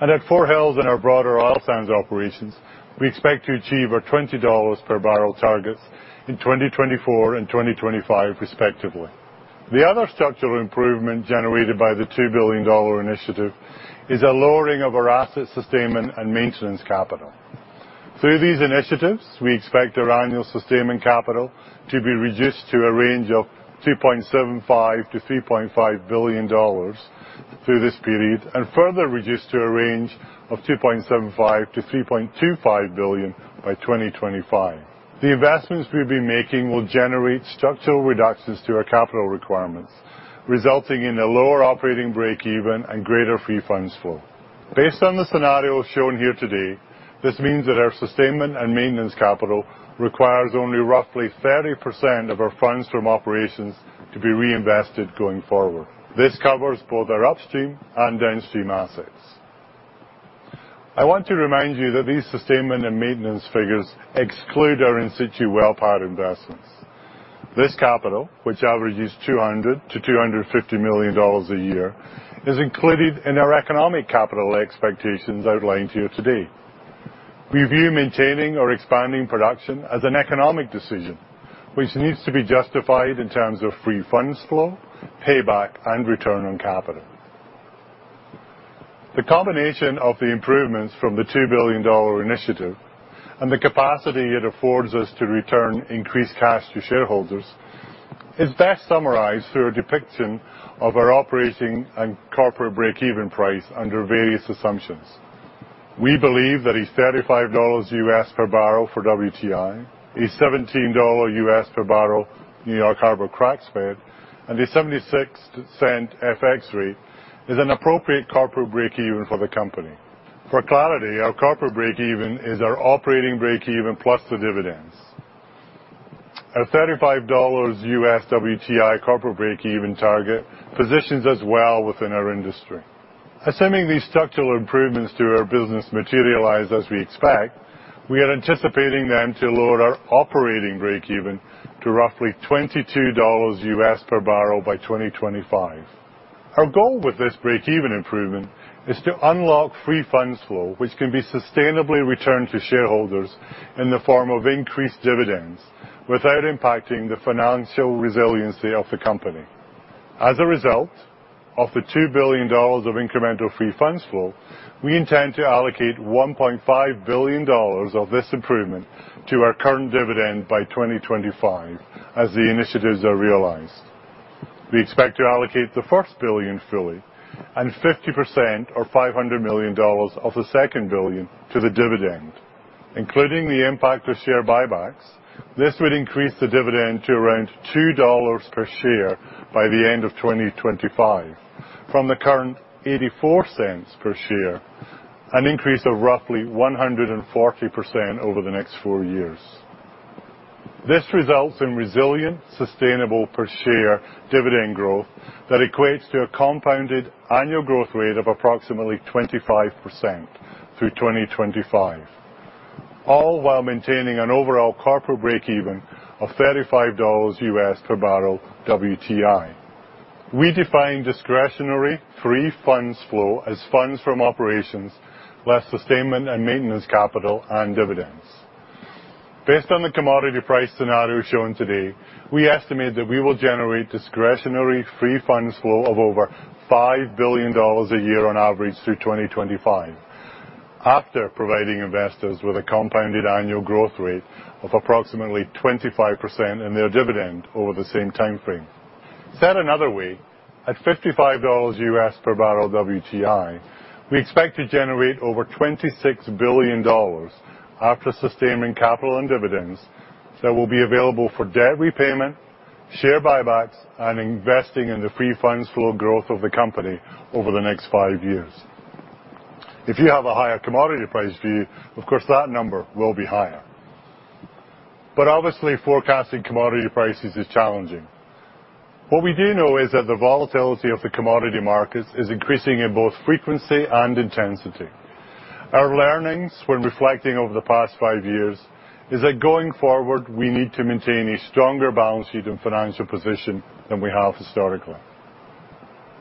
At Fort Hills and our broader oil sands operations, we expect to achieve our 20 dollars per barrel targets in 2024 and 2025 respectively. The other structural improvement generated by the 2 billion dollar initiative is a lowering of our asset sustainment and maintenance capital. Through these initiatives, we expect our annual sustainment capital to be reduced to a range of 2.75 billion-3.5 billion dollars through this period and further reduced to a range of 2.75 billion-3.25 billion by 2025. The investments we've been making will generate structural reductions to our capital requirements, resulting in a lower operating breakeven and greater Free Funds Flow. Based on the scenario shown here today, this means that our sustainment and maintenance capital requires only roughly 30% of our funds from operations to be reinvested going forward. This covers both our Upstream and Downstream assets. I want to remind you that these sustainment and maintenance figures exclude our in situ well pad investments. This capital, which averages 200 million to 250 million dollars a year, is included in our economic capital expectations outlined here today. We view maintaining or expanding production as an economic decision, which needs to be justified in terms of Free Funds Flow, payback, and Return on Capital. The combination of the improvements from the 2 billion dollar initiative and the capacity it affords us to return increased cash to shareholders is best summarized through a depiction of our operating and corporate breakeven price under various assumptions. We believe that a $35 U.S. per barrel for WTI, a $17 U.S. per barrel New York Harbor Crack spread, and a 0.76 FX rate is an appropriate corporate breakeven for the company. For clarity, our corporate breakeven is our operating breakeven plus the dividends. Our $35 U.S. WTI corporate breakeven target positions us well within our industry. Assuming these structural improvements to our business materialize as we expect, we are anticipating them to lower our operating breakeven to roughly $22 U.S. per barrel by 2025. Our goal with this breakeven improvement is to unlock Free Funds Flow, which can be sustainably returned to shareholders in the form of increased dividends without impacting the financial resiliency of the company. As a result of the 2 billion dollars of incremental Free Funds Flow, we intend to allocate 1.5 billion dollars of this improvement to our current dividend by 2025 as the initiatives are realized. We expect to allocate the first 1 billion fully and 50%, or 500 million dollars of the second 1 billion, to the dividend. Including the impact of share buybacks, this would increase the dividend to around 2 dollars per share by the end of 2025. From the current 0.84 per share, an increase of roughly 140% over the next four years. This results in resilient, sustainable per share dividend growth that equates to a compounded annual growth rate of approximately 25% through 2025, all while maintaining an overall corporate breakeven of $35 U.S. per barrel WTI. We define discretionary Free Funds Flow as funds from operations, less sustainment and maintenance capital and dividends. Based on the commodity price scenario shown today, we estimate that we will generate discretionary Free Funds Flow of over 5 billion dollars a year on average through 2025, after providing investors with a compounded annual growth rate of approximately 25% in their dividend over the same time frame. Said another way, at $55 U.S. per barrel WTI, we expect to generate over 26 billion dollars after sustaining capital and dividends that will be available for debt repayment, share buybacks, and investing in the Free Funds Flow growth of the company over the next five years. If you have a higher commodity price view, of course, that number will be higher. Obviously, forecasting commodity prices is challenging. What we do know is that the volatility of the commodity markets is increasing in both frequency and intensity. Our learnings when reflecting over the past five years is that going forward, we need to maintain a stronger balance sheet and financial position than we have historically.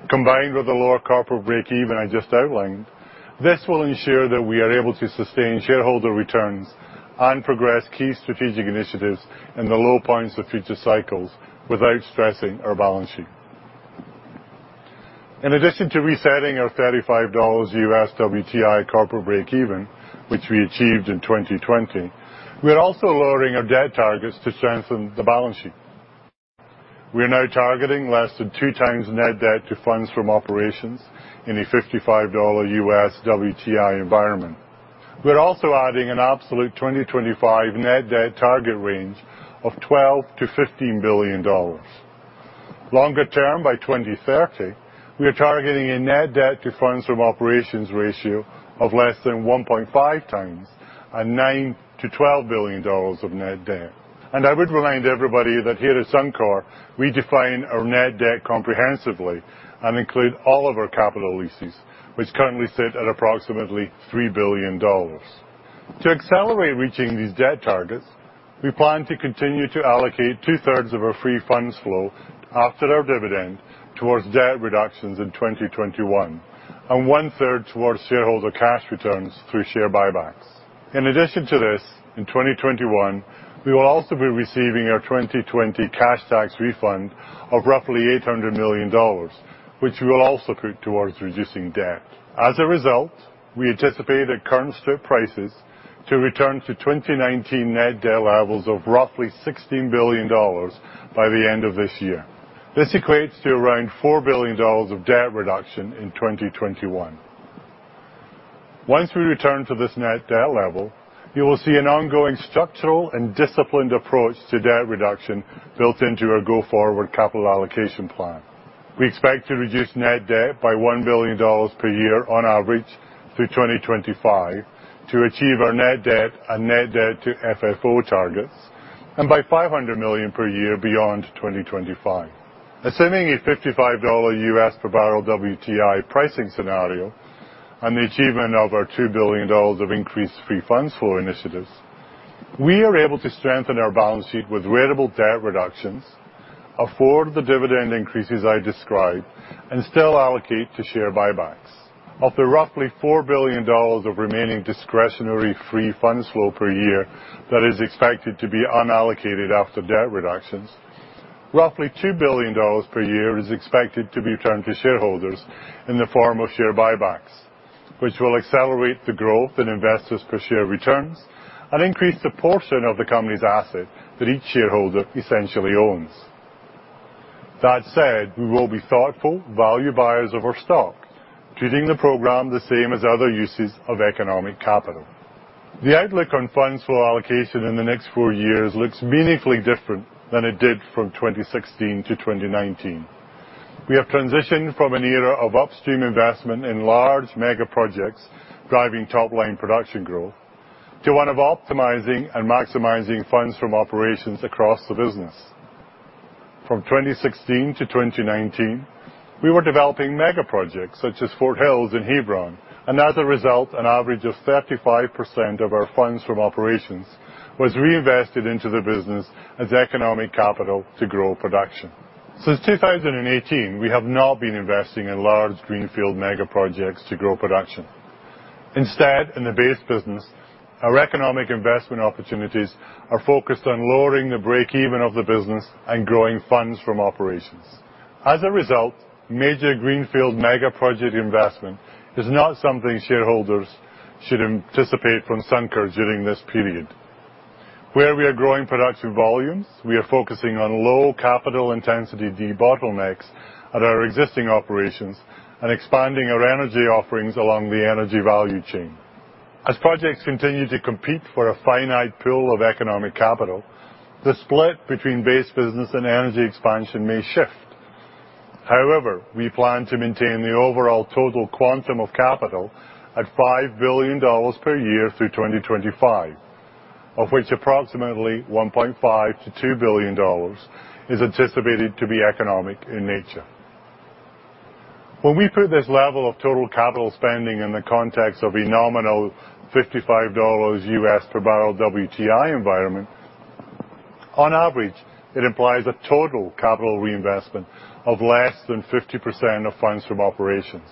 Combined with the lower corporate breakeven I just outlined, this will ensure that we are able to sustain shareholder returns and progress key strategic initiatives in the low points of future cycles without stressing our balance sheet. In addition to resetting our $35 U.S. WTI corporate breakeven, which we achieved in 2020, we are also lowering our debt targets to strengthen the balance sheet. We are now targeting less than 2 times net debt to funds from operations in a $55 U.S. WTI environment. We are also adding an absolute 2025 net debt target range of 12 billion-15 billion dollars. Longer term, by 2030, we are targeting a net debt to funds from operations ratio of less than 1.5 times and 9 billion to 12 billion dollars of net debt. I would remind everybody that here at Suncor, we define our net debt comprehensively and include all of our capital leases, which currently sit at approximately 3 billion dollars. To accelerate reaching these debt targets, we plan to continue to allocate two-thirds of our Free Funds Flow after our dividend towards debt reductions in 2021, and one-third towards shareholder cash returns through share buybacks. In addition to this, in 2021, we will also be receiving our 2020 cash tax refund of roughly 800 million dollars, which we will also put towards reducing debt. As a result, we anticipate at current strip prices to return to 2019 net debt levels of roughly 16 billion dollars by the end of this year. This equates to around 4 billion dollars of debt reduction in 2021. Once we return to this net debt level, you will see an ongoing structural and disciplined approach to debt reduction built into our go-forward capital allocation plan. We expect to reduce net debt by 1 billion dollars per year on average through 2025 to achieve our net debt and net debt to FFO targets, and by 500 million per year beyond 2025. Assuming a $55 U.S. per barrel WTI pricing scenario and the achievement of our 2 billion dollars of increased Free Funds Flow initiatives, we are able to strengthen our balance sheet with related debt reductions, afford the dividend increases I described, and still allocate to share buybacks. Of the roughly 4 billion dollars of remaining discretionary Free Funds Flow per year that is expected to be unallocated after debt reductions, roughly 2 billion dollars per year is expected to be returned to shareholders in the form of share buybacks, which will accelerate the growth in investors per share returns and increase the portion of the company's asset that each shareholder essentially owns. That said, we will be thoughtful value buyers of our stock, treating the program the same as other uses of economic capital. The outlook on funds flow allocation in the next four years looks meaningfully different than it did from 2016 to 2019. We have transitioned from an era of Upstream investment in large mega projects driving top-line production growth to one of optimizing and maximizing funds from operations across the business. From 2016 to 2019, we were developing mega projects such as Fort Hills and Hebron, and as a result, an average of 35% of our funds from operations was reinvested into the business as economic capital to grow production. Since 2018, we have not been investing in large greenfield mega projects to grow production. Instead, in the base business, our economic investment opportunities are focused on lowering the breakeven of the business and growing funds from operations. As a result, major greenfield mega project investment is not something shareholders should anticipate from Suncor during this period. Where we are growing production volumes, we are focusing on low capital intensity debottlenecks at our existing operations and expanding our energy offerings along the energy value chain. As projects continue to compete for a finite pool of economic capital, the split between base business and energy expansion may shift. However, we plan to maintain the overall total quantum of capital at 5 billion dollars per year through 2025, of which approximately 1.5 billion to 2 billion dollars is anticipated to be economic in nature. When we put this level of total capital spending in the context of a nominal $55 U.S. per barrel WTI environment, on average, it implies a total capital reinvestment of less than 50% of funds from operations,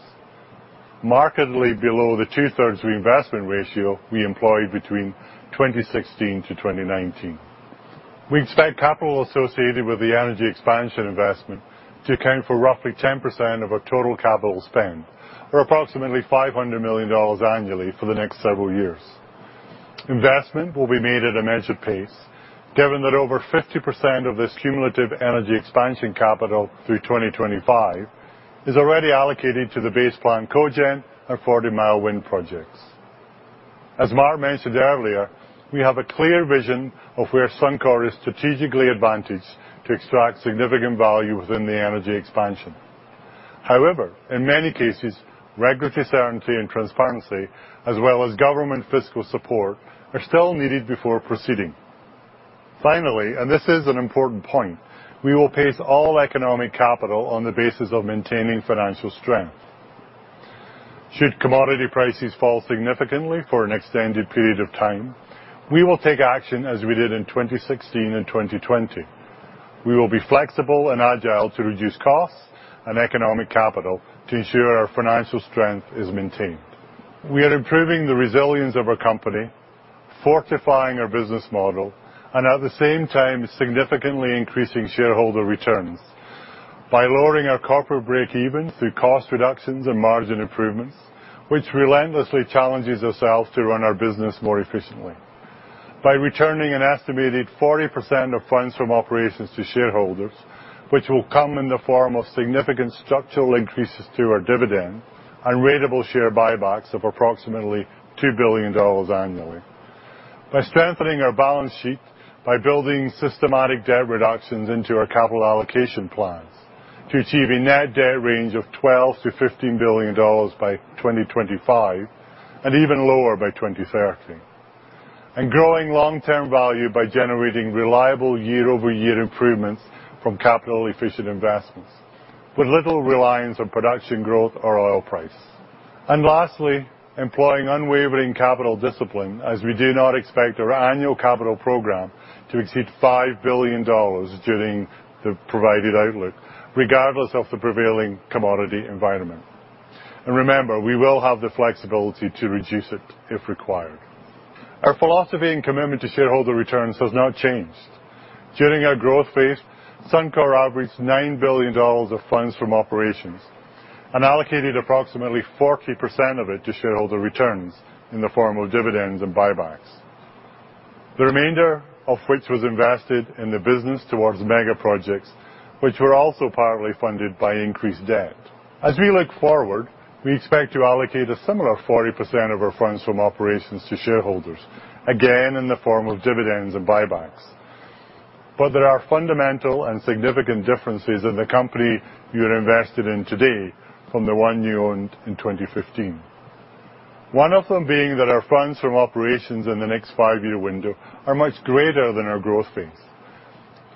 markedly below the two-thirds reinvestment ratio we employed between 2016 to 2019. We expect capital associated with the energy expansion investment to account for roughly 10% of our total capital spend, or approximately 500 million dollars annually for the next several years. Investment will be made at a measured pace, given that over 50% of this cumulative energy expansion capital through 2025 is already allocated to the Base Plant Cogen and Forty Mile Wind projects. As Mark mentioned earlier, we have a clear vision of where Suncor is strategically advantaged to extract significant value within the energy expansion. In many cases, regulatory certainty and transparency, as well as government fiscal support, are still needed before proceeding. This is an important point, we will pace all economic capital on the basis of maintaining financial strength. Should commodity prices fall significantly for an extended period of time, we will take action as we did in 2016 and 2020. We will be flexible and agile to reduce costs and economic capital to ensure our financial strength is maintained. We are improving the resilience of our company, fortifying our business model, and at the same time, significantly increasing shareholder returns by lowering our corporate breakevens through cost reductions and margin improvements, which relentlessly challenges ourselves to run our business more efficiently. By returning an estimated 40% of funds from operations to shareholders, which will come in the form of significant structural increases to our dividend and ratable share buybacks of approximately 2 billion dollars annually. By strengthening our balance sheet, by building systematic debt reductions into our capital allocation plans to achieve a net debt range of 12 billion-15 billion dollars by 2025 and even lower by 2030. Growing long-term value by generating reliable year-over-year improvements from capital-efficient investments with little reliance on production growth or oil price. Lastly, employing unwavering capital discipline as we do not expect our annual capital program to exceed 5 billion dollars during the provided outlook, regardless of the prevailing commodity environment. Remember, we will have the flexibility to reduce it if required. Our philosophy and commitment to shareholder returns has not changed. During our growth phase, Suncor averaged 9 billion dollars of funds from operations and allocated approximately 40% of it to shareholder returns in the form of dividends and buybacks. The remainder of which was invested in the business towards mega projects, which were also partly funded by increased debt. As we look forward, we expect to allocate a similar 40% of our funds from operations to shareholders, again, in the form of dividends and buybacks. There are fundamental and significant differences in the company you're invested in today from the one you owned in 2015. One of them being that our funds from operations in the next five-year window are much greater than our growth phase.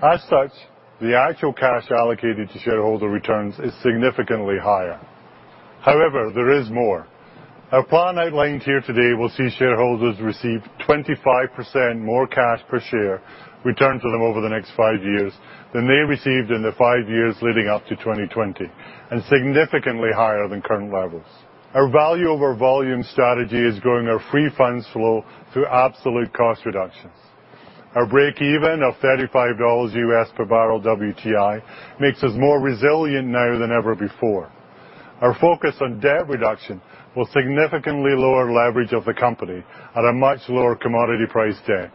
As such, the actual cash allocated to shareholder returns is significantly higher. However, there is more. Our plan outlined here today will see shareholders receive 25% more cash per share returned to them over the next five years than they received in the five years leading up to 2020, and significantly higher than current levels. Our value over volume strategy is growing our Free Funds Flow through absolute cost reductions. Our breakeven of $35 per barrel WTI makes us more resilient now than ever before. Our focus on debt reduction will significantly lower leverage of the company at a much lower commodity price deck.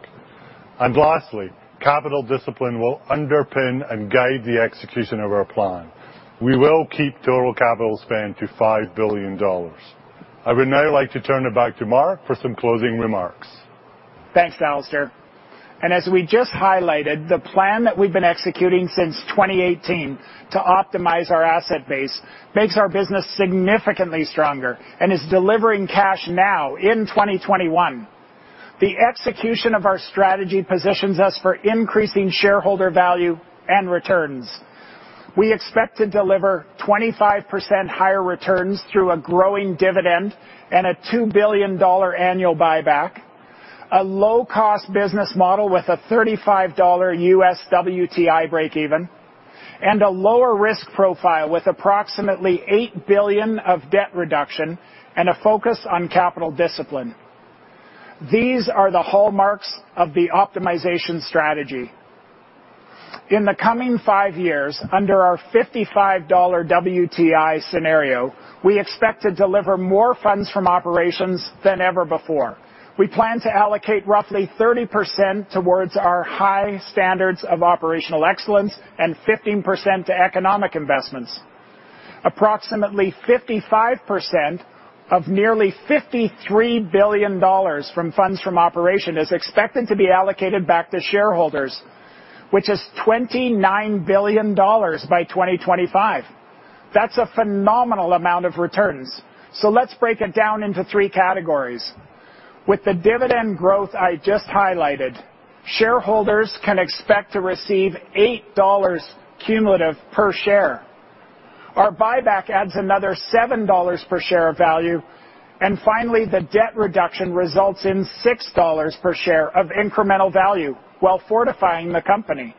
Lastly, capital discipline will underpin and guide the execution of our plan. We will keep total capital spend to 5 billion dollars. I would now like to turn it back to Mark for some closing remarks. Thanks, Alister. As we just highlighted, the plan that we've been executing since 2018 to optimize our asset base makes our business significantly stronger and is delivering cash now in 2021. The execution of our strategy positions us for increasing shareholder value and returns. We expect to deliver 25% higher returns through a growing dividend and a 2 billion dollar annual buyback, a low-cost business model with a $35 U.S. WTI breakeven, and a lower risk profile with approximately 8 billion of debt reduction and a focus on capital discipline. These are the hallmarks of the optimization strategy. In the coming five years, under our $55 WTI scenario, we expect to deliver more funds from operations than ever before. We plan to allocate roughly 30% towards our high standards of operational excellence and 15% to economic investments. Approximately 55% of nearly 53 billion dollars from funds from operations is expected to be allocated back to shareholders, which is 29 billion dollars by 2025. That's a phenomenal amount of returns. Let's break it down into three categories. With the dividend growth I just highlighted, shareholders can expect to receive 8 dollars cumulative per share. Our buyback adds another 7 dollars per share of value, and finally, the debt reduction results in 6 dollars per share of incremental value while fortifying the company.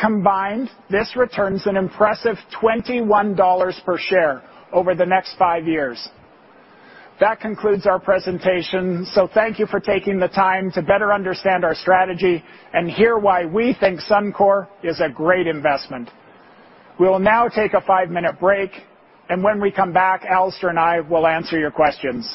Combined, this returns an impressive 21 dollars per share over the next five years. That concludes our presentation, Thank you for taking the time to better understand our strategy and hear why we think Suncor is a great investment. We'll now take a five-minute break, and when we come back, Alister Cowan and I will answer your questions.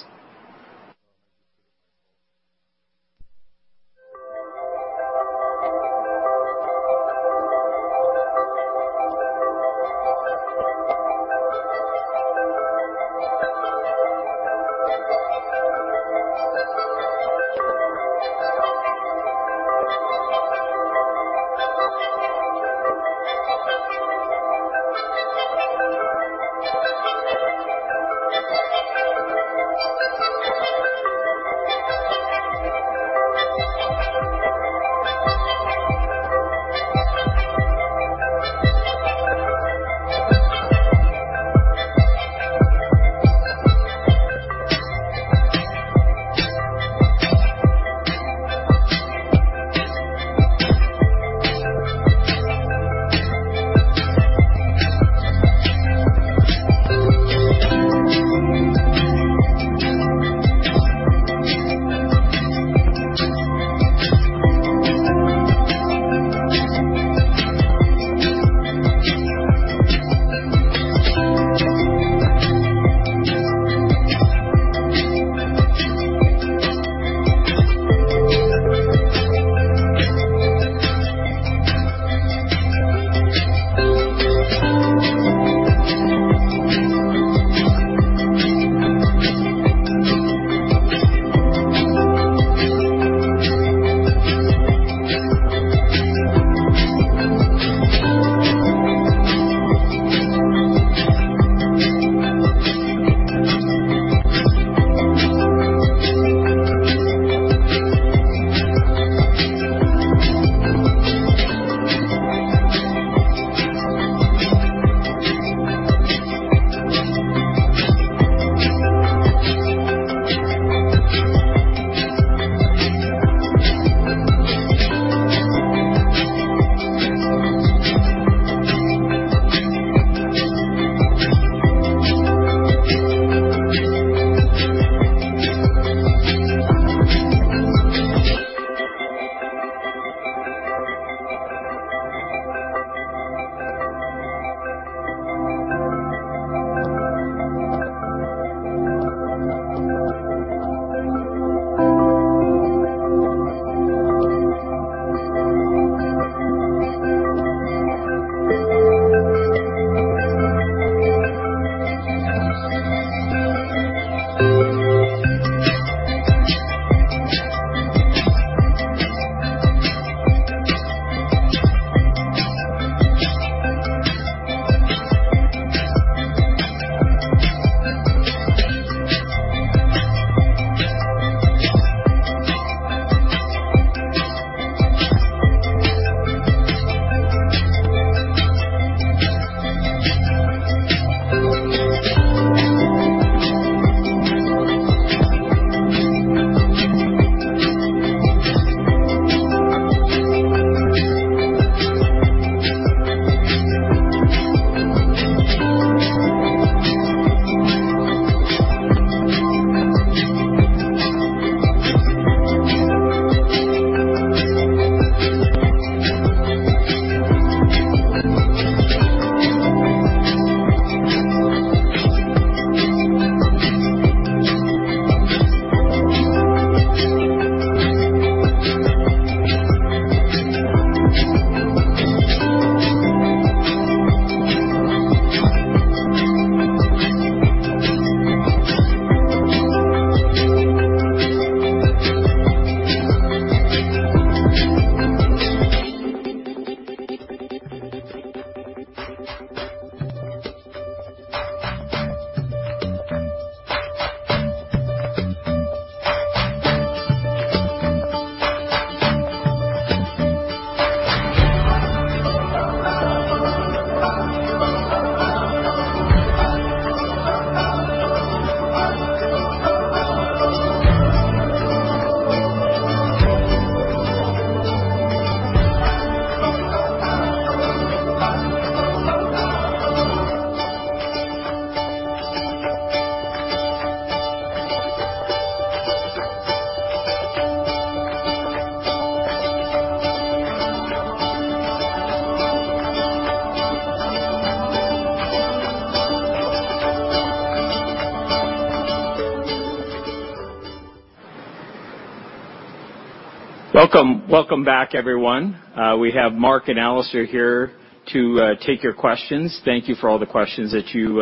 Welcome back, everyone. We have Mark Little and Alister Cowan here to take your questions. Thank you for all the questions that you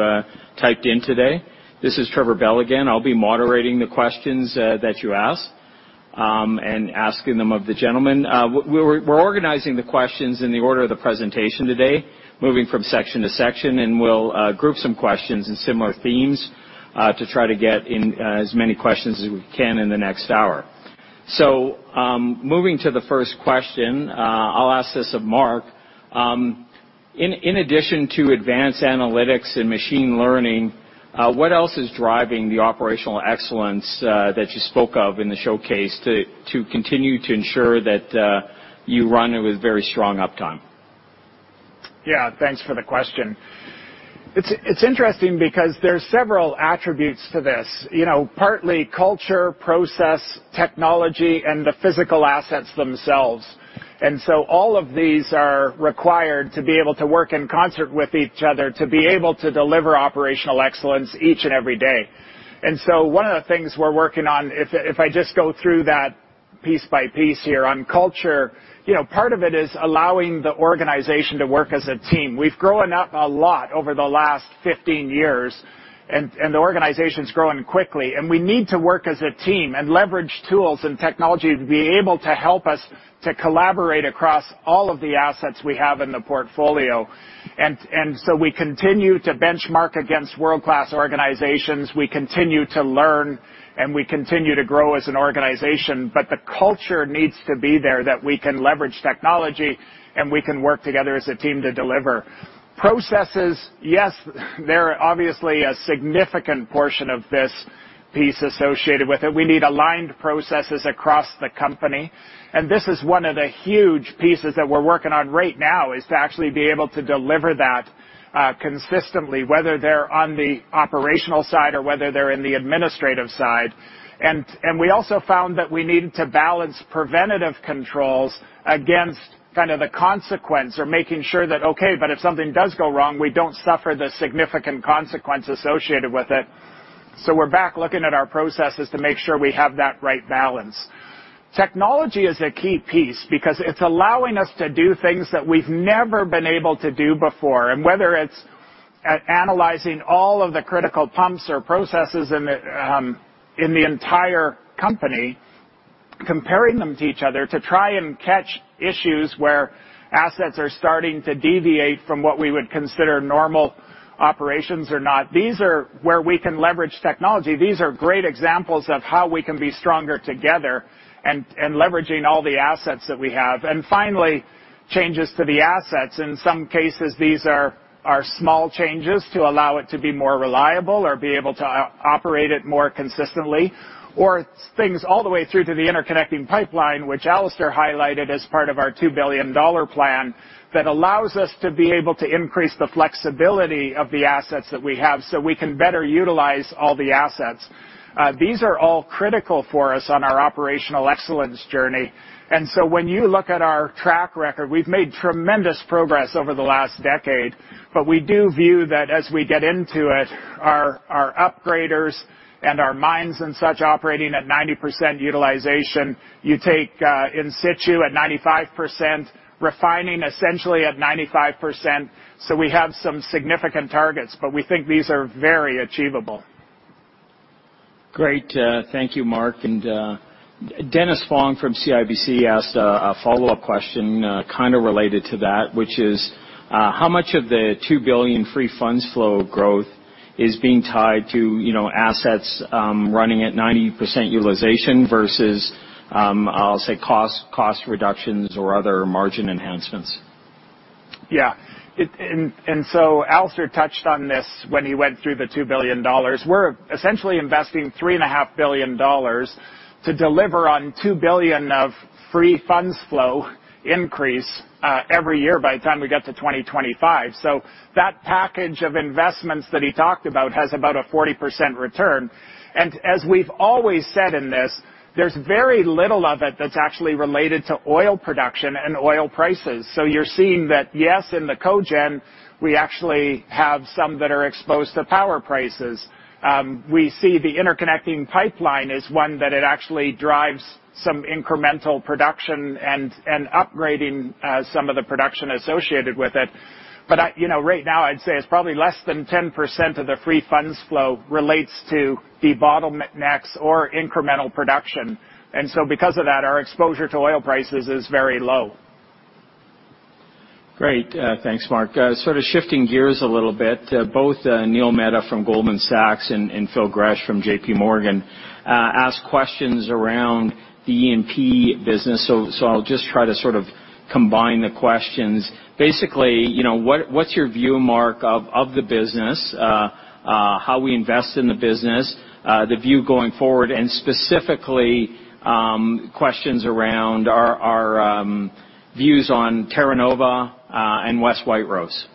typed in today. This is Trevor Bell again. I'll be moderating the questions that you asked, and asking them of the gentlemen. We're organizing the questions in the order of the presentation today, moving from section to section, and we'll group some questions in similar themes to try to get in as many questions as we can in the next hour. Moving to the first question, I'll ask this of Mark. ''In addition to advanced analytics and machine learning, what else is driving the operational excellence that you spoke of in the showcase to continue to ensure that you run with very strong uptime?'' Yeah. Thanks for the question. It's interesting because there's several attributes to this. Partly culture, process, technology, and the physical assets themselves. All of these are required to be able to work in concert with each other to be able to deliver operational excellence each and every day. One of the things we're working on, if I just go through that piece by piece here on culture, part of it is allowing the organization to work as a team. We've grown up a lot over the last 15 years, and the organization's growing quickly, and we need to work as a team and leverage tools and technology to be able to help us to collaborate across all of the assets we have in the portfolio. We continue to benchmark against world-class organizations, we continue to learn, and we continue to grow as an organization. The culture needs to be there that we can leverage technology and we can work together as a team to deliver. Processes, yes, they're obviously a significant portion of this piece associated with it. We need aligned processes across the company, and this is one of the huge pieces that we're working on right now, is to actually be able to deliver that consistently, whether they're on the operational side or whether they're in the administrative side. We also found that we need to balance preventative controls against the consequence or making sure that, okay, but if something does go wrong, we don't suffer the significant consequence associated with it. We're back looking at our processes to make sure we have that right balance. Technology is a key piece because it's allowing us to do things that we've never been able to do before. Whether it's analyzing all of the critical pumps or processes in the entire company, comparing them to each other to try and catch issues where assets are starting to deviate from what we would consider normal operations or not. These are where we can leverage technology. These are great examples of how we can be stronger together and leveraging all the assets that we have. Finally, changes to the assets. In some cases, these are small changes to allow it to be more reliable or be able to operate it more consistently or things all the way through to the interconnecting pipeline, which Alister highlighted as part of our 2 billion dollar plan that allows us to be able to increase the flexibility of the assets that we have so we can better utilize all the assets. These are all critical for us on our operational excellence journey. When you look at our track record, we've made tremendous progress over the last decade. We do view that as we get into it, our upgraders and our mines and such operating at 90% utilization. You take in situ at 95%, refining essentially at 95%. We have some significant targets, but we think these are very achievable. Great. Thank you, Mark. Dennis Fong from CIBC asked a follow-up question kind of related to that, which is, ''How much of the 2 billion Free Funds Flow of growth is being tied to assets running at 90% utilization versus, I'll say, cost reductions or other margin enhancements?'' Yeah. Alister touched on this when he went through the 2 billion dollars. We're essentially investing 3.5 billion dollars to deliver on 2 billion of Free Funds Flow increase every year by the time we get to 2025. That package of investments that he talked about has about a 40% return. As we've always said in this, there's very little of it that's actually related to oil production and oil prices. You're seeing that, yes, in the Cogen, we actually have some that are exposed to power prices. We see the interconnecting pipeline as one that it actually drives some incremental production and upgrading some of the production associated with it. Right now, I'd say it's probably less than 10% of the Free Funds Flow relates to the bottlenecks or incremental production and so because of that, our exposure to oil prices is very low. Great. Thanks, Mark. Shifting gears a little bit. Both Neil Mehta from Goldman Sachs and Phil Gresh from JPMorgan asked questions around the E&P business. I'll just try to sort of combine the questions. ''Basically, what's your view, Mark, of the business, how we invest in the business, the view going forward, and specifically, questions around our views on Terra Nova and West White Rose?''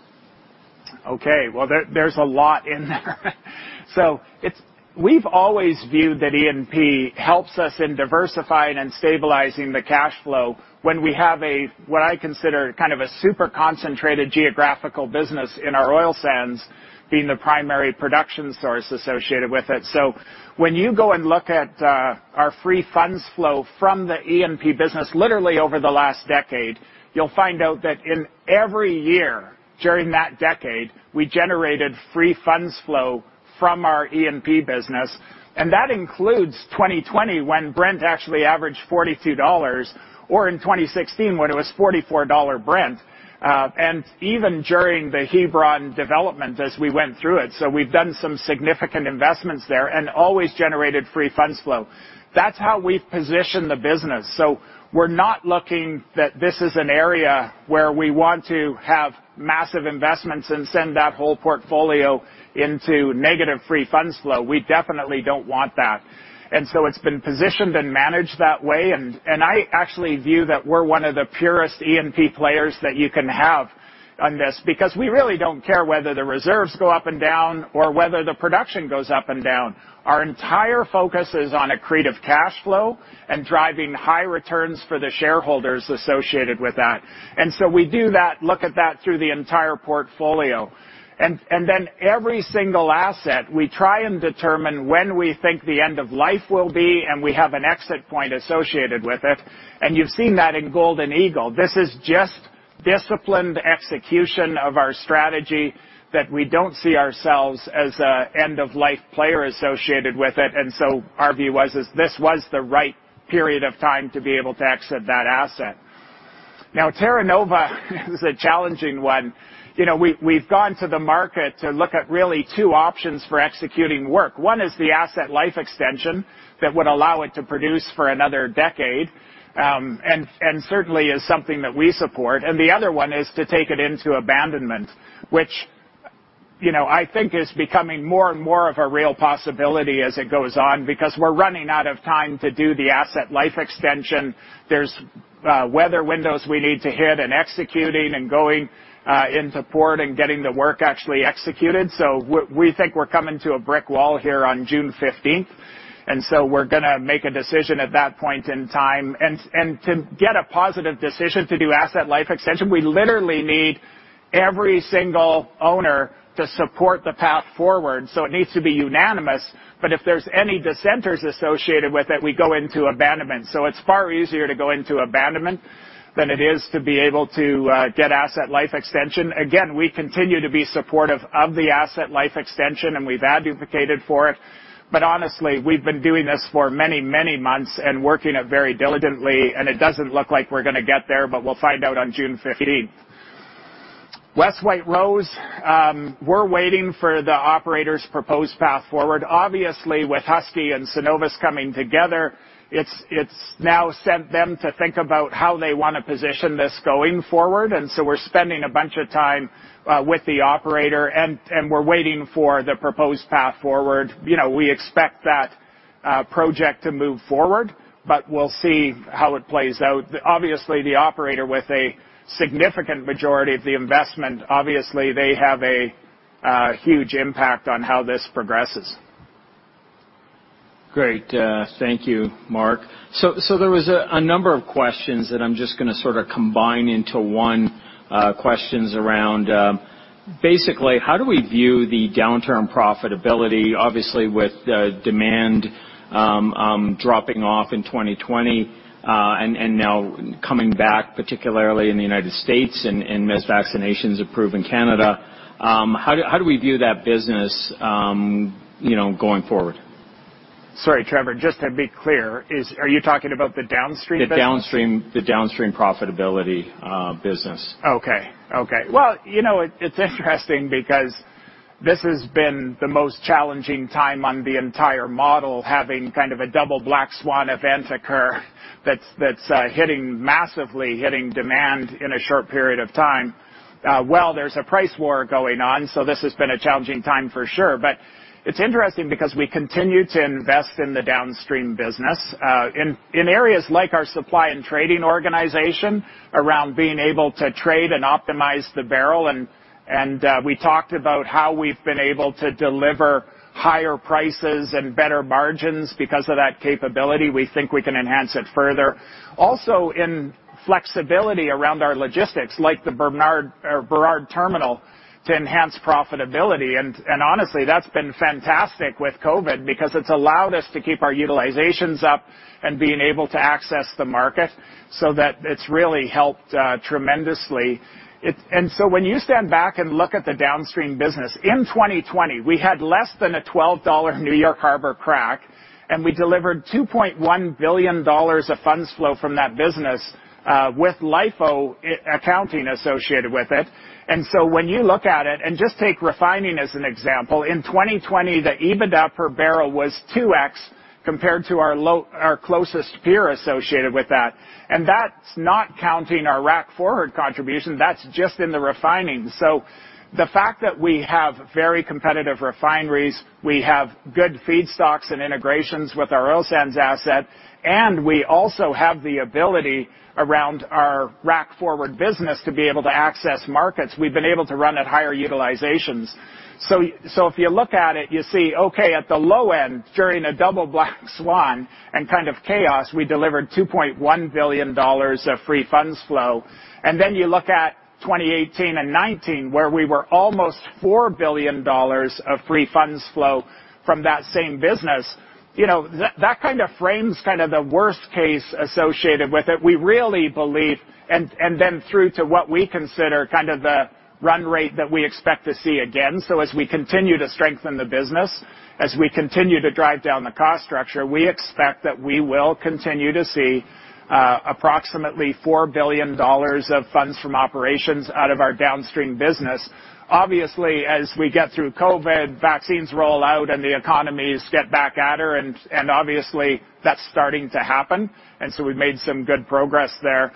Okay. Well, there's a lot in there. We've always viewed that E&P helps us in diversifying and stabilizing the cash flow when we have a, what I consider a super concentrated geographical business in our oil sands being the primary production source associated with it. When you go and look at our Free Funds Flow from the E&P business, literally over the last decade, you'll find out that in every year during that decade, we generated Free Funds Flow from our E&P business. That includes 2020 when Brent actually averaged $42, or in 2016 when it was $44 Brent, and even during the Hebron development as we went through it. We've done some significant investments there and always generated Free Funds Flow. That's how we've positioned the business. We're not looking that this is an area where we want to have massive investments and send that whole portfolio into negative Free Funds Flow. We definitely don't want that. It's been positioned and managed that way, and I actually view that we're one of the purest E&P players that you can have on this, because we really don't care whether the reserves go up and down or whether the production goes up and down. Our entire focus is on accretive cash flow and driving high returns for the shareholders associated with that. We do that, look at that through the entire portfolio. Every single asset, we try and determine when we think the end of life will be, and we have an exit point associated with it. You've seen that in Golden Eagle. This is just disciplined execution of our strategy that we don't see ourselves as an end-of-life player associated with it. Our view was this was the right period of time to be able to exit that asset. Terra Nova is a challenging one. We've gone to the market to look at really two options for executing work. One is the asset life extension that would allow it to produce for another decade, and certainly is something that we support. The other one is to take it into abandonment, which I think is becoming more and more of a real possibility as it goes on because we're running out of time to do the asset life extension. There's weather windows we need to hit and executing and going into port and getting the work actually executed. We think we're coming to a brick wall here on June 15th, and so we're going to make a decision at that point in time. To get a positive decision to do asset life extension, we literally need every single owner to support the path forward. It needs to be unanimous. If there's any dissenters associated with it, we go into abandonment. It's far easier to go into abandonment than it is to be able to get asset life extension. Again, we continue to be supportive of the asset life extension, and we've advocated for it. Honestly, we've been doing this for many, many months and working it very diligently, and it doesn't look like we're going to get there, but we'll find out on June 15th. West White Rose, we're waiting for the operator's proposed path forward. Obviously, with Husky and Cenovus coming together, it's now sent them to think about how they want to position this going forward. We're spending a bunch of time with the operator, and we're waiting for the proposed path forward. We expect that project to move forward, but we'll see how it plays out. Obviously, the operator with a significant majority of the investment, obviously, they have a huge impact on how this progresses. Great. Thank you, Mark. There was a number of questions, and I am just going to sort of combine into one, questions around basically how do we view the downturn profitability, obviously, with demand dropping off in 2020 and now coming back, particularly in the United States and as vaccinations improve in Canada. How do we view that business going forward? Sorry, Trevor, just to be clear, are you talking about the Downstream business? The Downstream profitability business. It's interesting because this has been the most challenging time on the entire model, having kind of a double black swan event occur that's massively hitting demand in a short period of time, while there's a price war going on. This has been a challenging time for sure, but it's interesting because we continue to invest in the Downstream business. In areas like our supply and trading organization around being able to trade and optimize the barrel, we talked about how we've been able to deliver higher prices and better margins because of that capability. We think we can enhance it further. Also in flexibility around our logistics, like the Burrard Terminal, to enhance profitability. Honestly, that's been fantastic with COVID because it's allowed us to keep our utilizations up and being able to access the market so that it's really helped tremendously. When you stand back and look at the Downstream business, in 2020, we had less than a 12 dollar New York Harbor Crack, and we delivered 2.1 billion dollars of funds flow from that business with LIFO accounting associated with it. When you look at it and just take refining as an example, in 2020, the EBITDA per barrel was 2x compared to our closest peer associated with that. That's not counting our Rack Forward contribution, that's just in the refining. The fact that we have very competitive refineries, we have good feedstocks and integrations with our oil sands asset, and we also have the ability around our Rack Forward business to be able to access markets. We've been able to run at higher utilizations. If you look at it, you see, okay, at the low end, during a double black swan and kind of chaos, we delivered 2.1 billion dollars of Free Funds Flow. You look at 2018 and 2019, where we were almost 4 billion dollars of Free Funds Flow from that same business. That kind of frames the worst case associated with it, through to what we consider the run rate that we expect to see again. As we continue to strengthen the business, as we continue to drive down the cost structure, we expect that we will continue to see approximately 4 billion dollars of funds from operations out of our Downstream business. Obviously, as we get through COVID, vaccines roll out, and the economies get back at her, and obviously, that's starting to happen, we've made some good progress there.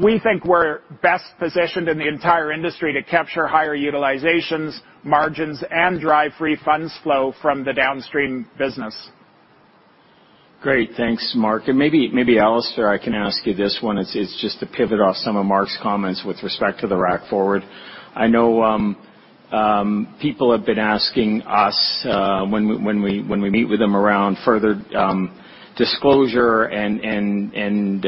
We think we're best positioned in the entire industry to capture higher utilizations, margins, and drive Free Funds Flow from the Downstream business. Great. Thanks, Mark. Maybe, Alister, I can ask you this one. It is just to pivot off some of Mark’s comments with respect to the Rack Forward. I know people have been asking us when we meet with them around further disclosure and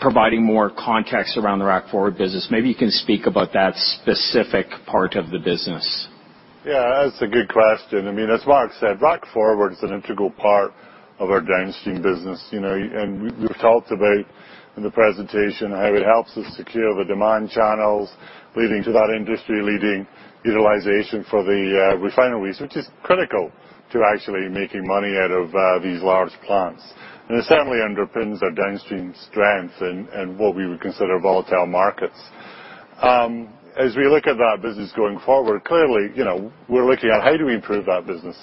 providing more context around the Rack Forward business. Maybe you can speak about that specific part of the business. Yeah, that's a good question. As Mark said, Rack Forward is an integral part of our Downstream business. We've talked about in the presentation how it helps us secure the demand channels leading to that industry-leading utilization for the refineries, which is critical to actually making money out of these large plants. It certainly underpins our Downstream strength in what we would consider volatile markets. As we look at that business going forward, clearly, we're looking at how do we improve that business?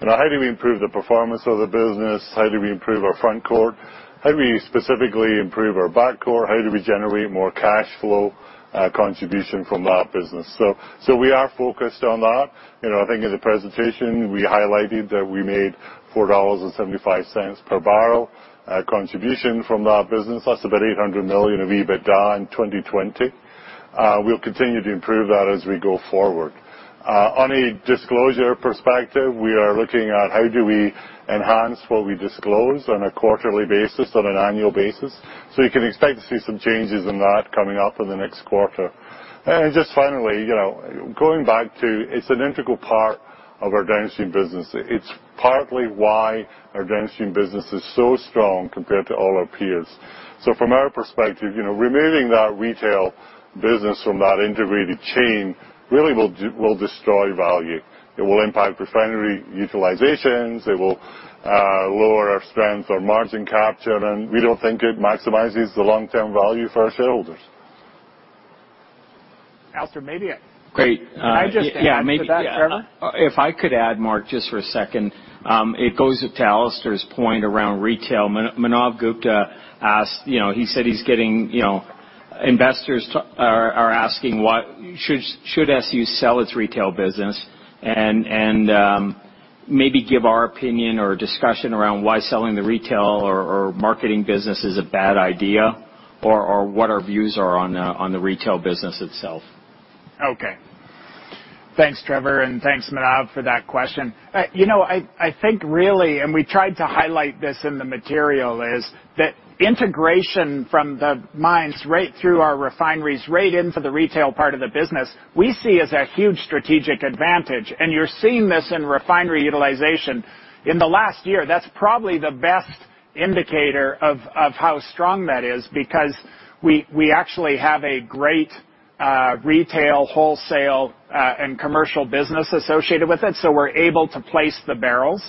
How do we improve the performance of the business? How do we improve our front court? How do we specifically improve our back court? How do we generate more cash flow contribution from that business? We are focused on that. I think in the presentation, we highlighted that we made 4.75 dollars per barrel contribution from that business. That's about 800 million of EBITDA in 2020. We'll continue to improve that as we go forward. On a disclosure perspective, we are looking at how do we enhance what we disclose on a quarterly basis, on an annual basis. You can expect to see some changes in that coming up in the next quarter. Just finally, going back to it's an integral part of our Downstream business. It's partly why our Downstream business is so strong compared to all our peers. From our perspective, removing that retail business from that integrated chain really will destroy value. It will impact refinery utilizations. It will lower our strength, our margin capture, and we don't think it maximizes the long-term value for our shareholders. Alister, maybe. Great. Yeah. If I could add, Mark, just for a second. It goes to Alister's point around retail. Manav Gupta asked. He said investors are asking should SU sell its retail business, and maybe give our opinion or discussion around why selling the retail or marketing business is a bad idea, or what our views are on the retail business itself. Okay. Thanks, Trevor, and thanks, Manav, for that question. I think really, and we tried to highlight this in the material, is that integration from the mines right through our refineries right into the retail part of the business, we see as a huge strategic advantage, and you're seeing this in refinery utilization. In the last year, that's probably the best indicator of how strong that is because we actually have a great retail, wholesale, and commercial business associated with it, so we're able to place the barrels.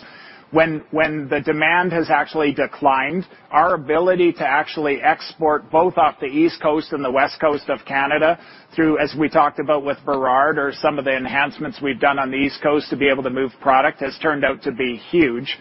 When the demand has actually declined, our ability to actually export both off the East Coast and the West Coast of Canada through, as we talked about with Burrard or some of the enhancements we've done on the East Coast to be able to move product, has turned out to be huge.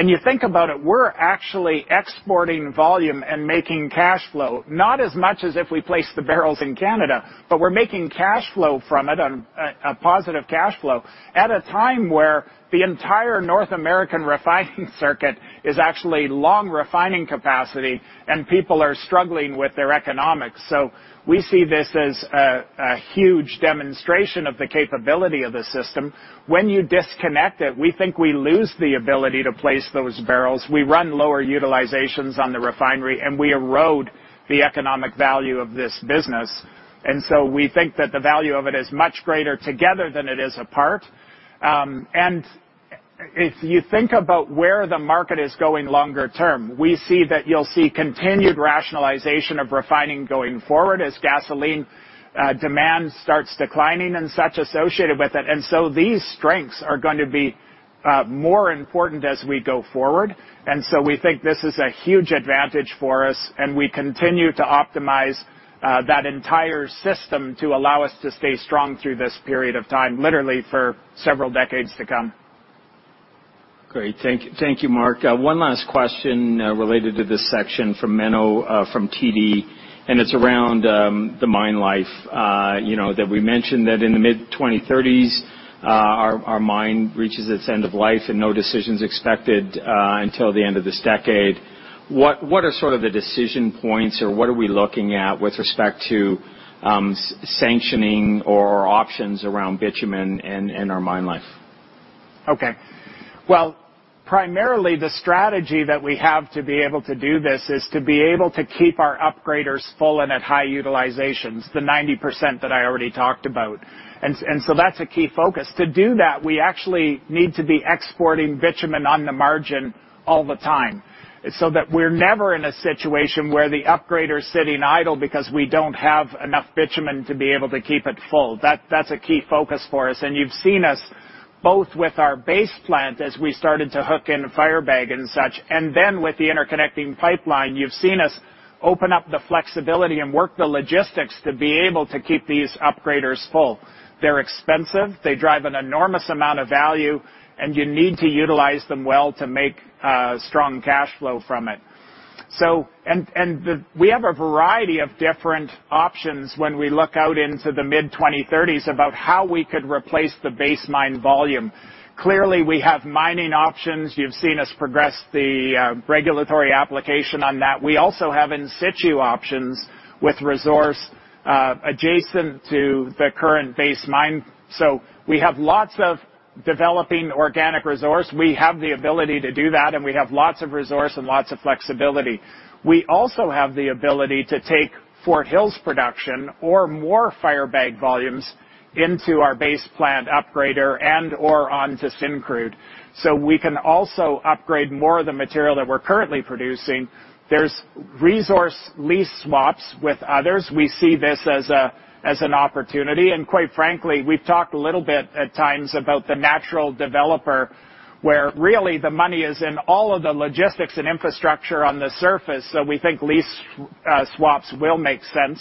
You think about it, we're actually exporting volume and making cash flow. Not as much as if we place the barrels in Canada, but we're making cash flow from it, a positive cash flow, at a time where the entire North American refining circuit is actually long refining capacity, and people are struggling with their economics. We see this as a huge demonstration of the capability of the system. When you disconnect it, we think we lose the ability to place those barrels. We run lower utilizations on the refinery, and we erode the economic value of this business. We think that the value of it is much greater together than it is apart. If you think about where the market is going longer term, we see that you'll see continued rationalization of refining going forward as gasoline demand starts declining and such associated with it. These strengths are going to be more important as we go forward. We think this is a huge advantage for us, and we continue to optimize that entire system to allow us to stay strong through this period of time, literally for several decades to come. Great. Thank you, Mark. One last question related to this section from Menno from TD, and it's around the mine life that we mentioned that in the mid-2030s, our mine reaches its end of life and no decision is expected until the end of this decade. What are sort of the decision points or what are we looking at with respect to sanctioning or options around bitumen in our mine life? Okay. Well, primarily, the strategy that we have to be able to do this is to be able to keep our upgraders full and at high utilizations, the 90% that I already talked about. That's a key focus. To do that, we actually need to be exporting bitumen on the margin all the time so that we're never in a situation where the upgrader is sitting idle because we don't have enough bitumen to be able to keep it full. That's a key focus for us. And you've seen us both with our base plant as we started to hook in Firebag and such, and then with the interconnecting pipeline, you've seen us open up the flexibility and work the logistics to be able to keep these upgraders full. They're expensive, they drive an enormous amount of value, and you need to utilize them well to make strong cash flow from it. We have a variety of different options when we look out into the mid-2030s about how we could replace the base mine volume. Clearly, we have mining options. You've seen us progress the regulatory application on that. We also have in situ options with resource adjacent to the current base mine. We have lots of developing organic resource. We have the ability to do that, and we have lots of resource and lots of flexibility. We also have the ability to take Fort Hills production or more Firebag volumes into our base plant upgrader and/or onto Syncrude. We can also upgrade more of the material that we're currently producing. There's resource lease swaps with others. We see this as an opportunity. Quite frankly, we've talked a little bit at times about the natural developer where really the money is in all of the logistics and infrastructure on the surface. We think lease swaps will make sense,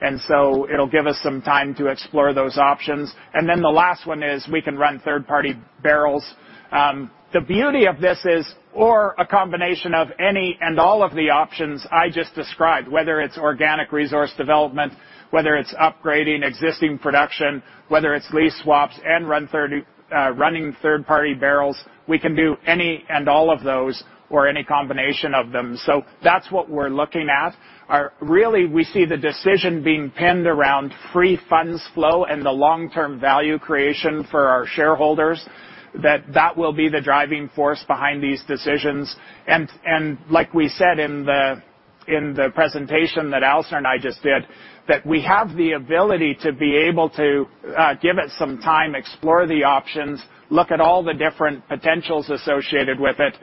it'll give us some time to explore those options. The last one is we can run third-party barrels. The beauty of this is, or a combination of any and all of the options I just described, whether it's organic resource development, whether it's upgrading existing production, whether it's lease swaps and running third-party barrels, we can do any and all of those or any combination of them. That's what we're looking at. Really, we see the decision being pinned around Free Funds Flow and the long-term value creation for our shareholders, that that will be the driving force behind these decisions. Like we said in the presentation that Alister Cowan and I just did, that we have the ability to be able to give it some time, explore the options, look at all the different potentials associated with it.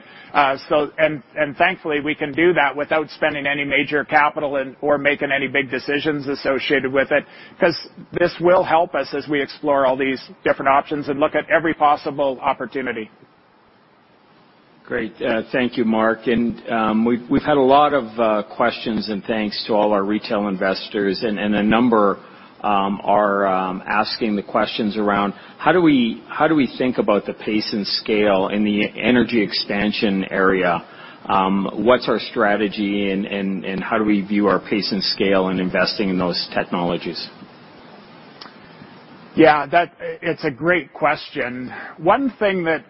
Thankfully, we can do that without spending any major capital or making any big decisions associated with it, because this will help us as we explore all these different options and look at every possible opportunity. Great. Thank you, Mark. We've had a lot of questions and thanks to all our retail investors, and a number are asking the questions around how do we think about the pace and scale in the energy expansion area? What is our strategy and how do we view our pace and scale in investing in those technologies? Yeah. It's a great question. One thing that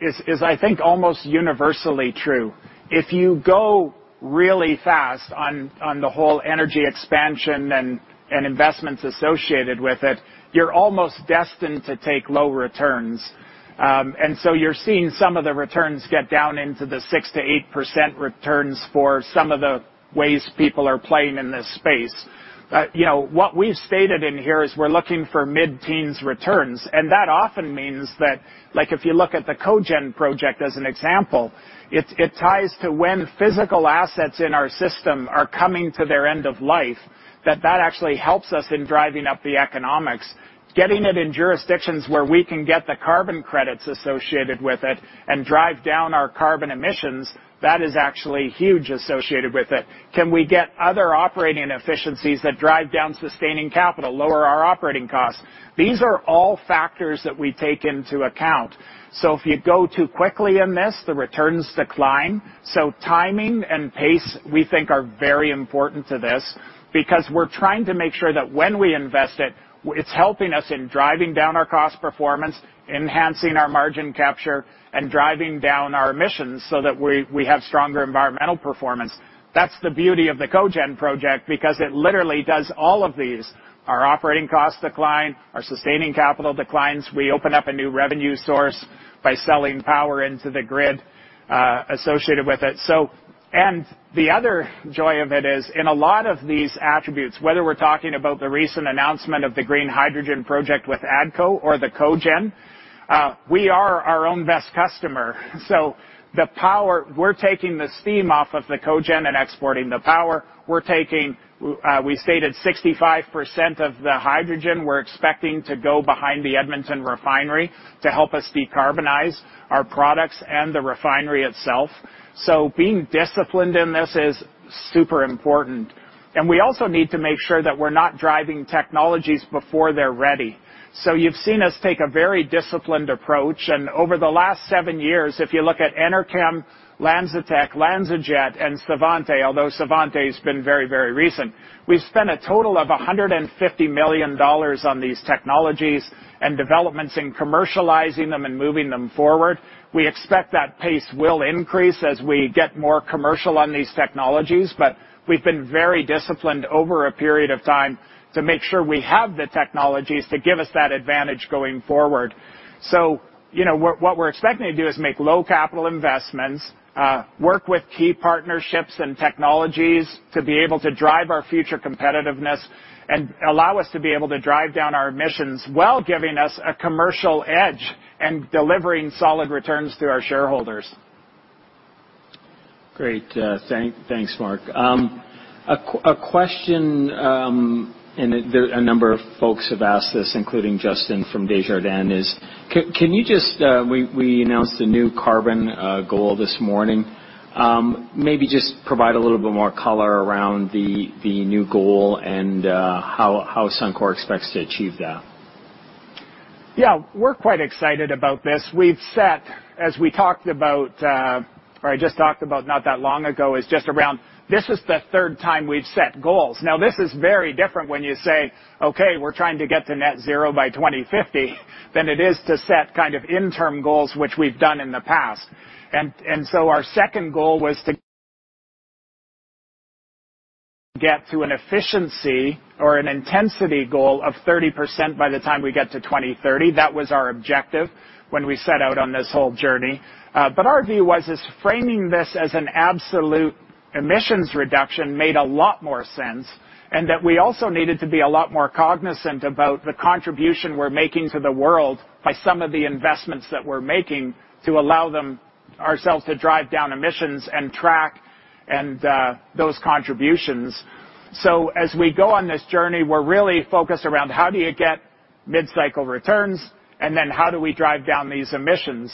is I think almost universally true, if you go really fast on the whole energy expansion and investments associated with it, you're almost destined to take low returns. You're seeing some of the returns get down into the 6% to 8% returns for some of the ways people are playing in this space. What we've stated in here is we're looking for mid-teens returns. That often means that, like if you look at the Cogen project as an example, it ties to when physical assets in our system are coming to their end of life, that that actually helps us in driving up the economics. Getting it in jurisdictions where we can get the carbon credits associated with it and drive down our carbon emissions, that is actually huge associated with it. Can we get other operating efficiencies that drive down sustaining capital, lower our operating costs? These are all factors that we take into account. If you go too quickly in this, the returns decline. Timing and pace, we think, are very important to this because we're trying to make sure that when we invest it's helping us in driving down our cost performance, enhancing our margin capture, and driving down our emissions so that we have stronger environmental performance. That's the beauty of the Cogen project, because it literally does all of these. Our operating costs decline, our sustaining capital declines. We open up a new revenue source by selling power into the grid associated with it. The other joy of it is in a lot of these attributes, whether we're talking about the recent announcement of the green hydrogen project with ATCO or the Cogen, we are our own best customer. The power, we're taking the steam off of the Cogen and exporting the power. We stated 65% of the hydrogen we're expecting to go behind the Edmonton refinery to help us decarbonize our products and the refinery itself. Being disciplined in this is super important. We also need to make sure that we're not driving technologies before they're ready. You've seen us take a very disciplined approach. Over the last seven years, if you look at Enerkem, LanzaTech, LanzaJet, and Svante, although Svante has been very, very recent, we've spent a total of 150 million dollars on these technologies and developments in commercializing them and moving them forward. We expect that pace will increase as we get more commercial on these technologies. We've been very disciplined over a period of time to make sure we have the technologies to give us that advantage going forward. What we're expecting to do is make low capital investments, work with key partnerships and technologies to be able to drive our future competitiveness and allow us to be able to drive down our emissions while giving us a commercial edge and delivering solid returns to our shareholders. Great. Thanks, Mark. A question, a number of folks have asked this, including Justin from Desjardins, can you just, we announced the new carbon goal this morning. Maybe just provide a little bit more color around the new goal and how Suncor expects to achieve that. Yeah, we're quite excited about this. We've set, as we talked about, or I just talked about not that long ago, is just around, This is the third time we've set goals. This is very different when you say, "Okay, we're trying to get to net zero by 2050," than it is to set kind of interim goals, which we've done in the past. Our second goal was to get to an efficiency or an intensity goal of 30% by the time we get to 2030. That was our objective when we set out on this whole journey. Our view was is framing this as an absolute emissions reduction made a lot more sense, and that we also needed to be a lot more cognizant about the contribution we're making to the world by some of the investments that we're making to allow ourselves to drive down emissions and track those contributions. As we go on this journey, we're really focused around how do you get mid-cycle returns, and then how do we drive down these emissions?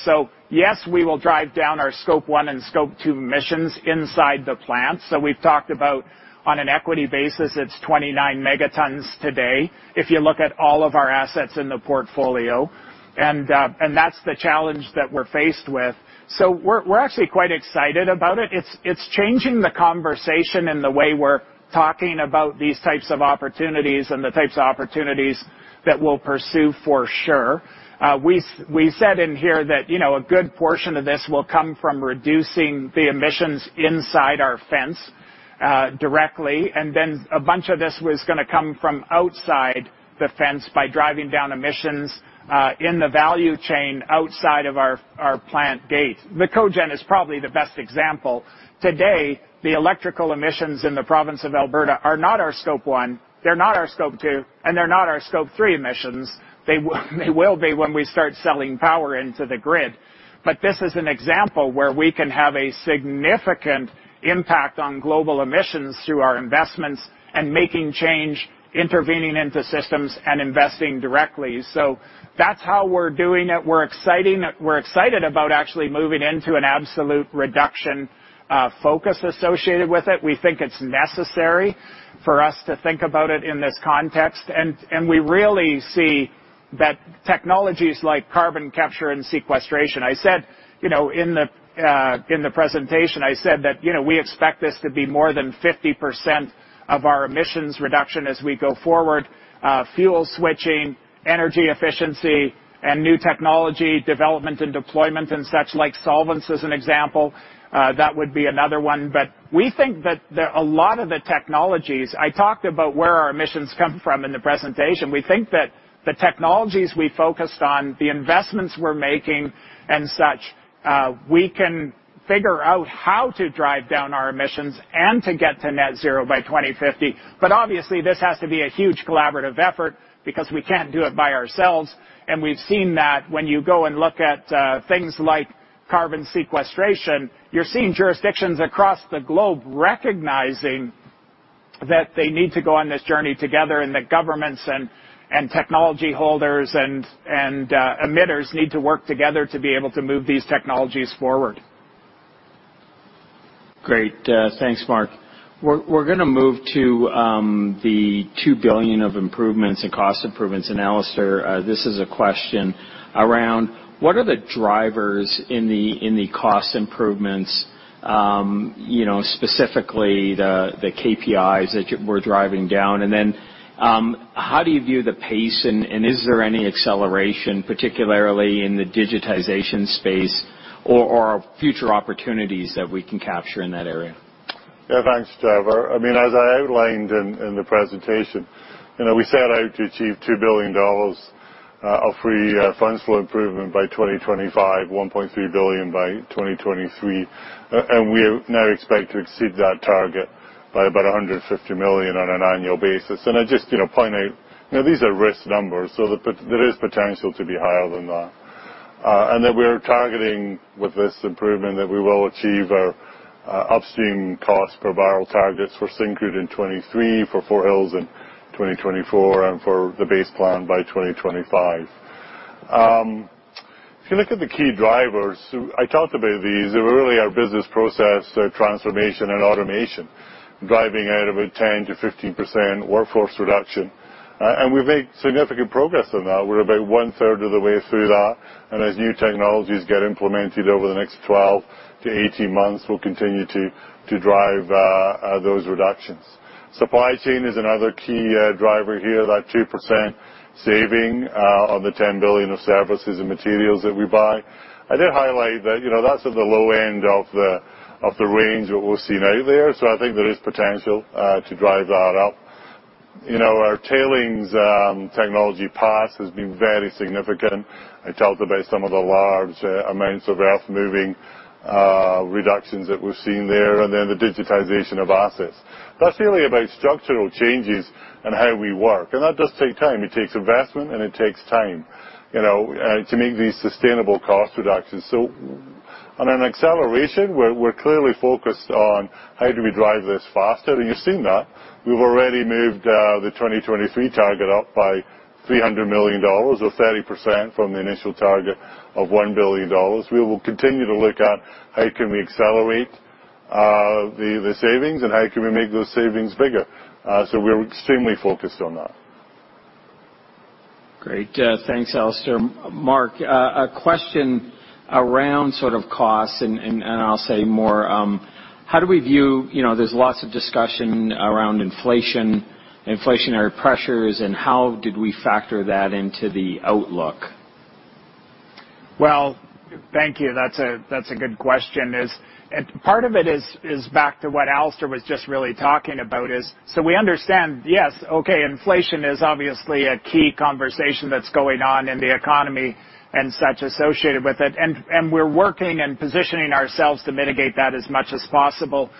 Yes, we will drive down our Scope 1 and Scope 2 emissions inside the plants. We've talked about on an equity basis, it's 29 megatons today if you look at all of our assets in the portfolio, and that's the challenge that we're faced with. We're actually quite excited about it. It's changing the conversation and the way we're talking about these types of opportunities and the types of opportunities that we'll pursue for sure. We said in here that a good portion of this will come from reducing the emissions inside our fence directly, and then a bunch of this was going to come from outside the fence by driving down emissions in the value chain outside of our plant gate. The Cogen is probably the best example. Today, the electrical emissions in the province of Alberta are not our Scope 1, they're not our Scope 2, and they're not our Scope 3 emissions. They will be when we start selling power into the grid. This is an example where we can have a significant impact on global emissions through our investments and making change, intervening into systems, and investing directly. That's how we're doing it. We're excited about actually moving into an absolute reduction focus associated with it. We think it's necessary for us to think about it in this context. We really see that technologies like Carbon Capture and Sequestration. I said in the presentation, I said that we expect this to be more than 50% of our emissions reduction as we go forward. Fuel switching, energy efficiency, and new technology development and deployment and such like solvents as an example. That would be another one. We think that a lot of the technologies I talked about where our emissions come from in the presentation, the technologies we focused on, the investments we're making and such, we can figure out how to drive down our emissions and to get to net zero by 2050. Obviously, this has to be a huge collaborative effort because we can't do it by ourselves. We've seen that when you go and look at things like Carbon Sequestration, you're seeing jurisdictions across the globe recognizing that they need to go on this journey together and that governments and technology holders and emitters need to work together to be able to move these technologies forward. Great. Thanks, Mark. We're going to move to the 2 billion of improvements and cost improvements. Alister, this is a question around, ''What are the drivers in the cost improvements, specifically the KPIs that we're driving down? How do you view the pace, and is there any acceleration, particularly in the digitization space or future opportunities that we can capture in that area?' Yeah, thanks, Trevor. As I outlined in the presentation, we set out to achieve 2 billion dollars of Free Funds Flow improvement by 2025, 1.3 billion by 2023. We now expect to exceed that target by about 150 million on an annual basis. I just point out, these are risk numbers, so there is potential to be higher than that. That we're targeting with this improvement that we will achieve our Upstream cost per barrel targets for Syncrude in 2023, for Fort Hills in 2024, and for the base plan by 2025. If you look at the key drivers, I talked about these. They're really our business process transformation and automation driving out about 10% to 15% workforce reduction. We've made significant progress on that. We're about one-third of the way through that. As new technologies get implemented over the next 12 to 18 months, we'll continue to drive those reductions. Supply chain is another key driver here, that 2% saving on the 10 billion of services and materials that we buy. I did highlight that's at the low end of the range that we've seen out there. I think there is potential to drive that up. Our tailings technology PASS has been very significant. I talked about some of the large amounts of earth-moving reductions that we've seen there, and then the digitization of assets. That's really about structural changes and how we work. That does take time. It takes investment, and it takes time to make these sustainable cost reductions. On an acceleration, we're clearly focused on how do we drive this faster. You've seen that. We've already moved the 2023 target up by CAD 300 million or 30% from the initial target of CAD 1 billion. We will continue to look at how can we accelerate the savings and how can we make those savings bigger. We're extremely focused on that. Great. Thanks, Alister. Mark, a question around sort of costs and I'll say more. There's lots of discussion around inflation, inflationary pressures, and how did we factor that into the outlook? Well, thank you. That's a good question. Part of it is back to what Alister was just really talking about, we understand, yes, okay, inflation is obviously a key conversation that's going on in the economy and such associated with it, and we're working and positioning ourselves to mitigate that as much as possible.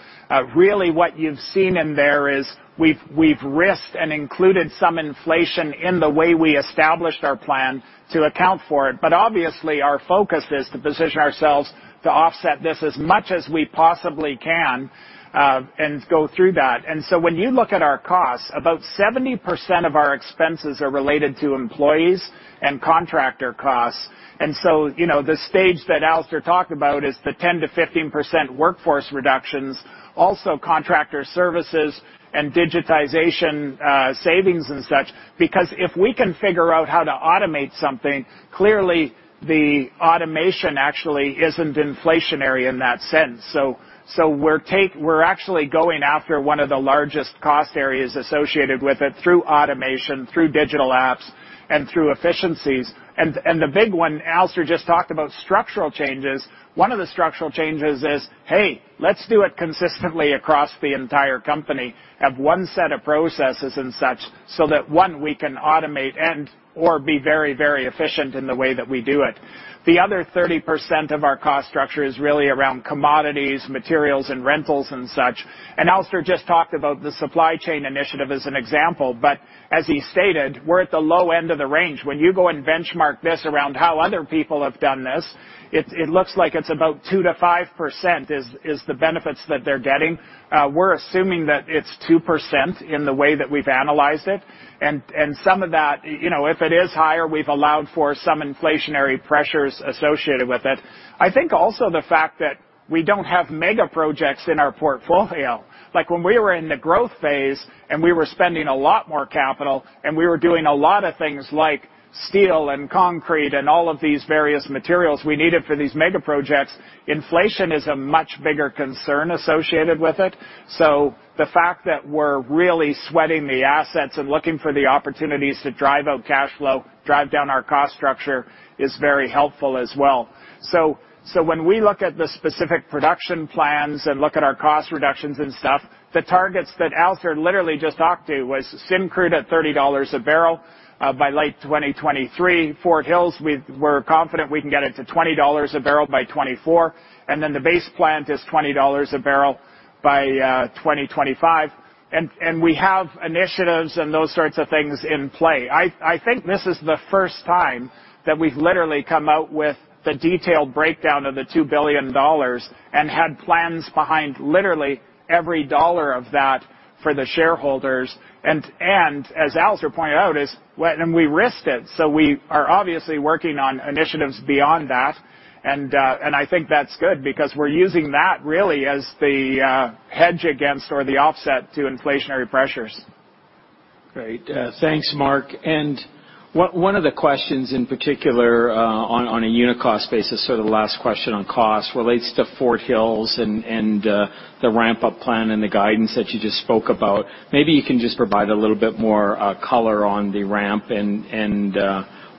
Really what you've seen in there is we've risked and included some inflation in the way we established our plan to account for it. Obviously our focus is to position ourselves to offset this as much as we possibly can, and go through that. When you look at our costs, about 70% of our expenses are related to employees and contractor costs. The stage that Alister talked about is the 10% to 15% workforce reductions, also contractor services and digitization savings and such. Because if we can figure out how to automate something, clearly the automation actually isn't inflationary in that sense. We're actually going after one of the largest cost areas associated with it through automation, through digital apps, and through efficiencies. The big one, Alister Cowan just talked about structural changes. One of the structural changes is, hey, let's do it consistently across the entire company. Have one set of processes and such, so that, one, we can automate and/or be very efficient in the way that we do it. The other 30% of our cost structure is really around commodities, materials, and rentals and such. Alister just talked about the supply chain initiative as an example, but as he stated, we're at the low end of the range. When you go and benchmark this around how other people have done this, it looks like it's about 2% to 5% is the benefits that they're getting. We're assuming that it's 2% in the way that we've analyzed it. Some of that, if it is higher, we've allowed for some inflationary pressures associated with it. I think also the fact that we don't have mega projects in our portfolio. Like when we were in the growth phase and we were spending a lot more capital and we were doing a lot of things like steel and concrete and all of these various materials we needed for these mega projects, inflation is a much bigger concern associated with it. The fact that we're really sweating the assets and looking for the opportunities to drive out cash flow, drive down our cost structure is very helpful as well. When we look at the specific production plans and look at our cost reductions and stuff, the targets that Alister just talked to was Syncrude at 30 dollars a barrel, by late 2023. Fort Hills, we're confident we can get it to 20 dollars a barrel by 2024. The base plant is 20 dollars a barrel by 2025. We have initiatives and those sorts of things in play. I think this is the first time that we've literally come out with the detailed breakdown of the 2 billion dollars and had plans behind literally every dollar of that for the shareholders. As Alister pointed out is, and we risked it. We are obviously working on initiatives beyond that, and I think that's good because we're using that really as the hedge against or the offset to inflationary pressures. Great. Thanks, Mark. One of the questions in particular, on a unit cost basis, so the last question on cost, relates to Fort Hills and the ramp-up plan and the guidance that you just spoke about. Maybe you can just provide a little bit more color on the ramp and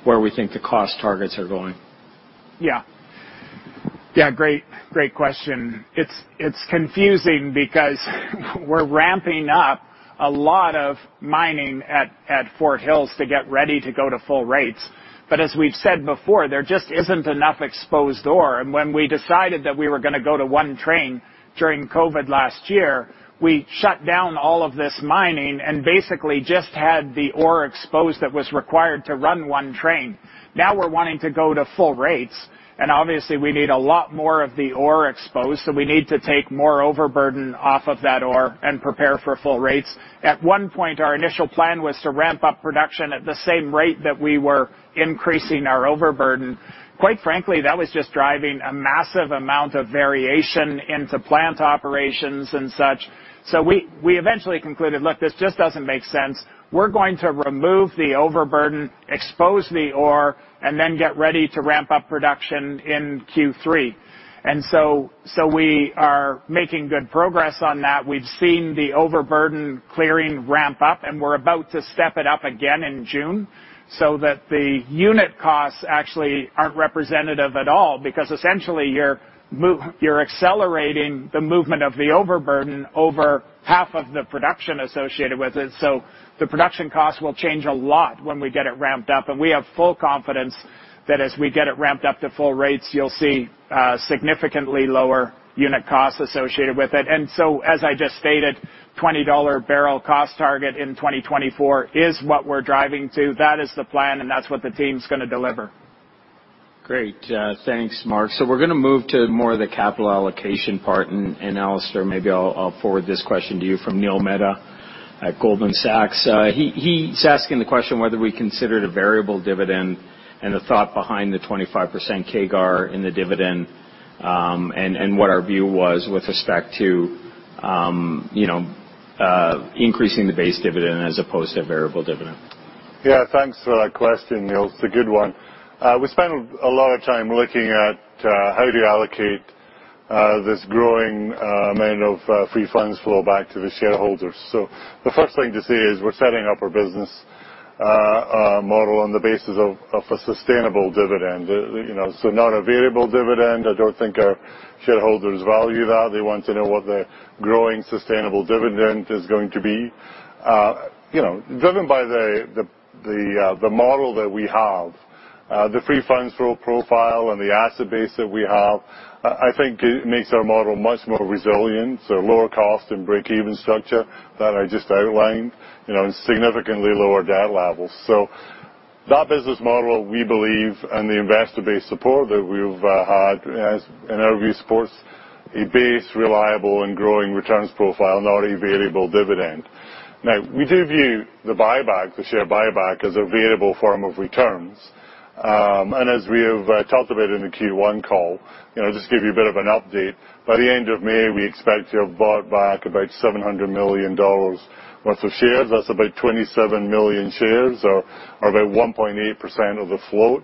where we think the cost targets are going? Yeah. Great question. It is confusing because we are ramping up a lot of mining at Fort Hills to get ready to go to full rates. As we have said before, there just is not enough exposed ore. When we decided that we were going to go to one train during COVID last year, we shut down all of this mining and basically just had the ore exposed that was required to run one train. Now we are wanting to go to full rates, and obviously we need a lot more of the ore exposed, so we need to take more overburden off of that ore and prepare for full rates. At one point, our initial plan was to ramp up production at the same rate that we were increasing our overburden. Quite frankly, that was just driving a massive amount of variation into plant operations and such. We eventually concluded, "Look, this just doesn't make sense. We're going to remove the overburden, expose the ore, and then get ready to ramp up production in Q3." We are making good progress on that. We've seen the overburden clearing ramp up, and we're about to step it up again in June so that the unit costs actually aren't representative at all. Essentially you're accelerating the movement of the overburden over half of the production associated with it. The production cost will change a lot when we get it ramped up, and we have full confidence that as we get it ramped up to full rates, you'll see significantly lower unit costs associated with it. As I just stated, 20 dollar barrel cost target in 2024 is what we're driving to. That is the plan, and that's what the team's going to deliver. Great. Thanks, Mark. We're going to move to more of the capital allocation part. Alister, maybe I'll forward this question to you from Neil Mehta at Goldman Sachs. He's asking the question whether we considered a variable dividend and the thought behind the 25% CAGR in the dividend, and what our view was with respect to increasing the base dividend as opposed to variable dividend. Yeah, thanks for that question, Neil. It's a good one. We spend a lot of time looking at how to allocate this growing amount of Free Funds Flow back to the shareholders. The first thing to say is we're setting up our business model on the basis of a sustainable dividend. Not a variable dividend. I don't think our shareholders value that. They want to know what the growing sustainable dividend is going to be. Driven by the model that we have, the Free Funds Flow profile and the asset base that we have, I think it makes our model much more resilient. Lower cost and break-even structure that I just outlined, and significantly lower debt levels. That business model, we believe, and the investor base support that we've had, as in our view, supports a base reliable and growing returns profile, not a variable dividend. We do view the share buyback as a variable form of returns. As we have talked about in the Q1 call, just to give you a bit of an update, by the end of May, we expect to have bought back about 700 million dollars worth of shares. That's about 27 million shares or about 1.8% of the float.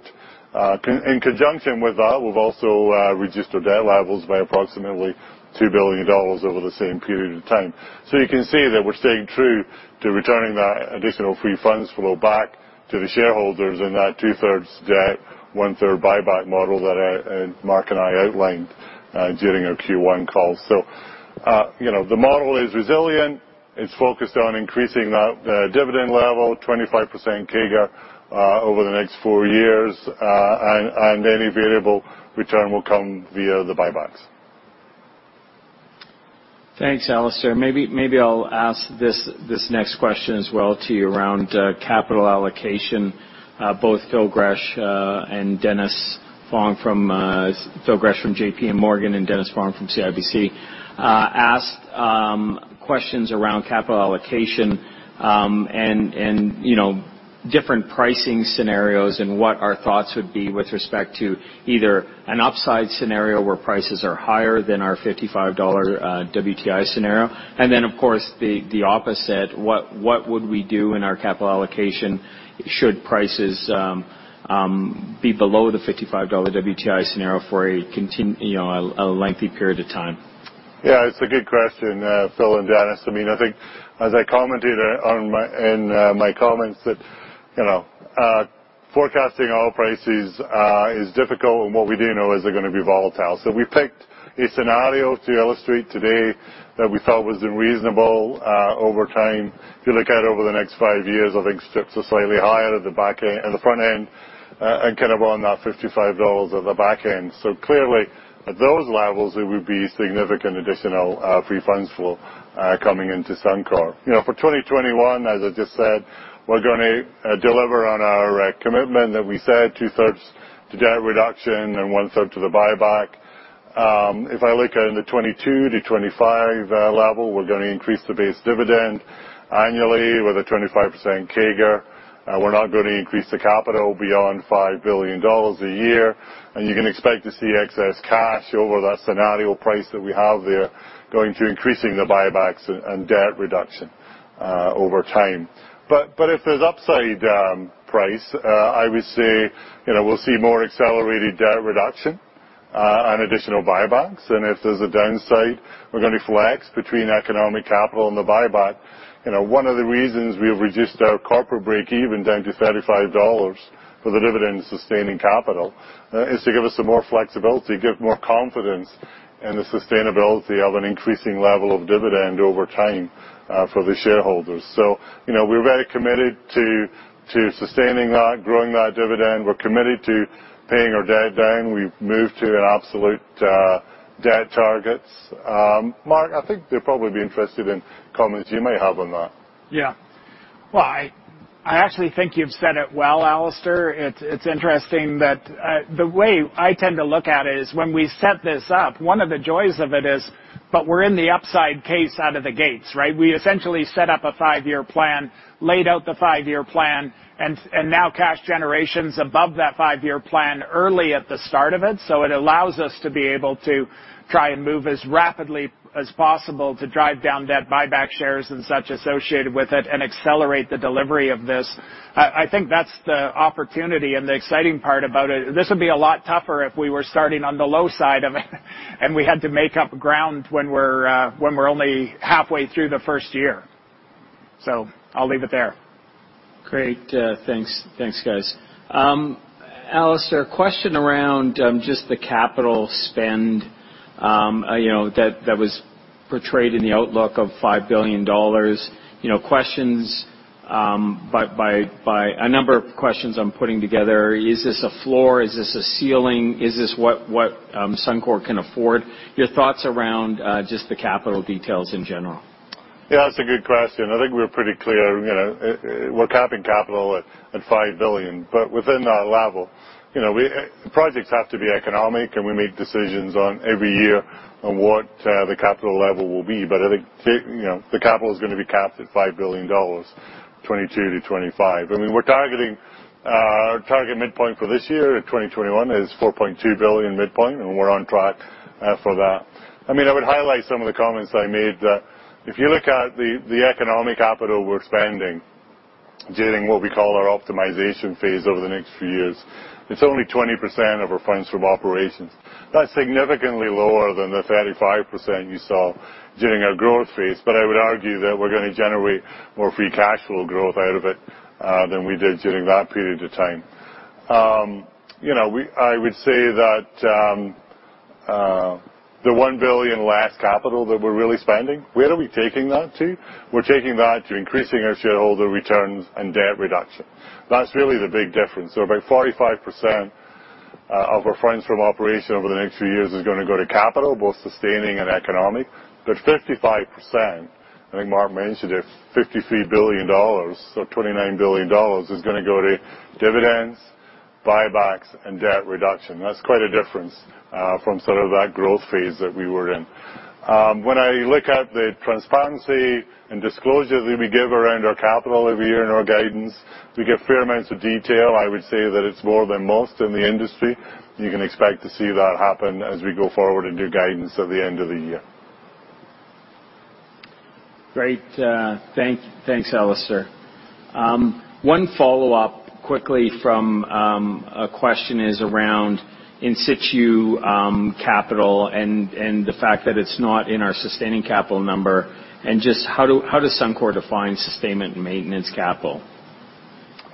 In conjunction with that, we've also reduced our debt levels by approximately 2 billion dollars over the same period of time. You can see that we're staying true to returning that additional Free Funds Flow back to the shareholders in that two-thirds debt, one-third buyback model that Mark and I outlined during our Q1 call. The model is resilient. It's focused on increasing that dividend level, 25% CAGR over the next four years. Any variable return will come via the buybacks. Thanks, Alister. Maybe I'll ask this next question as well to you around capital allocation. Both Phil Gresh from JPMorgan and Dennis Fong from CIBC asked questions around capital allocation, and different pricing scenarios and what our thoughts would be with respect to either an upside scenario where prices are higher than our $55 WTI scenario. Then, of course, the opposite, what would we do in our capital allocation should prices be below the $55 WTI scenario for a lengthy period of time? Yeah, it's a good question, Phil Gresh and Dennis Fong. I think as I commented in my comments that forecasting oil prices is difficult, and what we do know is they're going to be volatile. We picked a scenario to illustrate today that we felt was reasonable over time. If you look out over the next five years, I think strips are slightly higher at the front end and on that 55 dollars at the back end. Clearly at those levels, there would be significant additional Free Funds Flow coming into Suncor. For 2021, as I just said, we're going to deliver on our commitment that we said two-thirds to debt reduction and one-third to the buyback. If I look in the 2022 to 2025 level, we're going to increase the base dividend annually with a 25% CAGR. We're not going to increase the capital beyond 5 billion dollars a year. You can expect to see excess cash over that scenario price that we have there going to increasing the buybacks and debt reduction over time. If there's upside price, I would say we'll see more accelerated debt reduction and additional buybacks. If there's a downside, we're going to flex between economic capital and the buyback. One of the reasons we've reduced our corporate break even down to 35 dollars for the dividend-sustaining capital is to give us some more flexibility, give more confidence and the sustainability of an increasing level of dividend over time for the shareholders. We're very committed to sustaining that, growing that dividend. We're committed to paying our debt down. We've moved to absolute debt targets. Mark, I think they'd probably be interested in comments you may have on that. Well, I actually think you've said it well, Alister. It's interesting that the way I tend to look at it is when we set this up, one of the joys of it is, but we're in the upside case out of the gates, right? We essentially set up a five-year plan, laid out the five-year plan, and now cash generation's above that five-year plan early at the start of it. It allows us to be able to try and move as rapidly as possible to drive down debt, buy back shares, and such associated with it, and accelerate the delivery of this. I think that's the opportunity and the exciting part about it. This would be a lot tougher if we were starting on the low side of it and we had to make up ground when we're only halfway through the first year. I'll leave it there. Great. Thanks, guys. Alister, question around just the capital spend that was portrayed in the outlook of CAD 5 billion. A number of questions I'm putting together. Is this a floor? Is this a ceiling? Is this what Suncor can afford? Your thoughts around just the capital details in general? Yeah, that's a good question. I think we're pretty clear. We're capping capital at 5 billion. Within that level, projects have to be economic, and we make decisions on every year on what the capital level will be. I think the capital's going to be capped at 5 billion dollars, 2022 to 2025. Our target midpoint for this year, in 2021, is 4.2 billion midpoint, and we're on track for that. I would highlight some of the comments I made that if you look at the economic capital we're spending during what we call our optimization phase over the next few years, it's only 20% of our funds from operations. That's significantly lower than the 35% you saw during our growth phase. I would argue that we're going to generate more Free Cash Flow growth out of it than we did during that period of time. I would say that the 1 billion less capital that we're really spending, where are we taking that to? We're taking that to increasing our shareholder returns and debt reduction. That's really the big difference. About 45% of our funds from operation over the next few years is going to go to capital, both sustaining and economic, but 55%, I think Mark mentioned it, 53 billion dollars or 29 billion dollars is going to go to dividends, buybacks, and debt reduction. That's quite a difference from that growth phase that we were in. When I look at the transparency and disclosures that we give around our capital every year and our guidance, we give fair amounts of detail. I would say that it's more than most in the industry. You can expect to see that happen as we go forward into guidance at the end of the year. Great. Thanks, Alister. One follow-up quickly from a question is around in situ capital and the fact that it's not in our sustaining capital number. Just how does Suncor define sustainment and maintenance capital?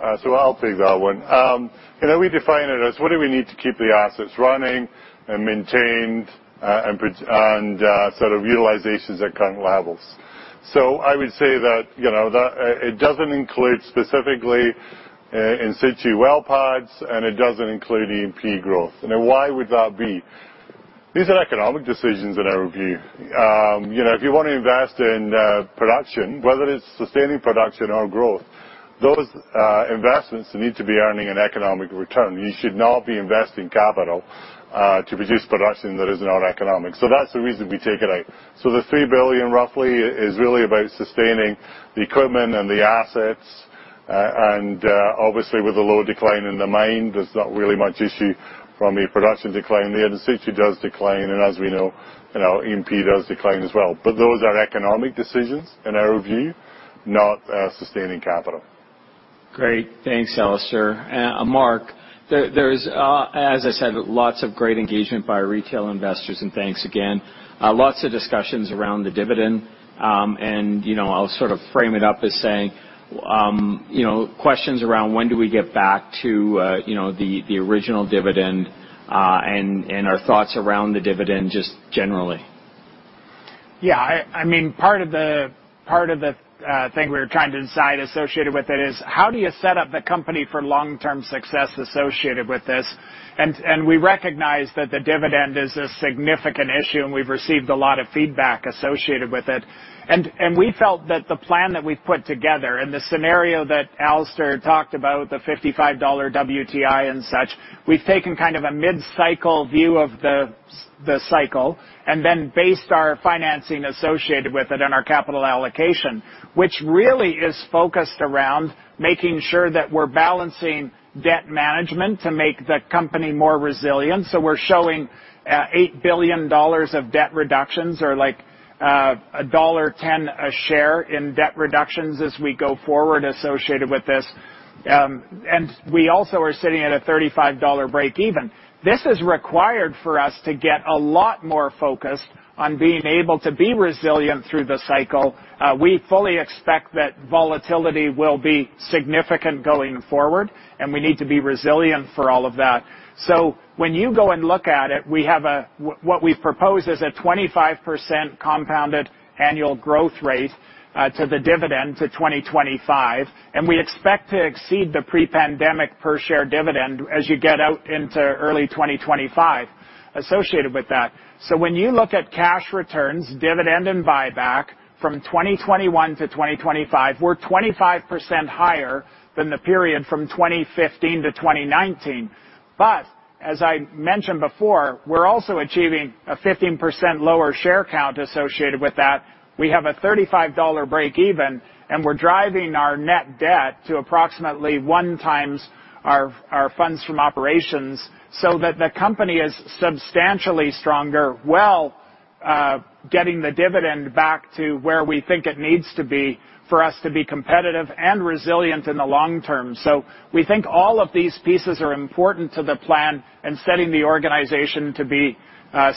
I'll take that one. We define it as what do we need to keep the assets running and maintained and sort of utilizations at current levels. I would say that it doesn't include specifically in situ well pads, and it doesn't include E&P growth. Why would that be? These are economic decisions in our view. If you want to invest in production, whether it's sustaining production or growth, those investments need to be earning an economic return. You should not be investing capital to produce production that is not economic. That's the reason we take it out. The 3 billion, roughly, is really about sustaining the equipment and the assets, and obviously, with a low decline in the mine, there's not really much issue from a production decline there. The in situ does decline, and as we know, E&P does decline as well. Those are economic decisions in our view, not sustaining capital. Great. Thanks, Alister. Mark, there's, as I said, lots of great engagement by retail investors, and thanks again. Lots of discussions around the dividend, and I'll sort of frame it up as saying questions around when do we get back to the original dividend and our thoughts around the dividend just generally. Yeah. Part of the thing we were kind of associated with it is how do you set up the company for long-term success associated with this? We recognize that the dividend is a significant issue, and we've received a lot of feedback associated with it. We felt that the plan that we've put together and the scenario that Alister talked about, the $55 WTI and such, we've taken kind of a mid-cycle view of the cycle, and then based our financing associated with it and our capital allocation, which really is focused around making sure that we're balancing debt management to make the company more resilient. We're showing 8 billion dollars of debt reductions or like a dollar 1.10 a share in debt reductions as we go forward associated with this. We also are sitting at a 35 dollar breakeven. This is required for us to get a lot more focused on being able to be resilient through the cycle. We fully expect that volatility will be significant going forward, and we need to be resilient for all of that. When you go and look at it, what we propose is a 25% compounded annual growth rate to the dividend to 2025, and we expect to exceed the pre-pandemic per share dividend as you get out into early 2025 associated with that. When you look at cash returns, dividend, and buyback from 2021 to 2025, we are 25% higher than the period from 2015 to 2019. As I mentioned before, we are also achieving a 15% lower share count associated with that. We have a 35 dollar breakeven, we're driving our net debt to approximately one times our funds from operations so that the company is substantially stronger while getting the dividend back to where we think it needs to be for us to be competitive and resilient in the long term. We think all of these pieces are important to the plan and setting the organization to be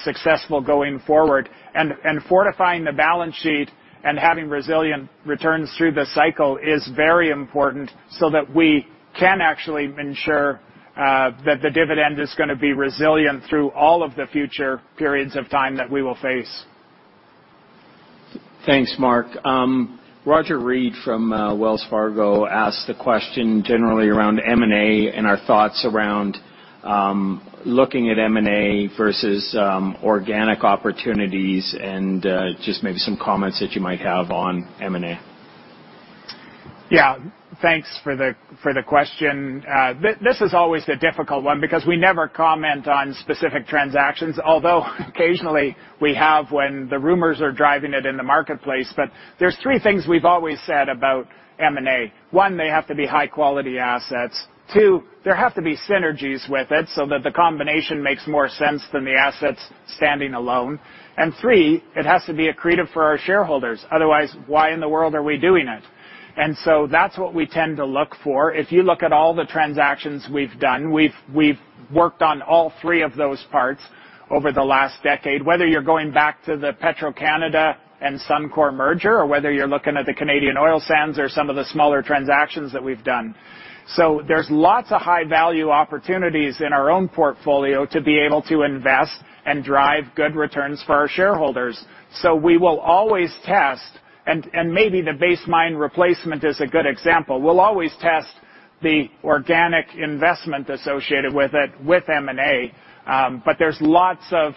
successful going forward. Fortifying the balance sheet and having resilient returns through the cycle is very important so that we can actually ensure that the dividend is going to be resilient through all of the future periods of time that we will face. Thanks, Mark. Roger Read from Wells Fargo asked the question generally around M&A and our thoughts around, ''Looking at M&A versus organic opportunities, and just maybe some comments that you might have on M&A?'' Yeah, thanks for the question. This is always a difficult one because we never comment on specific transactions, although occasionally we have when the rumors are driving it in the marketplace. There's three things we've always said about M&A. One, they have to be high-quality assets. Two, there have to be synergies with it so that the combination makes more sense than the assets standing alone. Three, it has to be accretive for our shareholders. Otherwise, why in the world are we doing it? That's what we tend to look for. If you look at all the transactions we've done, we've worked on all three of those parts over the last decade, whether you're going back to the Petro-Canada and Suncor merger or whether you're looking at the Canadian Oil Sands or some of the smaller transactions that we've done. There's lots of high-value opportunities in our own portfolio to be able to invest and drive good returns for our shareholders. We will always test, and maybe the base mine replacement is a good example. We'll always test the organic investment associated with it with M&A. There's lots of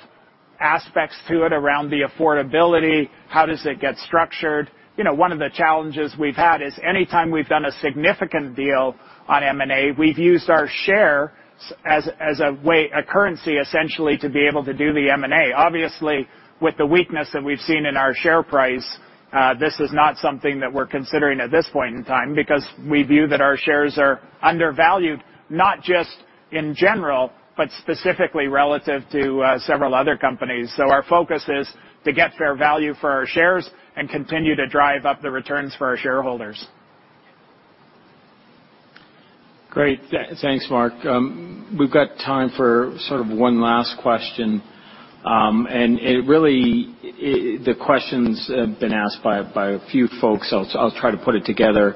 aspects to it around the affordability. How does it get structured? One of the challenges we've had is anytime we've done a significant deal on M&A, we've used our share as a way, a currency, essentially, to be able to do the M&A. Obviously, with the weakness that we've seen in our share price, this is not something that we're considering at this point in time because we view that our shares are undervalued, not just in general, but specifically relative to several other companies. Our focus is to get fair value for our shares and continue to drive up the returns for our shareholders. Great. Thanks, Mark. We've got time for sort of one last question. Really, the question's been asked by a few folks. I'll try to put it together.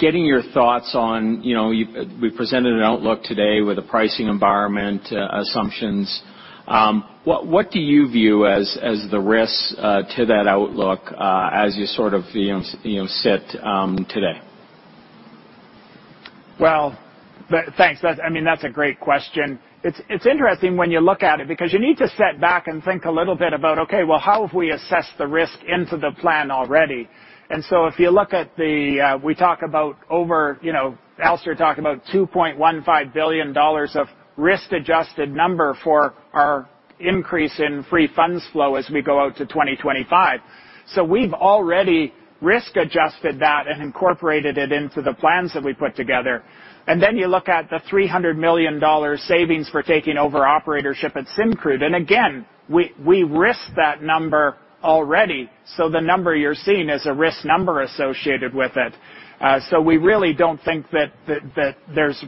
Getting your thoughts on, we presented an outlook today with the pricing environment assumptions. What do you view as the risks to that outlook as you sort of sit today? Well, thanks. That's a great question. It's interesting when you look at it because you need to step back and think a little bit about, okay, well, how have we assessed the risk into the plan already? If you look at the, Alister talked about 2.15 billion dollars of risk-adjusted number for our increase in Free Funds Flow as we go out to 2025. We've already risk-adjusted that and incorporated it into the plans that we put together. You look at the 300 million dollar savings for taking over operatorship at Syncrude. We risked that number already. The number you're seeing is a risk number associated with it. We really don't think that there's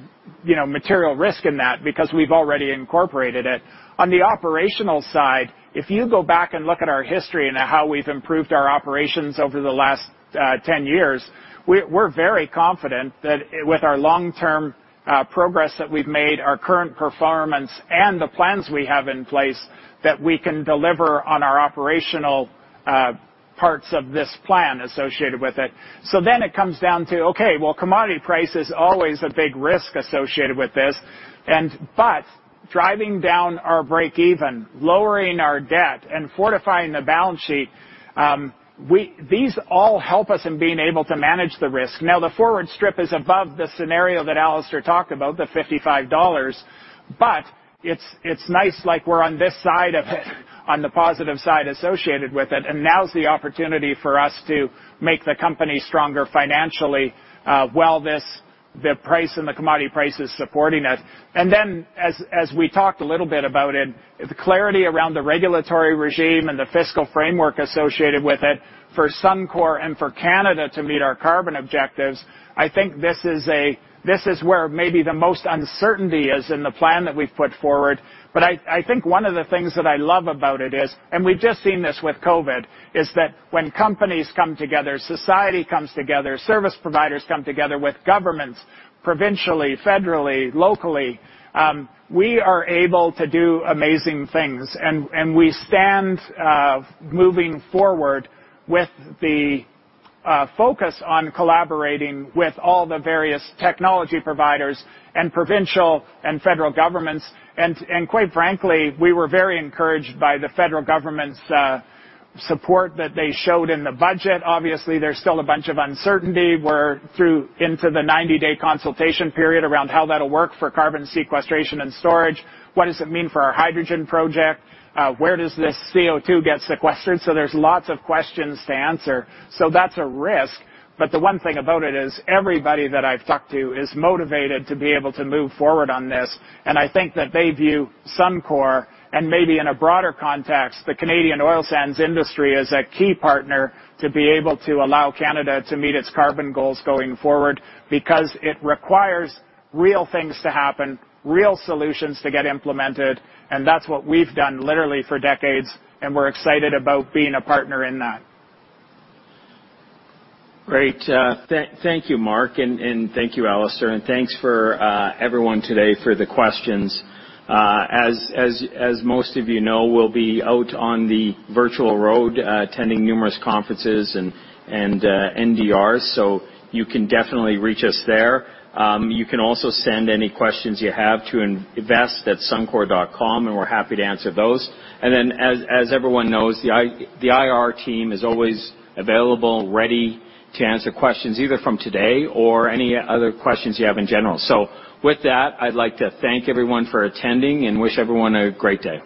material risk in that because we've already incorporated it. On the operational side, if you go back and look at our history and how we've improved our operations over the last 10 years, we're very confident that with our long-term progress that we've made, our current performance, and the plans we have in place, that we can deliver on our operational parts of this plan associated with it. It comes down to, okay, well, commodity price is always a big risk associated with this. Driving down our breakeven, lowering our debt, and fortifying the balance sheet, these all help us in being able to manage the risk. Now, the forward strip is above the scenario that Alister talked about, the $55, but it's nice, like we're on this side of it, on the positive side associated with it. Now's the opportunity for us to make the company stronger financially while the price and the commodity price is supporting it. As we talked a little bit about it, the clarity around the regulatory regime and the fiscal framework associated with it for Suncor and for Canada to meet our carbon objectives, I think this is where maybe the most uncertainty is in the plan that we've put forward. I think one of the things that I love about it is, and we've just seen this with COVID, is that when companies come together, society comes together, service providers come together with governments, provincially, federally, locally, we are able to do amazing things. We stand moving forward with. Focus on collaborating with all the various technology providers and provincial and federal governments. Quite frankly, we were very encouraged by the federal government's support that they showed in the budget. Obviously, there's still a bunch of uncertainty. We're in for the 90-day consultation period around how that'll work for carbon sequestration and storage. What does it mean for our Hydrogen Project? Where does this CO2 get sequestered? There's lots of questions to answer. That's a risk, but the one thing about it is everybody that I've talked to is motivated to be able to move forward on this. I think that they view Suncor, and maybe in a broader context, the Canadian oil sands industry, as a key partner to be able to allow Canada to meet its carbon goals going forward because it requires real things to happen, real solutions to get implemented, and that's what we've done literally for decades, and we're excited about being a partner in that. Great. Thank you, Mark, and thank you, Alister, and thanks for everyone today for the questions. As most of you know, we'll be out on the virtual road attending numerous conferences and NDRs, so you can definitely reach us there. You can also send any questions you have to invest@suncor.com, and we're happy to answer those. Then as everyone knows, the IR team is always available, ready to answer questions either from today or any other questions you have in general. With that, I'd like to thank everyone for attending and wish everyone a great day.